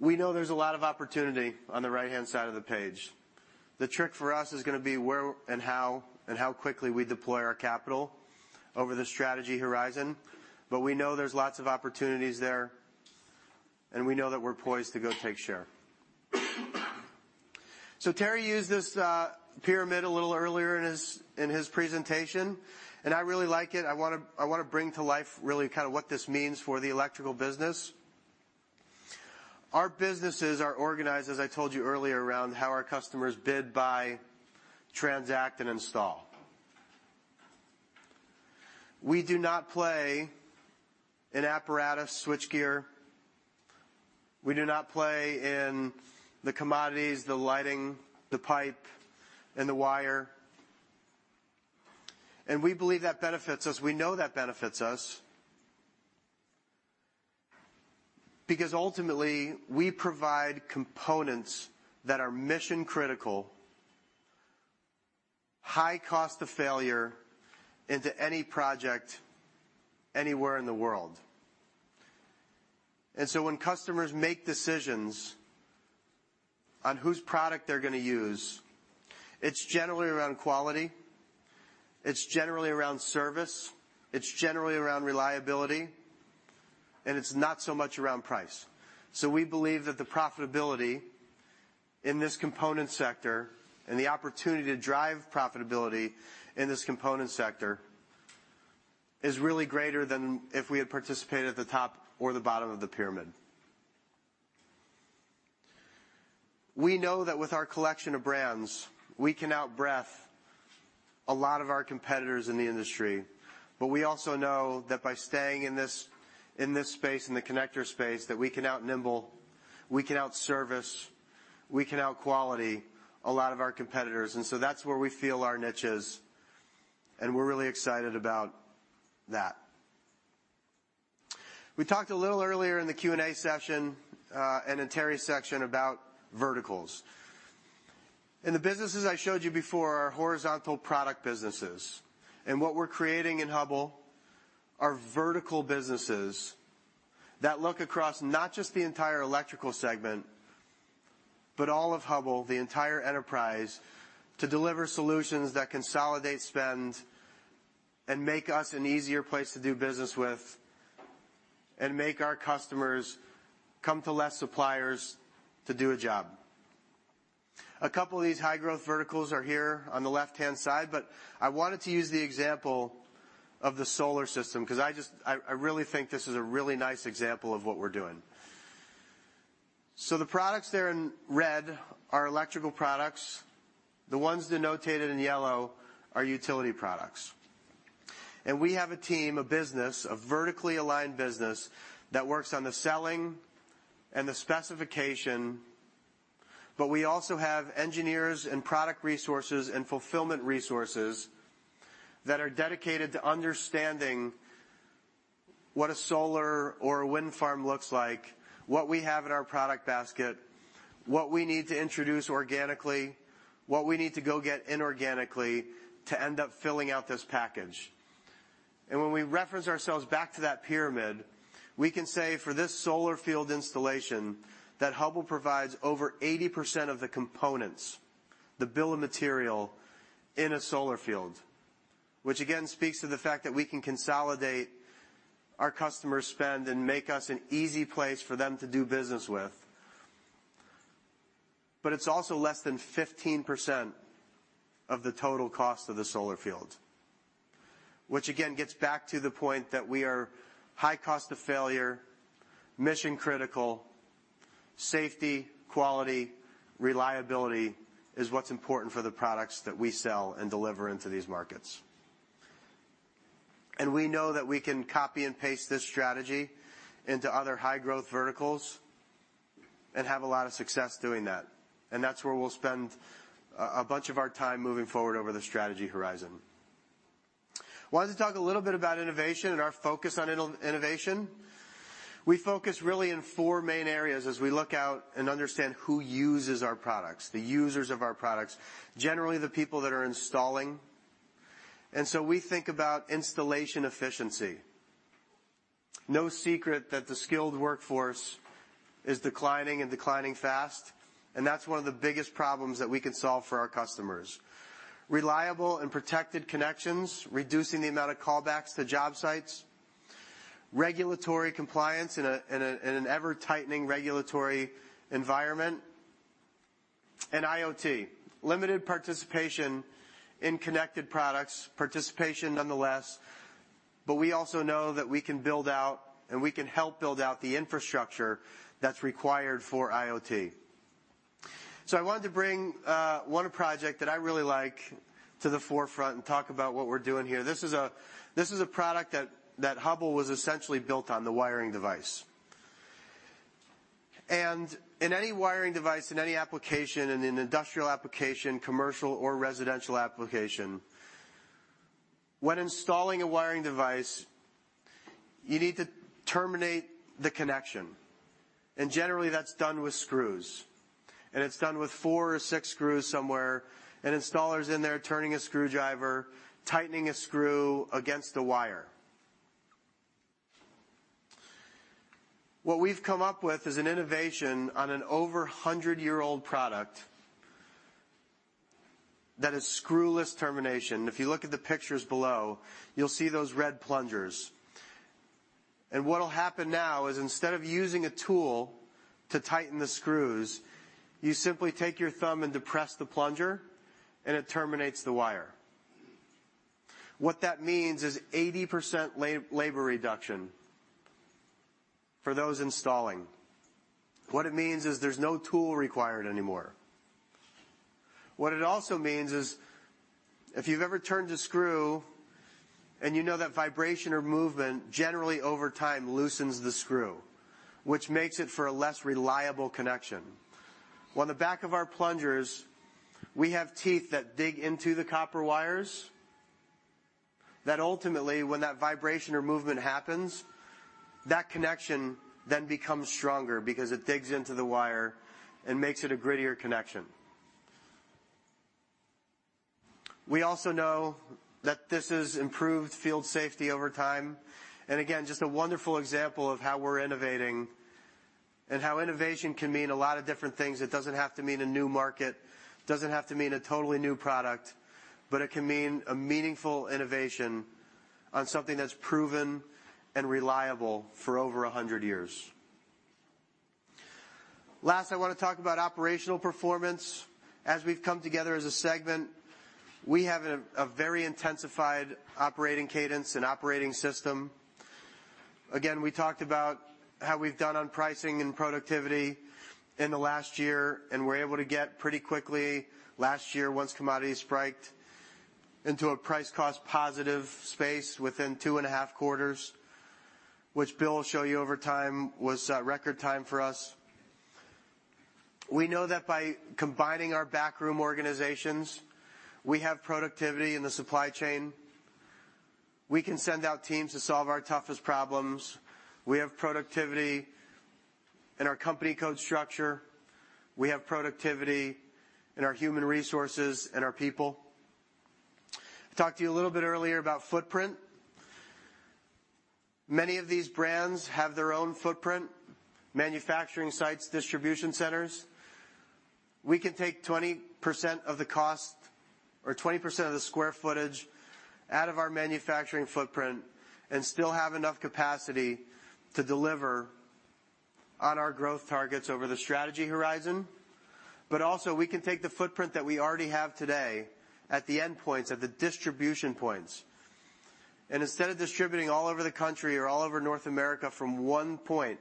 We know there's a lot of opportunity on the right-hand side of the page. The trick for us is gonna be where, and how, and how quickly we deploy our capital over the strategy horizon. But we know there's lots of opportunities there, and we know that we're poised to go take share. Terry used this pyramid a little earlier in his presentation, and I really like it. I wanna bring to life really kinda what this means for the Electrical business. Our businesses are organized, as I told you earlier, around how our customers bid, buy, transact, and install. We do not play in apparatus switchgear. We do not play in the commodities, the lighting, the pipe, and the wire. We believe that benefits us. We know that benefits us. Because ultimately, we provide components that are mission-critical, high cost of failure into any project anywhere in the world. When customers make decisions on whose product they're gonna use, it's generally around quality, it's generally around service, it's generally around reliability, and it's not so much around price. We believe that the profitability in this component sector and the opportunity to drive profitability in this component sector is really greater than if we had participated at the top or the bottom of the pyramid. We know that with our collection of brands, we can out-brand a lot of our competitors in the industry, but we also know that by staying in this, in this space, in the connector space, that we can out-nimble, we can out-service, we can out-quality a lot of our competitors. That's where we feel our niche is, and we're really excited about that. We talked a little earlier in the Q&A session, and in Terry's section about verticals. In the businesses I showed you before are horizontal product businesses, and what we're creating in Hubbell are vertical businesses that look across not just the entire Electrical segment. All of Hubbell, the entire enterprise, to deliver solutions that consolidate spend and make us an easier place to do business with and make our customers come to less suppliers to do a job. A couple of these high-growth verticals are here on the left-hand side, but I wanted to use the example of the solar system, 'cause I really think this is a really nice example of what we're doing. The products there in red are Electrical Products. The ones denoted in yellow are utility products. We have a team, a business, a vertically aligned business, that works on the selling and the specification, but we also have engineers and product resources and fulfillment resources that are dedicated to understanding what a solar or a wind farm looks like, what we have in our product basket, what we need to introduce organically, what we need to go get inorganically to end up filling out this package. When we reference ourselves back to that pyramid, we can say for this solar field installation, that Hubbell provides over 80% of the components, the bill of material in a solar field. Which again, speaks to the fact that we can consolidate our customer spend and make us an easy place for them to do business with. It's also less than 15% of the total cost of the solar field. Which again gets back to the point that we are high cost of failure, mission-critical, safety, quality, reliability is what's important for the products that we sell and deliver into these markets. We know that we can copy and paste this strategy into other high-growth verticals and have a lot of success doing that. That's where we'll spend a bunch of our time moving forward over the strategy horizon. Wanted to talk a little bit about innovation and our focus on innovation. We focus really in four main areas as we look out and understand who uses our products, the users of our products, generally the people that are installing. We think about installation efficiency. No secret that the skilled workforce is declining and declining fast, and that's one of the biggest problems that we can solve for our customers. Reliable and protected connections, reducing the amount of callbacks to job sites. Regulatory compliance in an ever-tightening regulatory environment. IoT, limited participation in connected products, participation nonetheless, but we also know that we can build out and we can help build out the infrastructure that's required for IoT. I wanted to bring one project that I really like to the forefront and talk about what we're doing here. This is a product that Hubbell was essentially built on, the wiring device. In any wiring device, in any application, in an industrial application, commercial or residential application, when installing a wiring device, you need to terminate the connection. Generally, that's done with screws. It's done with four or six screws somewhere, and installer's in there turning a screwdriver, tightening a screw against the wire. What we've come up with is an innovation on an over 100-year-old product that is screwless termination. If you look at the pictures below, you'll see those red plungers. What'll happen now is instead of using a tool to tighten the screws, you simply take your thumb and depress the plunger, and it terminates the wire. What that means is 80% labor reduction for those installing. What it means is there's no tool required anymore. What it also means is if you've ever turned a screw and you know that vibration or movement generally over time loosens the screw, which makes it for a less reliable connection. On the back of our plungers, we have teeth that dig into the copper wires that ultimately, when that vibration or movement happens, that connection then becomes stronger because it digs into the wire and makes it a grittier connection. We also know that this has improved field safety over time. Again, just a wonderful example of how we're innovating and how innovation can mean a lot of different things. It doesn't have to mean a new market, doesn't have to mean a totally new product, but it can mean a meaningful innovation on something that's proven and reliable for over 100 years. Last, I wanna talk about operational performance. As we've come together as a segment, we have a very intensified operating cadence and operating system. Again, we talked about how we've done on pricing and productivity in the last year, and we're able to get pretty quickly last year, once commodities spiked, into a price cost positive space within two and a half quarters, which Bill will show you over time, was record time for us. We know that by combining our backroom organizations, we have productivity in the supply chain. We can send out teams to solve our toughest problems. We have productivity in our company code structure. We have productivity in our human resources and our people. I talked to you a little bit earlier about footprint. Many of these brands have their own footprint, manufacturing sites, distribution centers. We can take 20% of the cost or 20% of the square footage out of our manufacturing footprint and still have enough capacity to deliver on our growth targets over the strategy horizon. We can take the footprint that we already have today at the endpoints, at the distribution points, and instead of distributing all over the country or all over North America from one point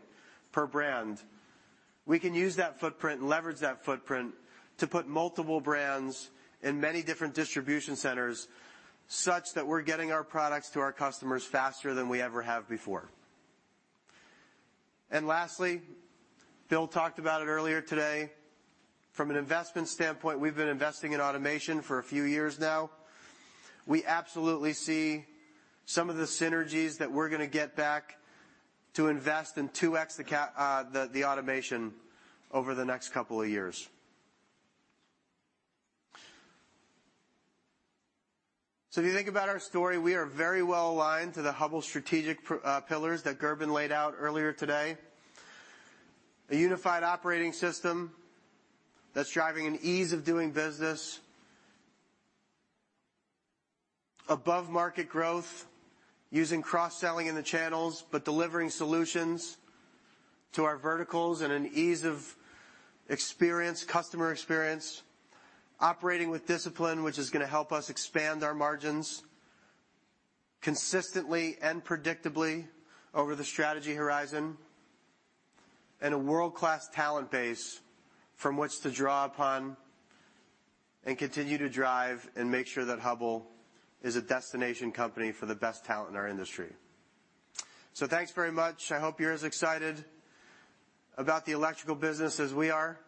per brand, we can use that footprint and leverage that footprint to put multiple brands in many different distribution centers, such that we're getting our products to our customers faster than we ever have before. Lastly, Bill talked about it earlier today. From an investment standpoint, we've been investing in automation for a few years now. We absolutely see some of the synergies that we're gonna get back to invest and 2x the automation over the next couple of years. If you think about our story, we are very well aligned to the Hubbell strategic pillars that Gerben laid out earlier today. A unified operating system that's driving an ease of doing business. Above-market growth using cross-selling in the channels, but delivering solutions to our verticals and an ease of experience, customer experience. Operating with discipline, which is gonna help us expand our margins consistently and predictably over the strategy horizon. A world-class talent base from which to draw upon and continue to drive and make sure that Hubbell is a destination company for the best talent in our industry. Thanks very much. I hope you're as excited about the Electrical business as we are,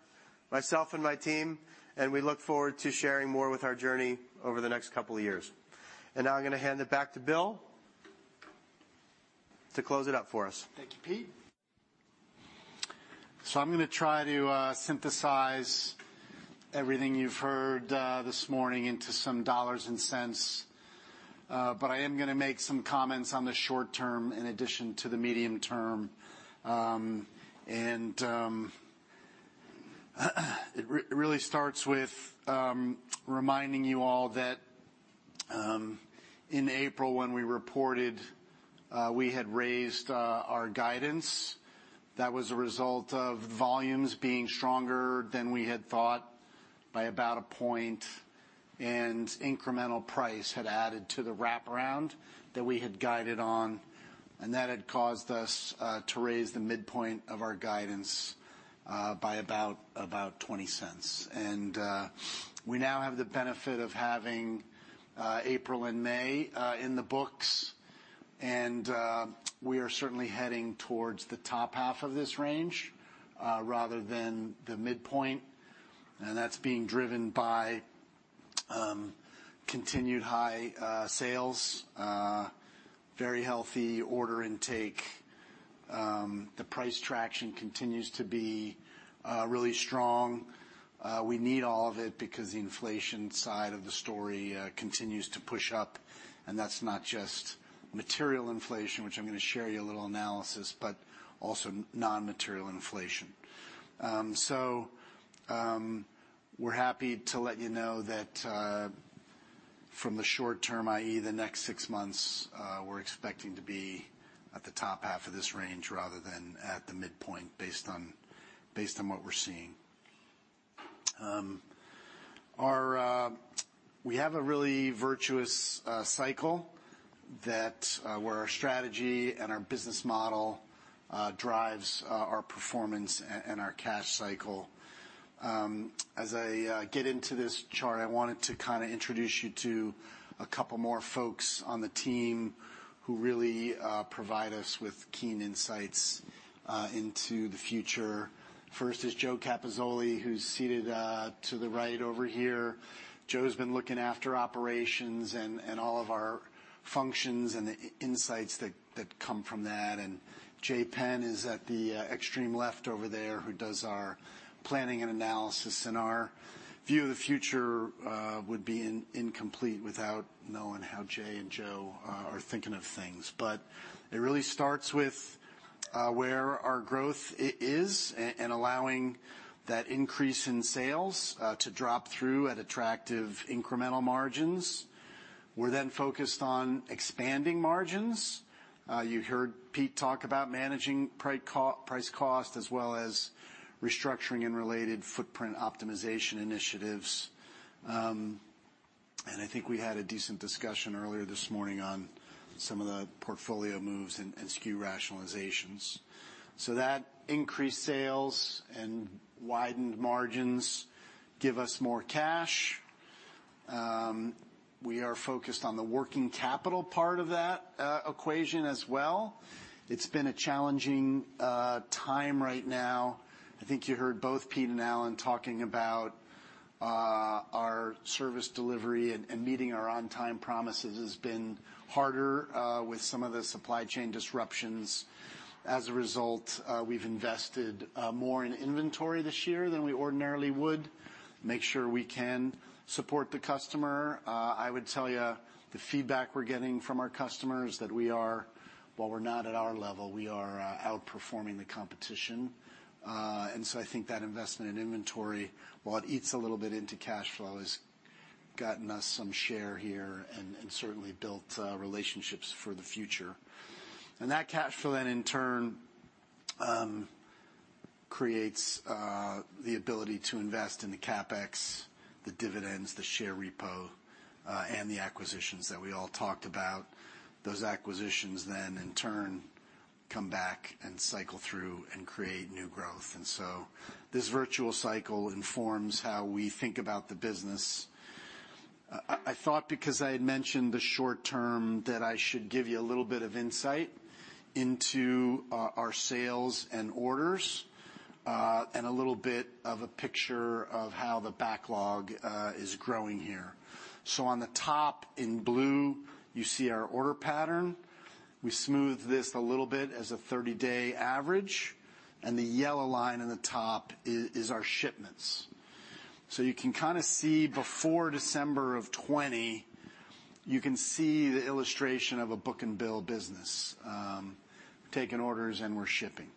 myself and my team, and we look forward to sharing more with our journey over the next couple of years. Now I'm gonna hand it back to Bill to close it up for us. Thank you, Pete. I'm gonna try to synthesize everything you've heard this morning into some dollars and cents. I am gonna make some comments on the short term in addition to the medium term. It really starts with reminding you all that in April when we reported we had raised our guidance, that was a result of volumes being stronger than we had thought by about a point, and incremental price had added to the wraparound that we had guided on, and that had caused us to raise the midpoint of our guidance by about $0.20. We now have the benefit of having April and May in the books, and we are certainly heading towards the top half of this range rather than the midpoint. That's being driven by continued high sales, very healthy order intake. The price traction continues to be really strong. We need all of it because the inflation side of the story continues to push up, and that's not just material inflation, which I'm gonna share you a little analysis, but also non-material inflation. We're happy to let you know that from the short term, i.e., the next six months, we're expecting to be at the top half of this range rather than at the midpoint based on what we're seeing. We have a really virtuous cycle that where our strategy and our business model drives our performance and our cash cycle. As I get into this chart, I wanted to kinda introduce you to a couple more folks on the team who really provide us with keen insights into the future. First is Joe Capozzoli, who's seated to the right over here. Joe's been looking after operations and all of our functions and the insights that come from that. Jay Penn is at the extreme left over there, who does our planning and analysis. Our view of the future would be incomplete without knowing how Jay and Joe are thinking of things. It really starts with where our growth is and allowing that increase in sales to drop through at attractive incremental margins. We're then focused on expanding margins. You heard Pete talk about managing price cost as well as restructuring and related footprint optimization initiatives. I think we had a decent discussion earlier this morning on some of the portfolio moves and SKU rationalizations. That increased sales and widened margins give us more cash. We are focused on the working capital part of that equation as well. It's been a challenging time right now. I think you heard both Pete and Allan talking about our service delivery and meeting our on-time promises has been harder with some of the supply chain disruptions. As a result, we've invested more in inventory this year than we ordinarily would. Make sure we can support the customer. I would tell you the feedback we're getting from our customers that while we're not at our level, we are outperforming the competition. I think that investment in inventory, while it eats a little bit into cash flow, has gotten us some share here and certainly built relationships for the future. That cash flow then in turn creates the ability to invest in the CapEx, the dividends, the share repo, and the acquisitions that we all talked about. Those acquisitions then in turn come back and cycle through and create new growth. This virtuous cycle informs how we think about the business. I thought because I had mentioned the short term, that I should give you a little bit of insight into our sales and orders, and a little bit of a picture of how the backlog is growing here. On the top in blue, you see our order pattern. We smooth this a little bit as a 30-day average, and the yellow line on the top is our shipments. You can kinda see before December of 2020, you can see the illustration of a book and bill business, taking orders and we're shipping.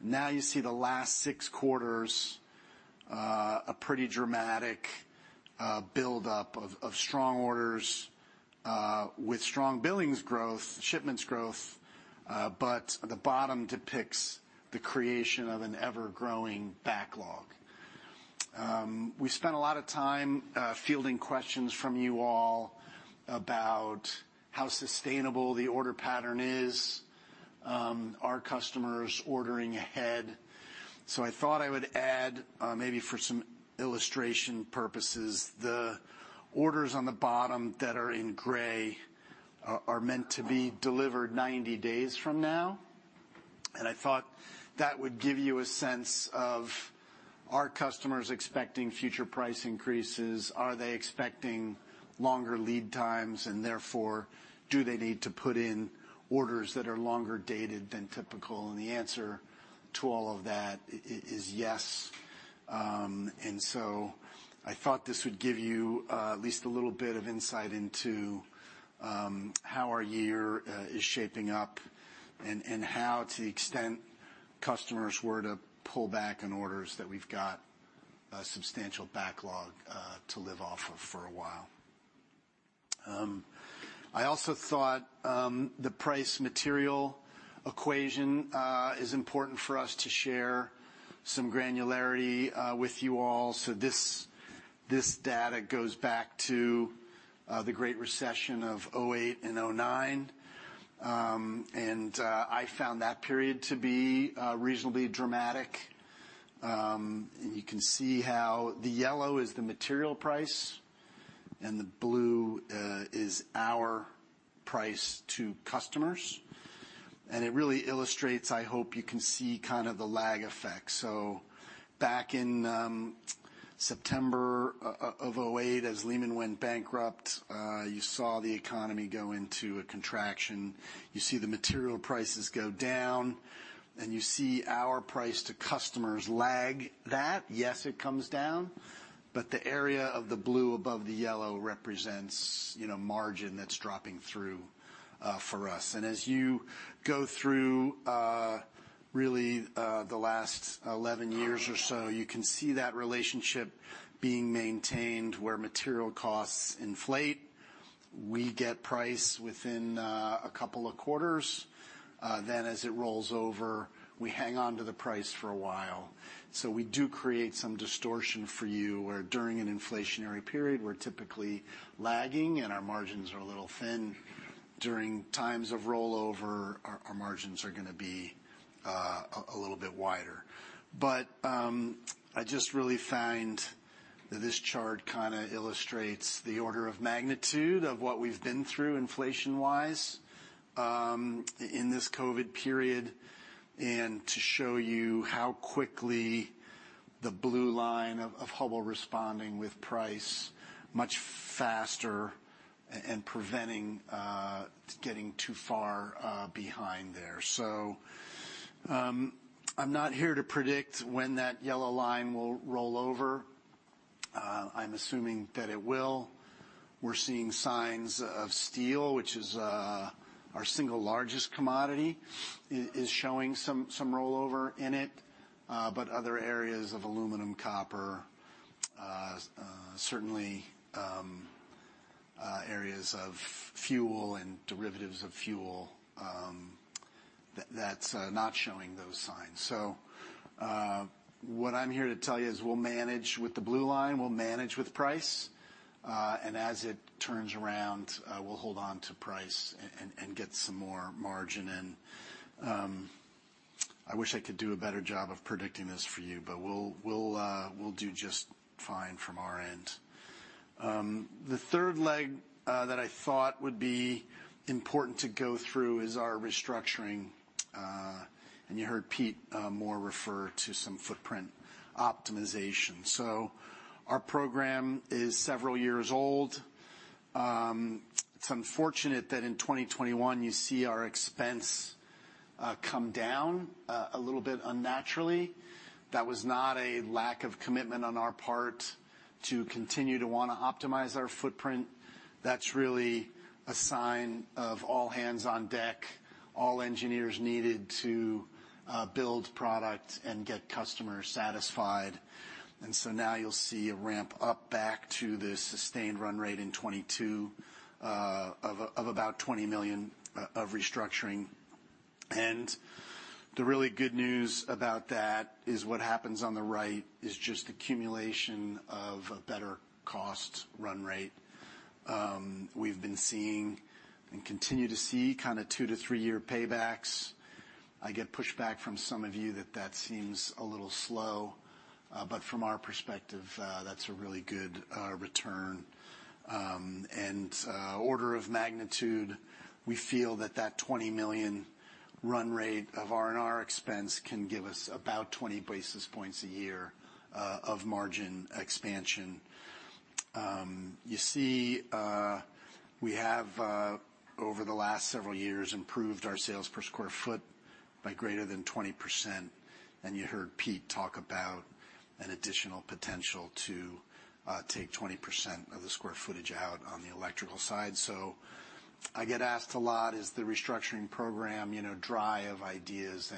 Now you see the last six quarters, a pretty dramatic build-up of strong orders, with strong billings growth, shipments growth, but the bottom depicts the creation of an ever-growing backlog. We spent a lot of time fielding questions from you all about how sustainable the order pattern is, are customers ordering ahead. I thought I would add maybe for some illustration purposes, the orders on the bottom that are in gray are meant to be delivered 90 days from now. I thought that would give you a sense of are customers expecting future price increases, are they expecting longer lead times, and therefore, do they need to put in orders that are longer dated than typical? The answer to all of that is yes. I thought this would give you at least a little bit of insight into how our year is shaping up and how to the extent customers were to pull back on orders that we've got a substantial backlog to live off of for a while. I also thought the price-material equation is important for us to share some granularity with you all. This data goes back to the Great Recession of 2008 and 2009. I found that period to be reasonably dramatic. You can see how the yellow is the material price and the blue is our price to customers. It really illustrates. I hope you can see kind of the lag effect. Back in September of 2008, as Lehman Brothers went bankrupt, you saw the economy go into a contraction. You see the material prices go down, and you see our price to customers lag that. Yes, it comes down, but the area of the blue above the yellow represents, you know, margin that's dropping through, for us. As you go through, really, the last 11 years or so, you can see that relationship being maintained where material costs inflate. We get price within, a couple of quarters, then as it rolls over, we hang on to the price for a while. We do create some distortion for you, where during an inflationary period, we're typically lagging and our margins are a little thin. During times of rollover, our margins are gonna be, a little bit wider. I just really find that this chart kinda illustrates the order of magnitude of what we've been through inflation-wise, in this COVID period, and to show you how quickly the blue line of Hubbell responding with price much faster and preventing getting too far behind there. I'm not here to predict when that yellow line will roll over. I'm assuming that it will. We're seeing signs of steel, which is our single largest commodity, is showing some rollover in it, but other areas of aluminum, copper, certainly areas of fuel and derivatives of fuel, that's not showing those signs. What I'm here to tell you is we'll manage with the blue line, we'll manage with price, and as it turns around, we'll hold on to price and get some more margin in. I wish I could do a better job of predicting this for you, but we'll do just fine from our end. The third leg that I thought would be important to go through is our restructuring. You heard Pete Lau refer to some footprint optimization. Our program is several years old. It's unfortunate that in 2021 you see our expense come down a little bit unnaturally. That was not a lack of commitment on our part to continue to wanna optimize our footprint. That's really a sign of all hands on deck, all engineers needed to build product and get customers satisfied. Now you'll see a ramp up back to the sustained run rate in 2022 of about $20 million of restructuring. The really good news about that is what happens on the right is just accumulation of a better cost run rate. We've been seeing and continue to see two-to-three-year paybacks. I get pushback from some of you that that seems a little slow, but from our perspective, that's a really good return. Order of magnitude, we feel that that $20 million run rate of R&R expense can give us about 20 basis points a year of margin expansion. You see, we have over the last several years improved our sales per square foot by greater than 20%. You heard Pete talk about an additional potential to take 20% of the square footage out on the Electrical side. I get asked a lot, "Is the restructuring program, you know, dry of ideas?"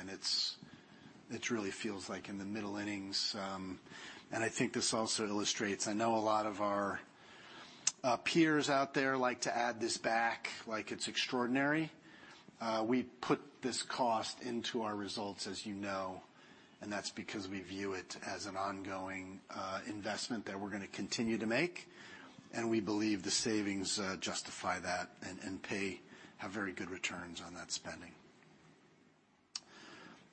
It really feels like in the middle innings. I think this also illustrates. I know a lot of our peers out there like to add this back like it's extraordinary. We put this cost into our results, as you know, and that's because we view it as an ongoing investment that we're gonna continue to make, and we believe the savings justify that and they have very good returns on that spending.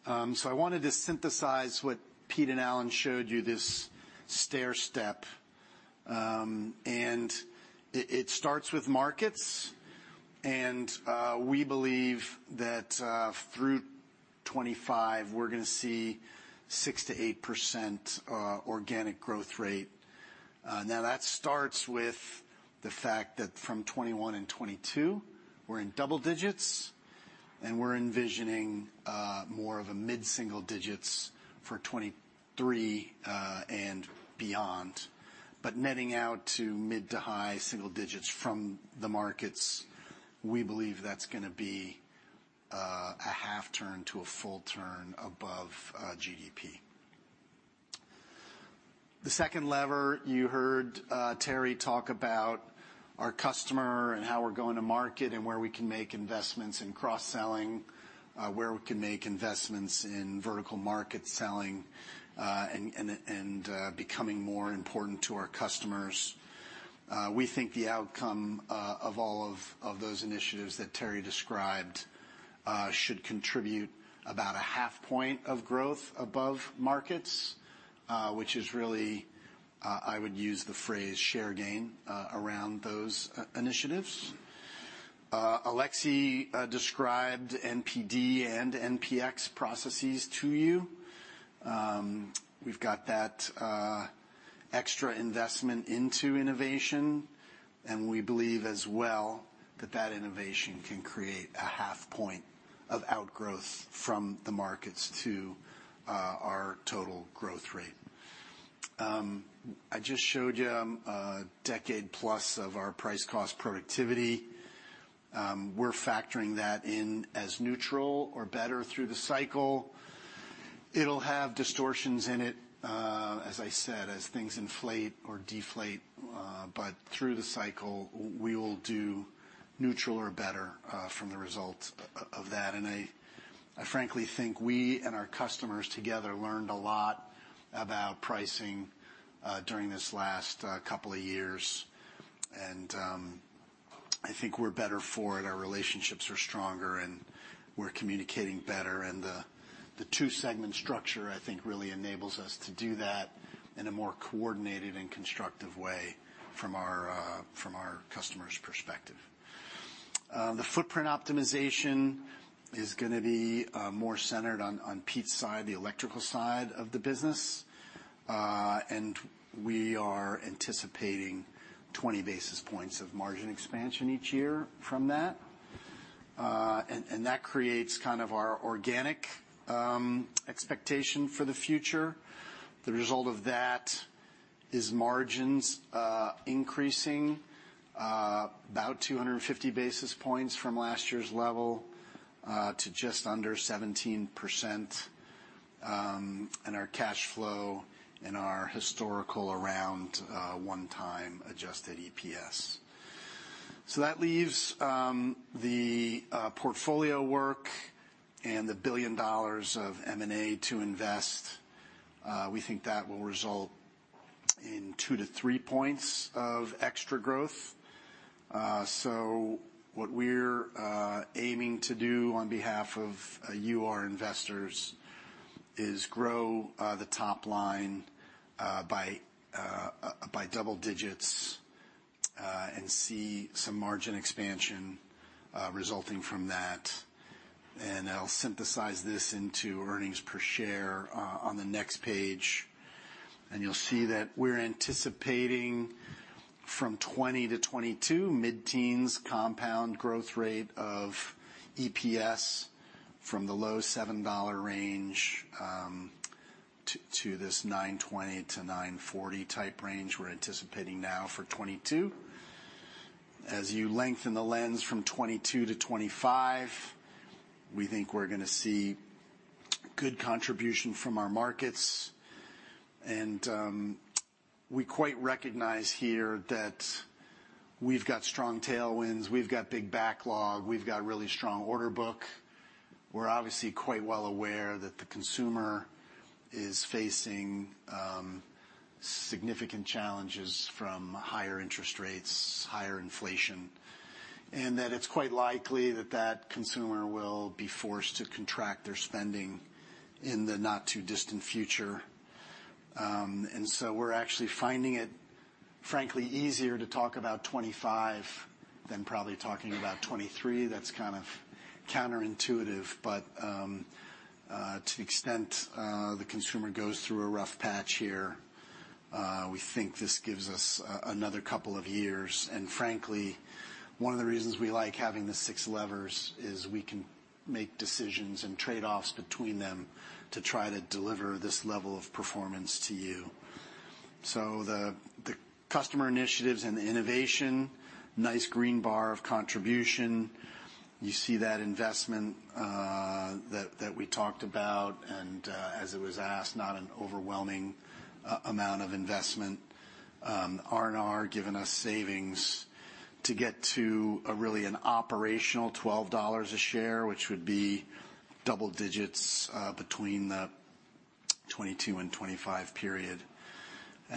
I wanted to synthesize what Pete and Allan showed you, this stairstep. It starts with markets. We believe that through 2025, we're gonna see 6%-8% organic growth rate. Now that starts with the fact that from 2021 and 2022, we're in double digits, and we're envisioning more of a mid-single digits for 2023 and beyond. Netting out to mid-to-high single digits from the markets, we believe that's gonna be a half turn to a full turn above GDP. The second lever, you heard Terry talk about our customer and how we're going to market, and where we can make investments in cross-selling, where we can make investments in vertical market selling, and becoming more important to our customers. We think the outcome of all of those initiatives that Terry described should contribute about a half point of growth above markets, which is really I would use the phrase share gain around those initiatives. Alexis described NPD and NPX processes to you. We've got that extra investment into innovation, and we believe as well that that innovation can create a half point of outgrowth from the markets to our total growth rate. I just showed you a decade-plus of our price cost productivity. We're factoring that in as neutral or better through the cycle. It'll have distortions in it, as I said, as things inflate or deflate, but through the cycle we will do neutral or better from the results of that. I frankly think we and our customers together learned a lot about pricing during this last couple of years. I think we're better for it. Our relationships are stronger and we're communicating better. The two-segment structure, I think, really enables us to do that in a more coordinated and constructive way from our customers' perspective. The footprint optimization is gonna be more centered on Pete's side, the Electrical side of the business. We are anticipating 20 basis points of margin expansion each year from that. That creates kind of our organic expectation for the future. The result of that is margins increasing about 250 basis points from last year's level to just under 17%, and our cash flow and our historical around 1x adjusted EPS. That leaves the portfolio work and the $1 billion of M&A to invest. We think that will result in two to three points of extra growth. What we're aiming to do on behalf of you, our investors, is grow the top line by double digits and see some margin expansion resulting from that. I'll synthesize this into earnings per share on the next page. You'll see that we're anticipating from 2020 to 2022 mid-teens compound growth rate of EPS from the low $7 range, to this $9.20-$9.40 type range we're anticipating now for 2022. As you lengthen the lens from 2022 to 2025, we think we're gonna see good contribution from our markets. We quite recognize here that we've got strong tailwinds, we've got big backlog, we've got really strong order book. We're obviously quite well aware that the consumer is facing significant challenges from higher interest rates, higher inflation, and that it's quite likely that that consumer will be forced to contract their spending in the not too distant future. We're actually finding it, frankly, easier to talk about 2025 than probably talking about 2023. That's kind of counterintuitive, but to the extent the consumer goes through a rough patch here, we think this gives us another couple of years. Frankly, one of the reasons we like having the six levers is we can make decisions and trade-offs between them to try to deliver this level of performance to you. The customer initiatives and the innovation, nice green bar of contribution. You see that investment that we talked about, and as it was asked, not an overwhelming amount of investment. R&R giving us savings to get to a really an operational $12 a share, which would be double digits between the 2022 and 2025 period.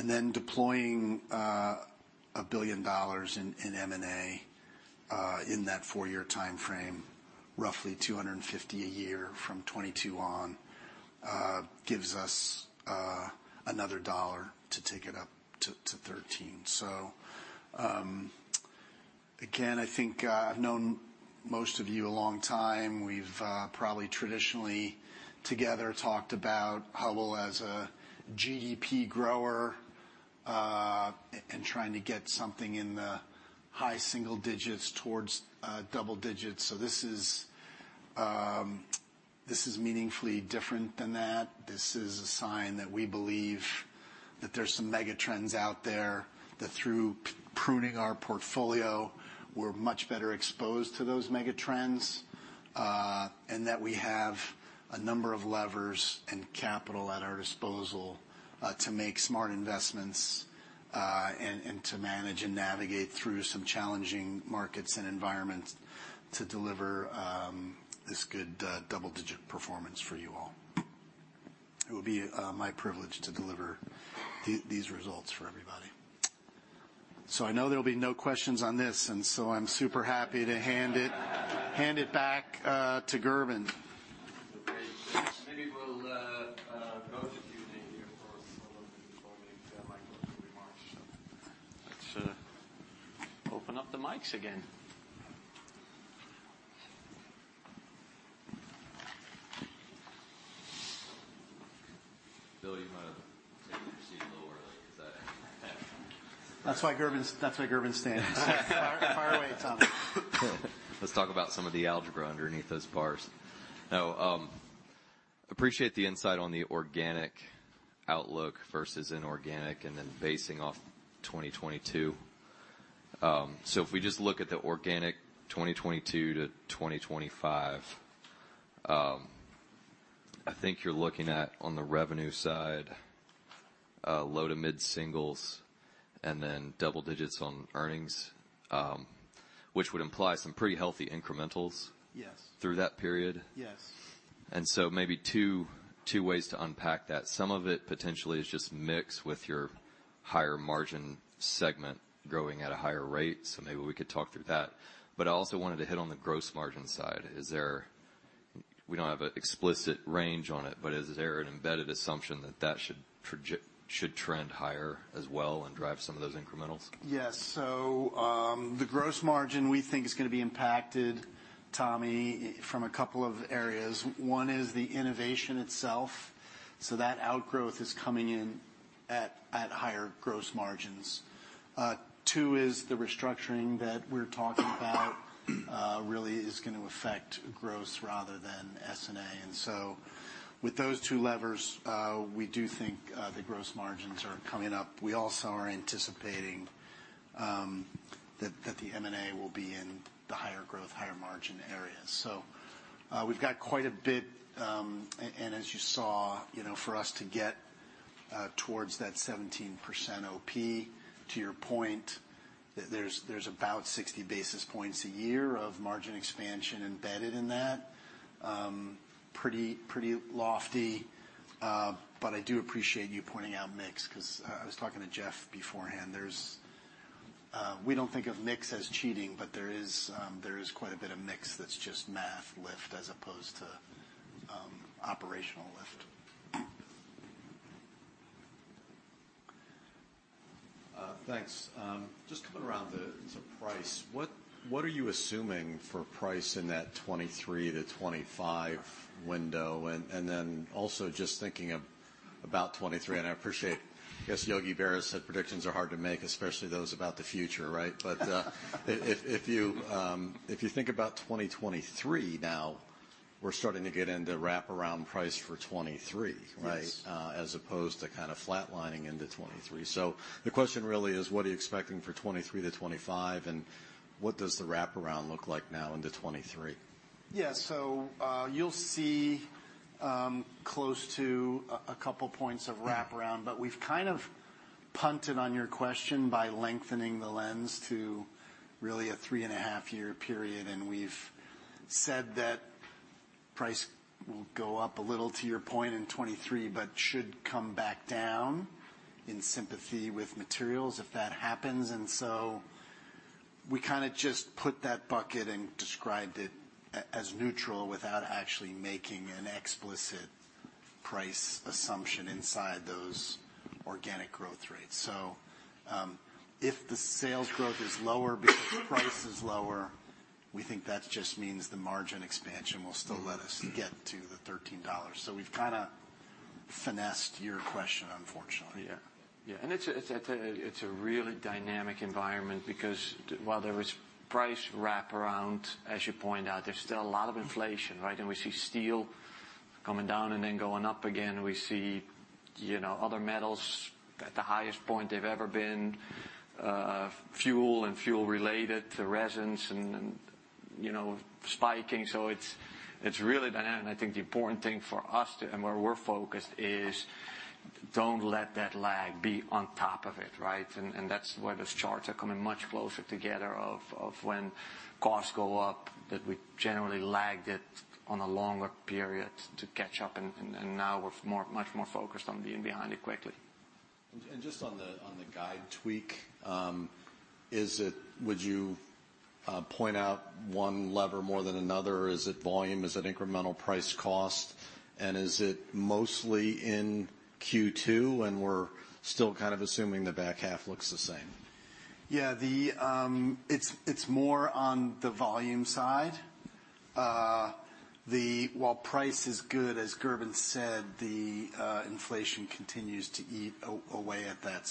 Then deploying $1 billion in M&A in that four-year timeframe, roughly $250 million a year from 2022 on, gives us another dollar to take it up to $13. Again, I think I've known most of you a long time. We've probably traditionally together talked about Hubbell as a GDP grower and trying to get something in the high single digits towards double digits. This is meaningfully different than that. This is a sign that we believe that there's some megatrends out there, that through pruning our portfolio, we're much better exposed to those megatrends, and that we have a number of levers and capital at our disposal, to make smart investments, and to manage and navigate through some challenging markets and environments to deliver this good double-digit performance for you all. It would be my privilege to deliver these results for everybody. I know there'll be no questions on this, and so I'm super happy to hand it back to Gerben. Okay. Maybe we'll go to Q&A here for some of the opening remarks. Let's open up the mics again. Bill, you might have taken your seat a little early 'cause I. That's why Gerben's standing far, far away, Tom. Let's talk about some of the algebra underneath those bars. Now, appreciate the insight on the organic outlook versus inorganic, and then basing off 2022. If we just look at the organic 2022 to 2025, I think you're looking at, on the revenue side, low to mid singles and then double digits on earnings, which would imply some pretty healthy incrementals. Yes. through that period. Yes. Maybe two ways to unpack that. Some of it potentially is just mix with your higher margin segment growing at a higher rate, so maybe we could talk through that. But I also wanted to hit on the gross margin side. Is there? We don't have an explicit range on it, but is there an embedded assumption that that should trend higher as well and drive some of those incrementals? Yes. The gross margin, we think, is gonna be impacted, Tommy, from a couple of areas. One is the innovation itself. That outgrowth is coming in at higher gross margins. Two is the restructuring that we're talking about, really is gonna affect gross rather than SG&A. With those two levers, we do think the gross margins are coming up. We also are anticipating that the M&A will be in the higher growth, higher margin areas. We've got quite a bit, and as you saw, you know, for us to get towards that 17% OP, to your point, there's about 60 basis points a year of margin expansion embedded in that. Pretty lofty, but I do appreciate you pointing out mix, 'cause I was talking to Jeff beforehand. We don't think of mix as cheating, but there is quite a bit of mix that's just math lift as opposed to operational lift. Thanks. Just coming around to, so price, what are you assuming for price in that 2023-2025 window? Then also just thinking about 2023, and I appreciate, I guess Yogi Berra said predictions are hard to make, especially those about the future, right? If you think about 2023 now, we're starting to get into wraparound price for 2023, right? Yes. As opposed to kinda flatlining into 2023. The question really is what are you expecting for 2023 to 2025, and what does the wraparound look like now into 2023? Yeah. You'll see close to a couple points of wraparound, but we've kind of punted on your question by lengthening the lens to really a three and a half year period. We've said that price will go up a little, to your point, in 2023, but should come back down in sympathy with materials if that happens. We kinda just put that bucket and described it as neutral without actually making an explicit price assumption inside those organic growth rates. If the sales growth is lower because price is lower, we think that just means the margin expansion will still let us get to the $13. We've kinda finessed your question, unfortunately. Yeah. It's a really dynamic environment because while there is price wraparound, as you point out, there's still a lot of inflation, right? We see steel coming down and then going up again. We see, you know, other metals at the highest point they've ever been. Fuel and fuel related, the resins and, you know, spiking... It's really dynamic. I think the important thing for us and where we're focused is don't let that lag be on top of it, right? That's why those charts are coming much closer together of when costs go up, that we generally lagged it on a longer period to catch up. Now we're much more focused on being behind it quickly. Just on the guide tweak, is it, would you point out one lever more than another? Is it volume? Is it incremental price cost? Is it mostly in Q2 when we're still kind of assuming the back half looks the same? Yeah. It's more on the volume side. While price is good, as Gerben said, the inflation continues to eat away at that.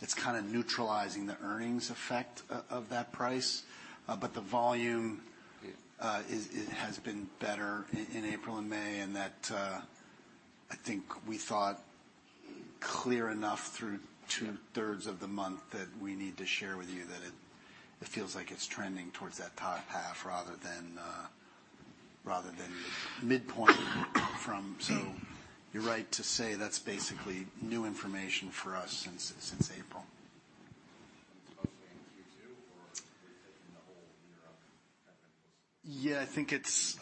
It's kinda neutralizing the earnings effect of that price. The volume is. It has been better in April and May, and that I think we thought clear enough through two-thirds of the month that we need to share with you that it feels like it's trending towards that top half rather than midpoint from. You're right to say that's basically new information for us since April. It's mostly in Q2, or are you taking the whole year up kind of in full? Yeah, I think it's.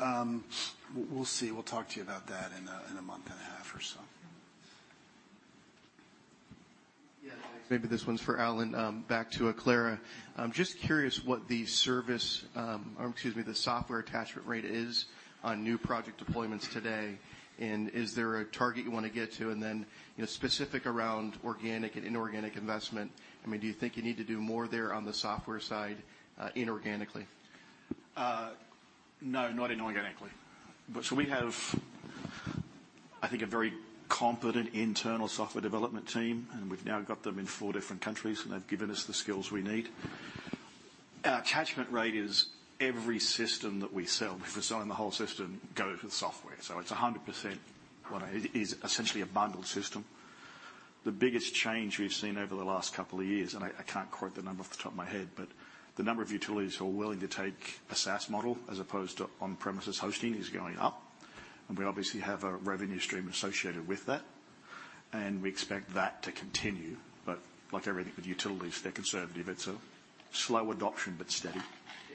We'll see. We'll talk to you about that in a month and a half or so. Yeah. Maybe this one's for Allan. Back to Aclara. I'm just curious what the software attachment rate is on new project deployments today. Is there a target you wanna get to? Then, you know, specifically around organic and inorganic investment, I mean, do you think you need to do more there on the software side, inorganically? No, not inorganically. We have, I think, a very competent internal software development team, and we've now got them in four different countries, and they've given us the skills we need. Our catchment rate is every system that we sell, if we're selling the whole system, goes with software. It's 100% what is essentially a bundled system. The biggest change we've seen over the last couple of years, and I can't quote the number off the top of my head, but the number of utilities who are willing to take a SaaS model as opposed to on-premises hosting is going up. We obviously have a revenue stream associated with that. We expect that to continue. Like everything with utilities, they're conservative. It's a slow adoption, but steady.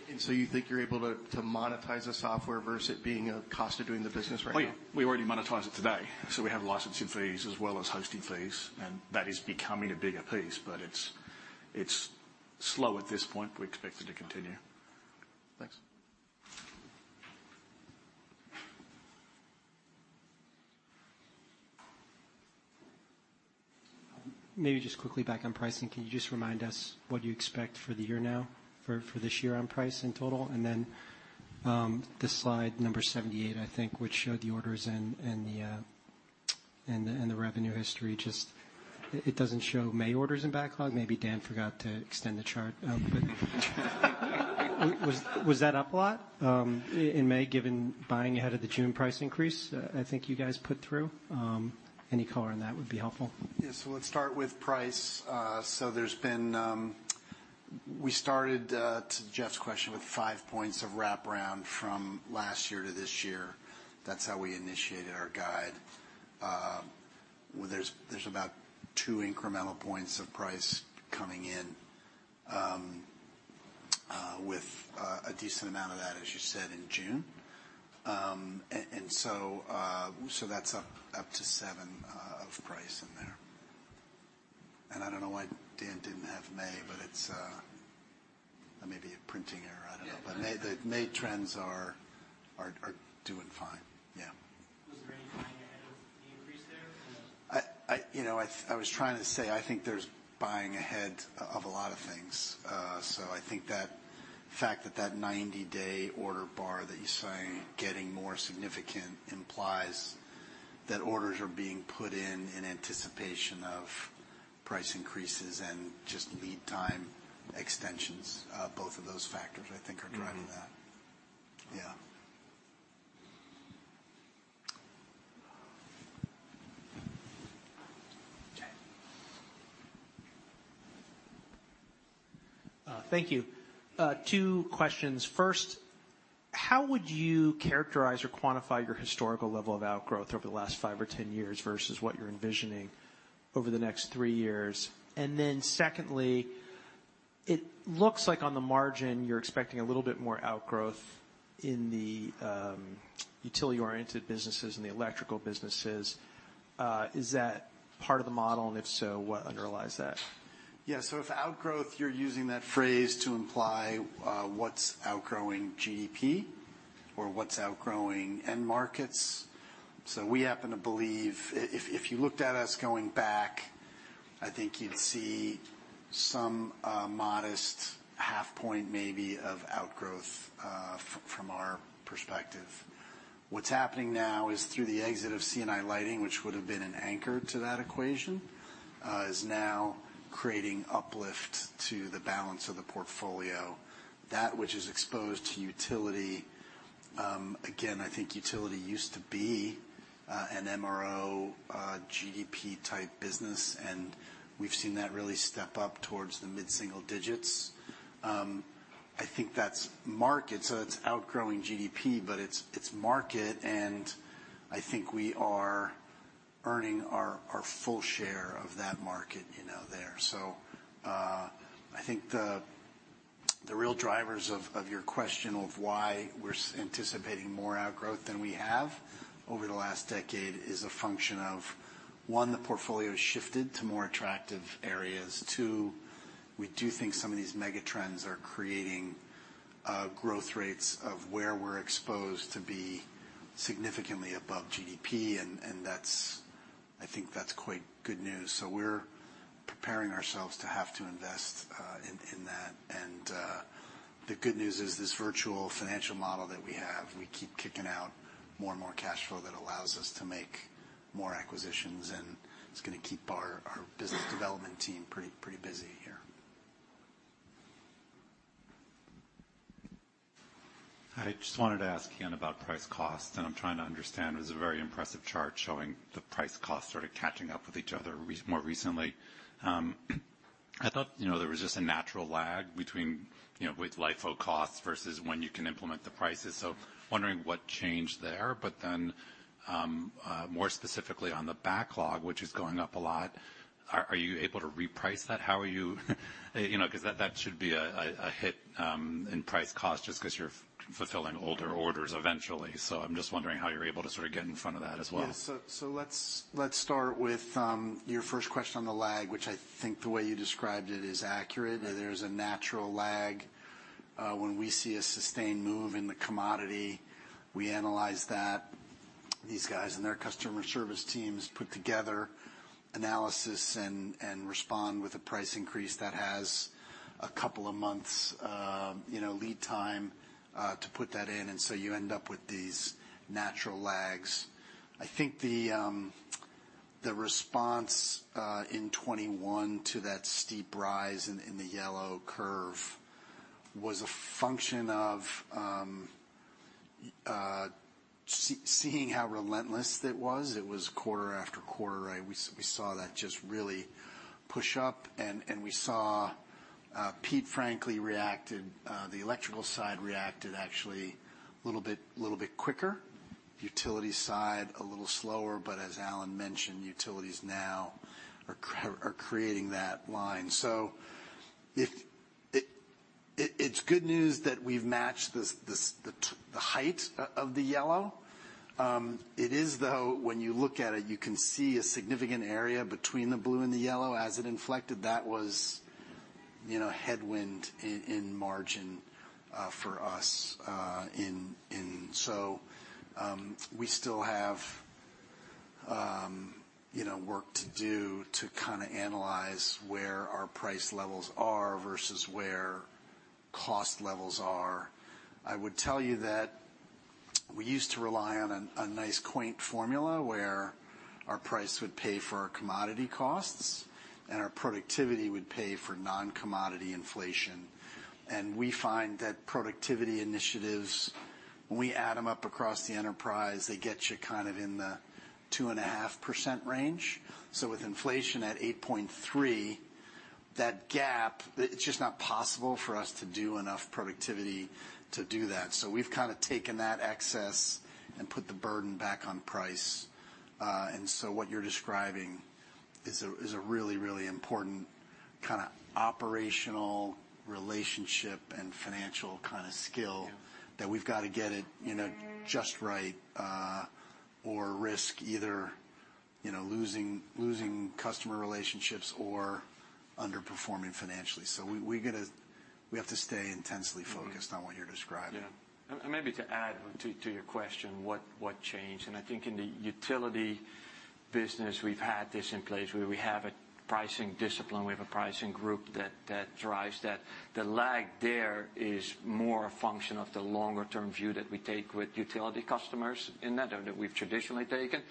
You think you're able to monetize the software versus it being a cost of doing the business right now? We already monetize it today. We have licensing fees as well as hosting fees, and that is becoming a bigger piece. It's slow at this point. We expect it to continue. Thanks. Maybe just quickly back on pricing. Can you just remind us what you expect for the year now, this year on price in total? Then, the slide number 78, I think, which showed the orders and the revenue history just, it doesn't show May orders in backlog. Maybe Dan forgot to extend the chart out, but was that up a lot in May given buying ahead of the June price increase, I think you guys put through? Any color on that would be helpful. Yes. Let's start with price. We started to Jeff's question with five points of wraparound from last year to this year. That's how we initiated our guide. There's about two incremental points of price coming in with a decent amount of that, as you said, in June. That's up to seven points of price in there. I don't know why Dan didn't have May, but it's maybe a printing error, I don't know. Yeah. May, the May trends are doing fine. Yeah. Was there any buying ahead with the increase there? You know, I was trying to say I think there's buying ahead of a lot of things. I think the fact that the 90-day order backlog that's getting more significant implies that orders are being put in in anticipation of price increases and just lead time extensions. Both of those factors, I think, are driving that. Mm-hmm. Yeah. Okay. Thank you. Two questions. First, how would you characterize or quantify your historical level of outgrowth over the last five or 10 years versus what you're envisioning over the next three years? Secondly, it looks like on the margin you're expecting a little bit more outgrowth in the Utility-oriented businesses and the Electrical businesses. Is that part of the model? And if so, what underlies that? Yeah. If outgrowth, you're using that phrase to imply what's outgrowing GDP or what's outgrowing end markets. We happen to believe if you looked at us going back, I think you'd see some modest half point maybe of outgrowth from our perspective. What's happening now is through the exit of C&I Lighting, which would've been an anchor to that equation is now creating uplift to the balance of the portfolio, that which is exposed to utility. Again, I think utility used to be an MRO GDP-type business, and we've seen that really step up towards the mid-single digits. I think that's market, so it's outgrowing GDP, but it's market, and I think we are earning our full share of that market, you know, there. I think the real drivers of your question of why we're anticipating more outgrowth than we have over the last decade is a function of, one, the portfolio's shifted to more attractive areas. Two, we do think some of these megatrends are creating growth rates of where we're exposed to be significantly above GDP, and that's, I think, quite good news. We're preparing ourselves to have to invest in that. The good news is this virtuous financial model that we have. We keep kicking out more and more cash flow that allows us to make more acquisitions, and it's gonna keep our business development team pretty busy here. I just wanted to ask again about price cost, and I'm trying to understand. It was a very impressive chart showing the price cost sort of catching up with each other more recently. I thought, you know, there was just a natural lag between, you know, with LIFO costs versus when you can implement the prices. Wondering what changed there. More specifically on the backlog, which is going up a lot, are you able to reprice that? How are you. You know, 'cause that should be a hit in price cost just 'cause you're fulfilling older orders eventually. I'm just wondering how you're able to sort of get in front of that as well. Yeah. Let's start with your first question on the lag, which I think the way you described it is accurate. There's a natural lag. When we see a sustained move in the commodity, we analyze that. These guys and their customer service teams put together analysis and respond with a price increase that has a couple of months, you know, lead time to put that in, and so you end up with these natural lags. I think the response in 2021 to that steep rise in the yellow curve was a function of seeing how relentless it was. It was quarter after quarter, right? We saw that just really push up. We saw Pete frankly reacted the Electrical side reacted actually a little bit quicker. Utility side, a little slower. As Allan mentioned, utilities now are creating that line. It's good news that we've matched the height of the yellow. It is, though, when you look at it, you can see a significant area between the blue and the yellow. As it inflected, that was, you know, headwind in margin for us. We still have, you know, work to do to kinda analyze where our price levels are versus where cost levels are. I would tell you that we used to rely on a nice quaint formula where our price would pay for our commodity costs and our productivity would pay for non-commodity inflation. We find that productivity initiatives, when we add them up across the enterprise, they get you kind of in the 2.5% range. With inflation at 8.3%, that gap, it's just not possible for us to do enough productivity to do that. We've kinda taken that excess and put the burden back on price. What you're describing is a really important kind of operational relationship and financial kind of skill. Yeah. that we've gotta get it, you know, just right, or risk either, you know, losing customer relationships or underperforming financially. We have to stay intensely focused- Mm-hmm. on what you're describing. Yeah. Maybe to add to your question, what changed? I think in the Utility business, we've had this in place where we have a pricing discipline, we have a pricing group that drives that. The lag there is more a function of the longer-term view that we take with Utility customers, or that we've traditionally taken.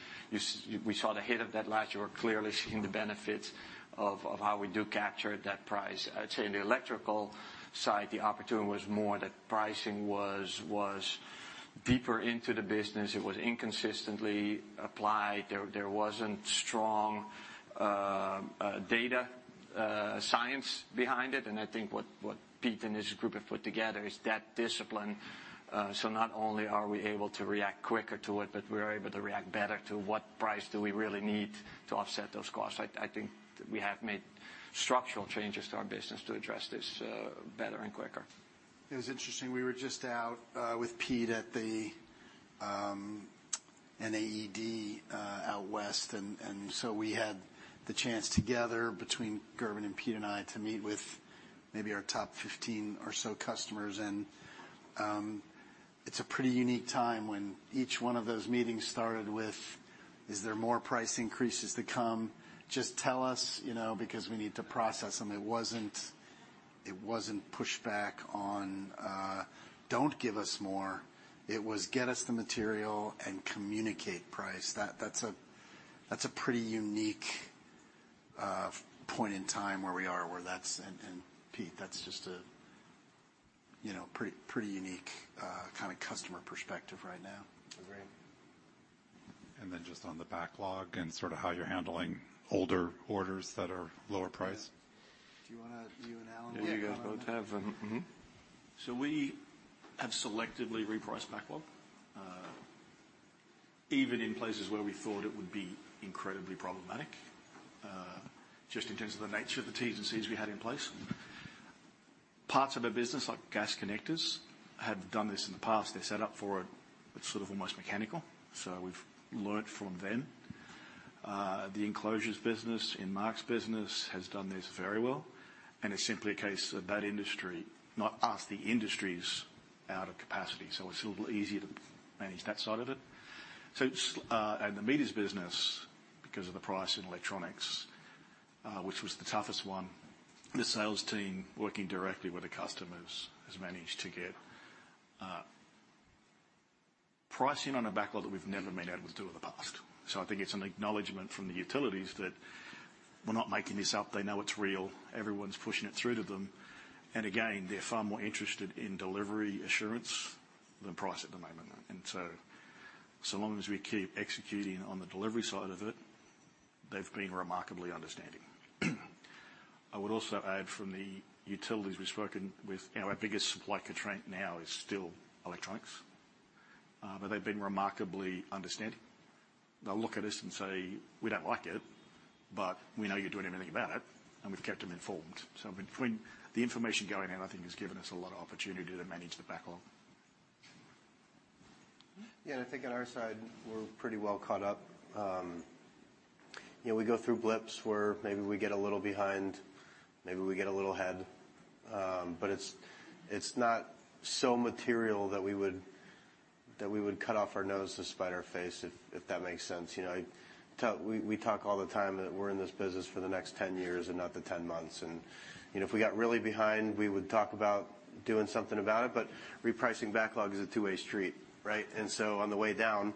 We saw the hit of that last year. We're clearly seeing the benefits of how we do capture that price. I'd say on the Electrical side, the opportunity was more that pricing was deeper into the business. It was inconsistently applied. There wasn't strong data science behind it. I think what Pete and his group have put together is that discipline. Not only are we able to react quicker to it, but we're able to react better to what price do we really need to offset those costs. I think we have made structural changes to our business to address this, better and quicker. It was interesting. We were just out with Pete at the NAED out West, and so we had the chance together between Gerben and Pete and I to meet with maybe our top 15 or so customers. It's a pretty unique time when each one of those meetings started with, "Is there more price increases to come? Just tell us, you know, because we need to process them." It wasn't pushback on, "Don't give us more." It was, "Get us the material and communicate price." That's a pretty unique point in time where we are, that's... Pete, that's just a you know, pretty unique kind of customer perspective right now. Agreed. Just on the backlog and sort of how you're handling older orders that are lower price. Do you wanna, you and Allan. Yeah. You guys both have them. We have selectively repriced backlog, even in places where we thought it would be incredibly problematic, just in terms of the nature of the T's and C's we had in place. Parts of the business, like Gas connectors, have done this in the past. They're set up for it. It's sort of almost mechanical. We've learned from them. The Enclosures business in Mark's business has done this very well, and it's simply a case of that industry, not us, the industry's out of capacity, so it's a little easier to manage that side of it. The Meters business, because of the price in electronics, which was the toughest one, the sales team working directly with the customers has managed to get pricing on a backlog that we've never been able to do in the past. I think it's an acknowledgment from the utilities that we're not making this up. They know it's real. Everyone's pushing it through to them. Again, they're far more interested in delivery assurance than price at the moment. So long as we keep executing on the delivery side of it, they've been remarkably understanding. I would also add from the utilities we've spoken with, you know, our biggest supply constraint now is still electronics, but they've been remarkably understanding. They'll look at us and say, "We don't like it, but we know you're doing everything about it," and we've kept them informed. Between the information going out, I think, has given us a lot of opportunity to manage the backlog. Yeah. I think on our side, we're pretty well caught up. You know, we go through blips where maybe we get a little behind, maybe we get a little ahead. It's not so material that we would cut off our nose to spite our face, if that makes sense. You know, we talk all the time that we're in this business for the next 10 years and not the 10 months. You know, if we got really behind, we would talk about doing something about it, but repricing backlog is a two-way street, right? On the way down,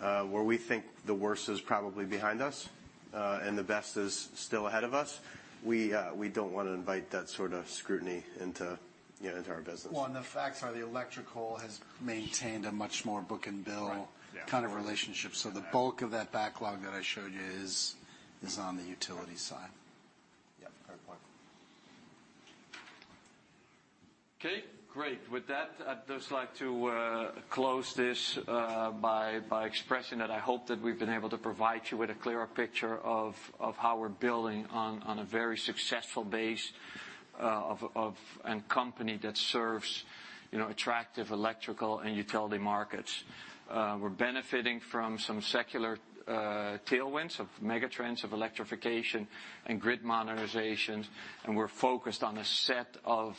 where we think the worst is probably behind us, and the best is still ahead of us, we don't wanna invite that sort of scrutiny into, you know, into our business. The facts are the electrical has maintained a much more book-and-bill. Right. Yeah. kind of relationship. Yeah. The bulk of that backlog that I showed you is on the Utility side. Yeah. Fair point. Okay. Great. With that, I'd just like to close this by expressing that I hope that we've been able to provide you with a clearer picture of how we're building on a very successful base of a company that serves, you know, attractive Electrical and Utility markets. We're benefiting from some secular tailwinds of megatrends of Electrification and Grid Modernization, and we're focused on a set of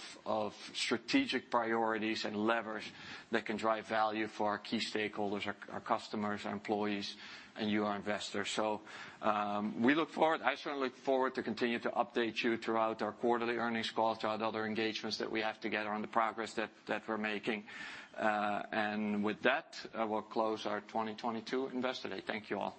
strategic priorities and levers that can drive value for our key stakeholders, our customers, our employees, and you, our investors. We look forward, I certainly look forward to continue to update you throughout our quarterly earnings calls, throughout other engagements that we have together on the progress that we're making. And with that, I will close our 2022 Investor Day. Thank you all.